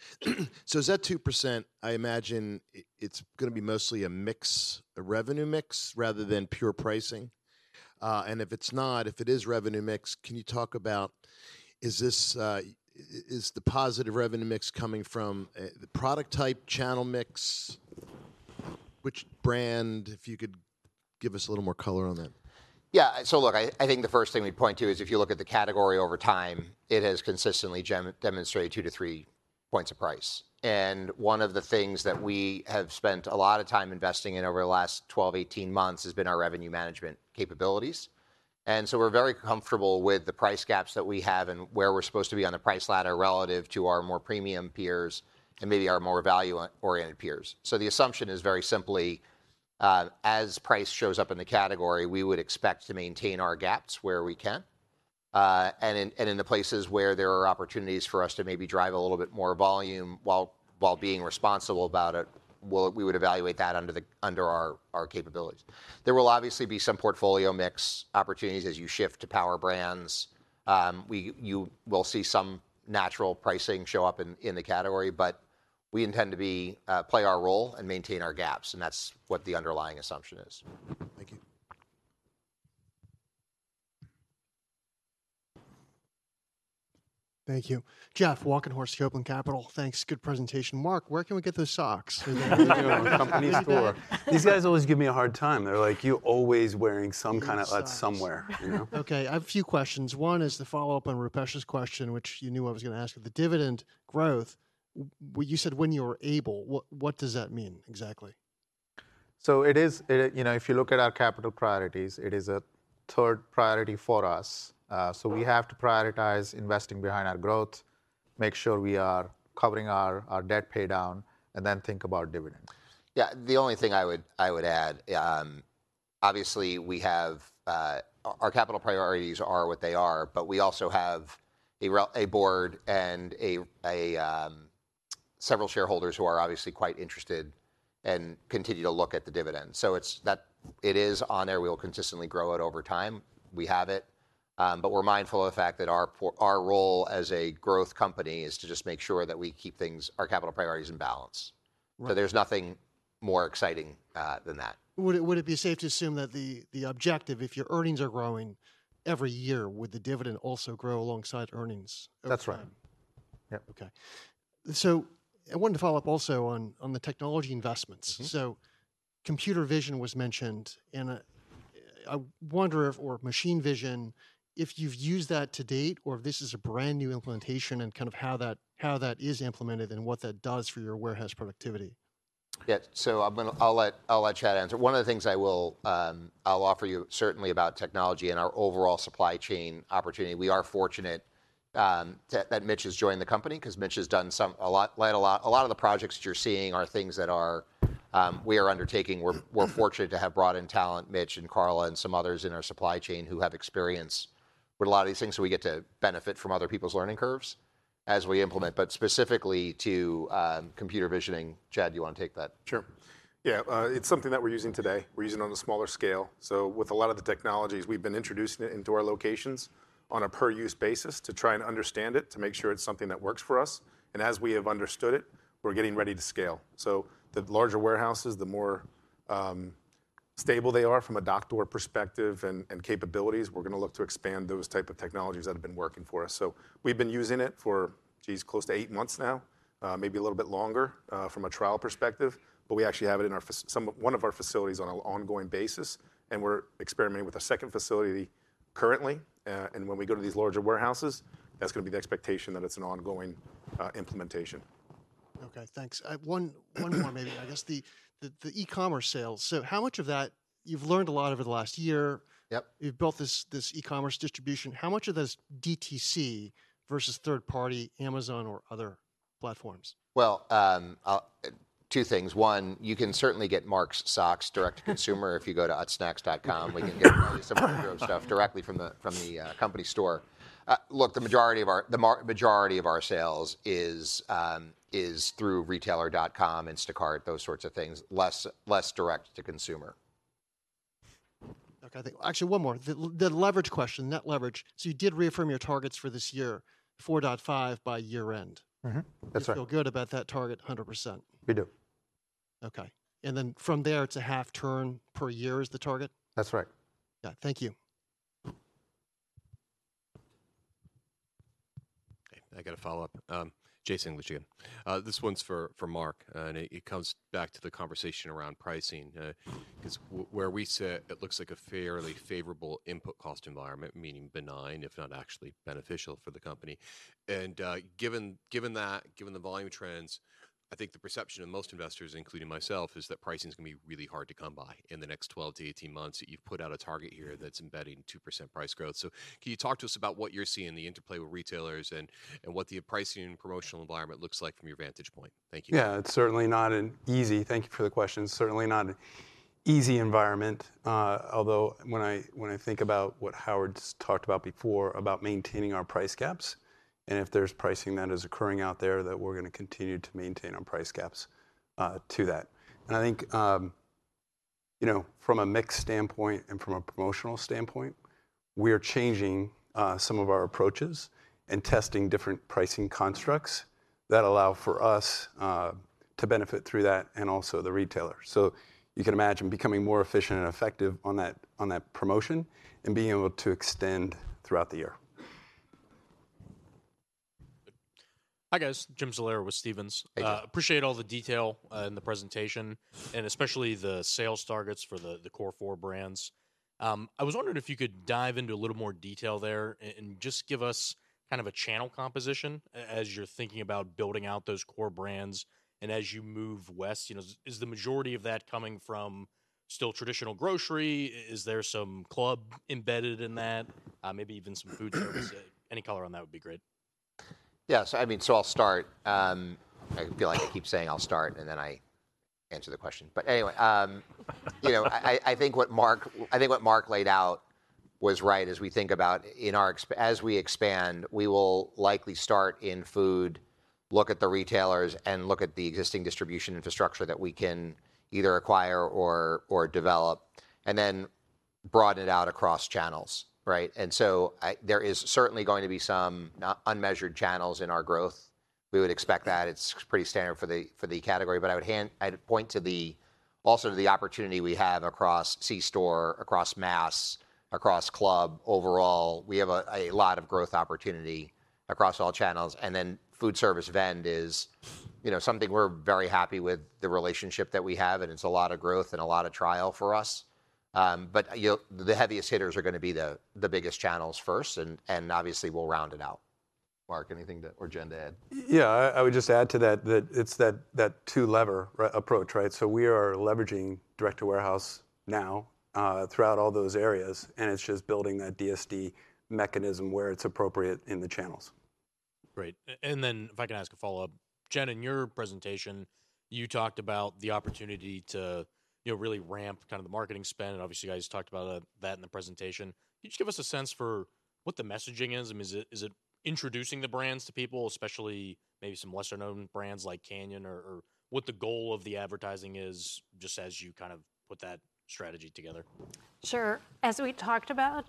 So is that 2%, I imagine, it, it's gonna be mostly a mix, a revenue mix rather than pure pricing? And if it's not, if it is revenue mix, can you talk about is this, is the positive revenue mix coming from, the product type channel mix? Which brand-- If you could give us a little more color on that. Yeah. So look, I, I think the first thing we'd point to is if you look at the category over time, it has consistently demonstrated 2-3 points of price. And one of the things that we have spent a lot of time investing in over the last 12, 18 months has been our revenue management capabilities. And so we're very comfortable with the price gaps that we have and where we're supposed to be on the price ladder relative to our more premium peers and maybe our more value-oriented peers. So the assumption is very simply, as price shows up in the category, we would expect to maintain our gaps where we can. And in the places where there are opportunities for us to maybe drive a little bit more volume while being responsible about it, we would evaluate that under our capabilities. There will obviously be some portfolio mix opportunities as you shift to power brands. You will see some natural pricing show up in the category, but we intend to play our role and maintain our gaps, and that's what the underlying assumption is. Thank you. Thank you. Jeff Walkenhorst, Copeland Capital. Thanks. Good presentation. Mark, where can we get those socks? Company store. These guys always give me a hard time. They're like: "You're always wearing some kind of Utz somewhere," you know? Okay, I have a few questions. One is to follow up on Rupesh's question, which you knew I was gonna ask you. The dividend growth, you said when you were able. What does that mean exactly? So it is. It, you know, if you look at our capital priorities, it is a third priority for us. So we have to prioritize investing behind our growth, make sure we are covering our debt paydown, and then think about dividends. Yeah. The only thing I would add, obviously, we have our capital priorities are what they are, but we also have a board and several shareholders who are obviously quite interested and continue to look at the dividend. So it's that it is on there. We'll consistently grow it over time. We have it, but we're mindful of the fact that our role as a growth company is to just make sure that we keep our capital priorities in balance. Right. But there's nothing more exciting than that. Would it be safe to assume that the objective, if your earnings are growing every year, would the dividend also grow alongside earnings over time? That's right. Yep. Okay. So I wanted to follow up also on the technology investments. Mm-hmm. So computer vision was mentioned, and I wonder if... or machine vision, if you've used that to date or if this is a brand-new implementation, and kind of how that, how that is implemented and what that does for your warehouse productivity? Yeah. So I'm gonna—I'll let Chad answer. One of the things I will, I'll offer you, certainly, about technology and our overall supply chain opportunity, we are fortunate that Mitch has joined the company, 'cause Mitch has done some, a lot... lent a lot—a lot of the projects that you're seeing are things that are, we are undertaking. We're fortunate to have brought in talent, Mitch and Carla and some others in our supply chain who have experience with a lot of these things, so we get to benefit from other people's learning curves as we implement. But specifically to computer visioning, Chad, you want to take that? Sure. Yeah, it's something that we're using today. We're using it on a smaller scale. So with a lot of the technologies, we've been introducing it into our locations on a per-use basis to try and understand it, to make sure it's something that works for us. And as we have understood it, we're getting ready to scale. So the larger warehouses, the more stable they are from a dock door perspective and capabilities, we're gonna look to expand those type of technologies that have been working for us. So we've been using it for, geez, close to eight months now, maybe a little bit longer, from a trial perspective, but we actually have it in one of our facilities on an ongoing basis, and we're experimenting with a second facility currently. When we go to these larger warehouses, that's gonna be the expectation that it's an ongoing implementation. Okay, thanks. One more maybe. I guess the e-commerce sales. So how much of that... You've learned a lot over the last year. Yep. You've built this, this e-commerce distribution. How much of this is DTC versus third party, Amazon, or other platforms? Well, two things. One, you can certainly get Mark's socks direct to consumer if you go to utzsnacks.com. We can get some of those stuff directly from the company store. Look, the majority of our sales is through retailer.com, Instacart, those sorts of things, less direct to consumer. Okay, I think actually one more. The leverage question, net leverage. So you did reaffirm your targets for this year, 4.5 by year end? Mm-hmm. That's right. You feel good about that target 100%? We do. Okay. And then from there, it's a half turn per year is the target? That's right. Yeah. Thank you. Okay, I got a follow-up. Jason English. This one's for, for Mark, and it, it comes back to the conversation around pricing, 'cause where we sit, it looks like a fairly favorable input cost environment, meaning benign, if not actually beneficial for the company. And, given, given that, given the volume trends, I think the perception of most investors, including myself, is that pricing is gonna be really hard to come by in the next 12-18 months, that you've put out a target here that's embedding 2% price growth. So can you talk to us about what you're seeing, the interplay with retailers and, and what the pricing and promotional environment looks like from your vantage point? Thank you. Yeah, it's certainly not an easy... Thank you for the question. It's certainly not an-... easy environment, although when I, when I think about what Howard's talked about before, about maintaining our price gaps, and if there's pricing that is occurring out there, that we're gonna continue to maintain our price gaps, to that. And I think, you know, from a mix standpoint and from a promotional standpoint, we are changing some of our approaches and testing different pricing constructs that allow for us to benefit through that and also the retailer. So you can imagine becoming more efficient and effective on that, on that promotion, and being able to extend throughout the year. Hi, guys. Jim Salera with Stephens. Hey, Jim. Appreciate all the detail in the presentation, and especially the sales targets for the core four brands. I was wondering if you could dive into a little more detail there and just give us kind of a channel composition as you're thinking about building out those core brands and as you move west. You know, is the majority of that coming from still traditional grocery? Is there some club embedded in that? Maybe even some food service? Any color on that would be great. Yeah, so I mean, so I'll start. I feel like I keep saying I'll start, and then I answer the question. But anyway, you know, I think what Mark laid out was right as we think about... As we expand, we will likely start in food, look at the retailers, and look at the existing distribution infrastructure that we can either acquire or develop, and then broaden it out across channels, right? And so, there is certainly going to be some unmeasured channels in our growth. We would expect that. It's pretty standard for the category. But I'd point to the opportunity we have across C-store, across mass, across club. Overall, we have a lot of growth opportunity across all channels. And then food service vend is, you know, something we're very happy with the relationship that we have, and it's a lot of growth and a lot of trial for us. But the heaviest hitters are gonna be the biggest channels first, and obviously, we'll round it out. Mark, anything to or Jen to add? Yeah, I would just add to that, that it's that two-lever approach, right? So we are leveraging direct-to-warehouse now throughout all those areas, and it's just building that DSD mechanism where it's appropriate in the channels. Great. And then if I can ask a follow-up. Jen, in your presentation, you talked about the opportunity to, you know, really ramp kind of the marketing spend, and obviously, you guys talked about that in the presentation. Could you give us a sense for what the messaging is? I mean, is it, is it introducing the brands to people, especially maybe some lesser-known brands like Canyon? Or what the goal of the advertising is, just as you kind of put that strategy together. Sure. As we talked about,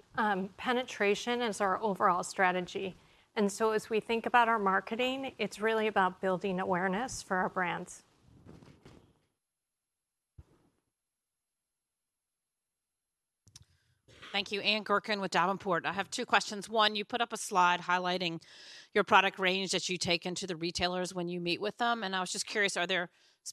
penetration is our overall strategy, and so as we think about our marketing, it's really about building awareness for our brands. Thank you. Ann Gurkin with Davenport. I have two questions. One, you put up a slide highlighting your product range that you take into the retailers when you meet with them, and I was just curious, are there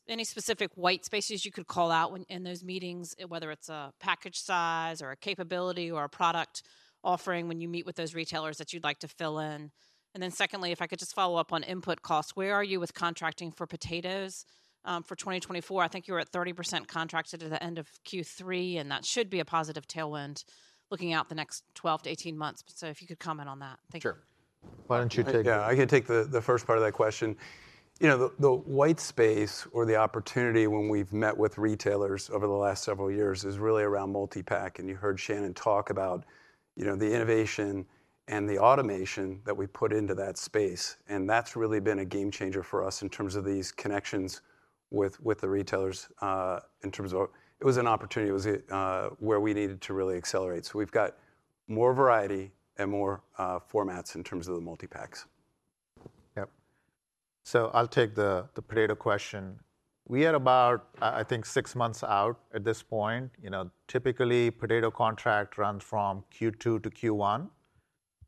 any specific white spaces you could call out when, in those meetings, whether it's a package size or a capability or a product offering, when you meet with those retailers that you'd like to fill in? And then secondly, if I could just follow up on input costs, where are you with contracting for potatoes? For 2024, I think you were at 30% contracted at the end of Q3, and that should be a positive tailwind looking out the next 12-18 months. So if you could comment on that. Thank you. Sure. Why don't you take it? Yeah, I can take the first part of that question. You know, the white space or the opportunity when we've met with retailers over the last several years is really around multi-pack, and you heard Shannan talk about, you know, the innovation and the automation that we put into that space, and that's really been a game changer for us in terms of these connections with the retailers in terms of. It was an opportunity, where we needed to really accelerate. So we've got more variety and more formats in terms of the multi-packs. Yep. So I'll take the potato question. We are about, I think, six months out at this point. You know, typically, potato contract runs from Q2 to Q1,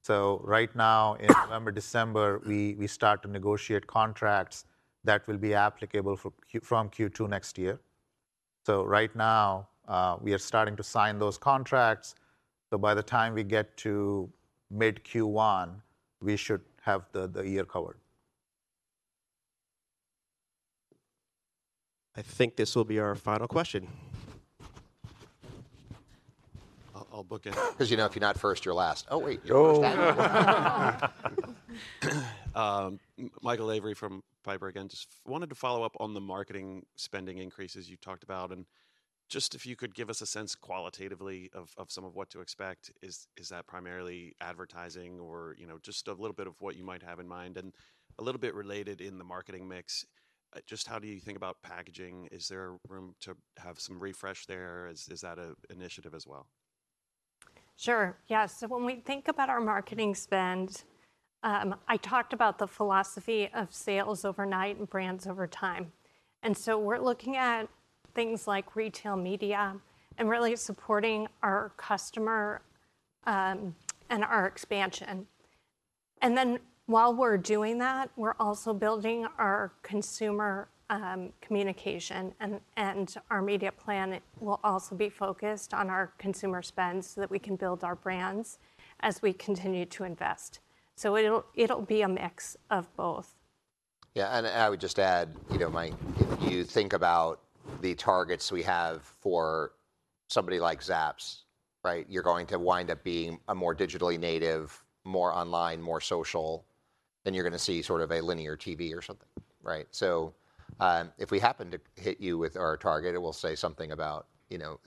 so right now, in November, December, we start to negotiate contracts that will be applicable for Q2 from next year. So right now, we are starting to sign those contracts, so by the time we get to mid-Q1, we should have the year covered. I think this will be our final question. I'll book it- 'Cause you know, if you're not first, you're last. Oh, wait- Oh. Michael Lavery from Piper Sandler. Just wanted to follow up on the marketing spending increases you talked about, and just if you could give us a sense qualitatively of some of what to expect. Is that primarily advertising or, you know, just a little bit of what you might have in mind? And a little bit related in the marketing mix, just how do you think about packaging? Is there room to have some refresh there? Is that an initiative as well? Sure, yeah. So when we think about our marketing spend, I talked about the philosophy of sales overnight and brands over time, and so we're looking at things like retail media and really supporting our customer, and our expansion. And then while we're doing that, we're also building our consumer communication, and our media plan will also be focused on our consumer spend so that we can build our brands as we continue to invest. So it'll be a mix of both. Yeah, and I would just add, you know, Mike, if you think about the targets we have for somebody like Zapp's, right? You're going to wind up being a more digitally native, more online, more social, than you're gonna see sort of a linear TV or something, right? So, if we happen to hit you with our target, it will say something about, you know,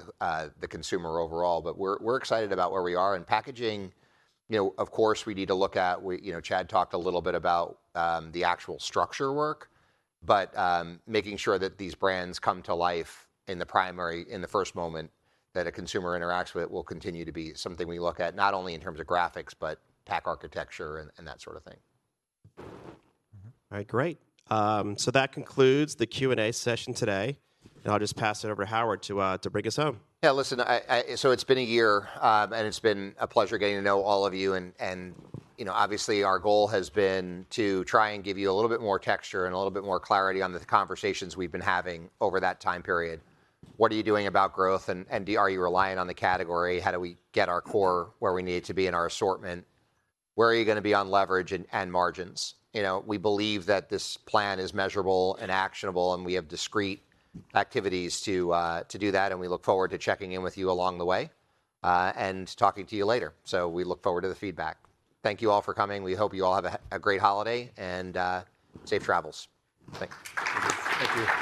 the consumer overall. But we're, we're excited about where we are. And packaging, you know, of course, we need to look at. You know, Chad talked a little bit about the actual structure work, but, making sure that these brands come to life in the primary, in the first moment, that a consumer interacts with it will continue to be something we look at, not only in terms of graphics, but pack architecture and, and that sort of thing. Mhm. All right, great. That concludes the Q&A session today, and I'll just pass it over to Howard to bring us home. Yeah, listen, I. So it's been a year, and it's been a pleasure getting to know all of you, and, you know, obviously, our goal has been to try and give you a little bit more texture and a little bit more clarity on the conversations we've been having over that time period. What are you doing about growth, and are you reliant on the category? How do we get our core where we need it to be in our assortment? Where are you gonna be on leverage and margins? You know, we believe that this plan is measurable and actionable, and we have discrete activities to do that, and we look forward to checking in with you along the way, and talking to you later. So we look forward to the feedback. Thank you all for coming. We hope you all have a great holiday and safe travels. Thank you. Thank you.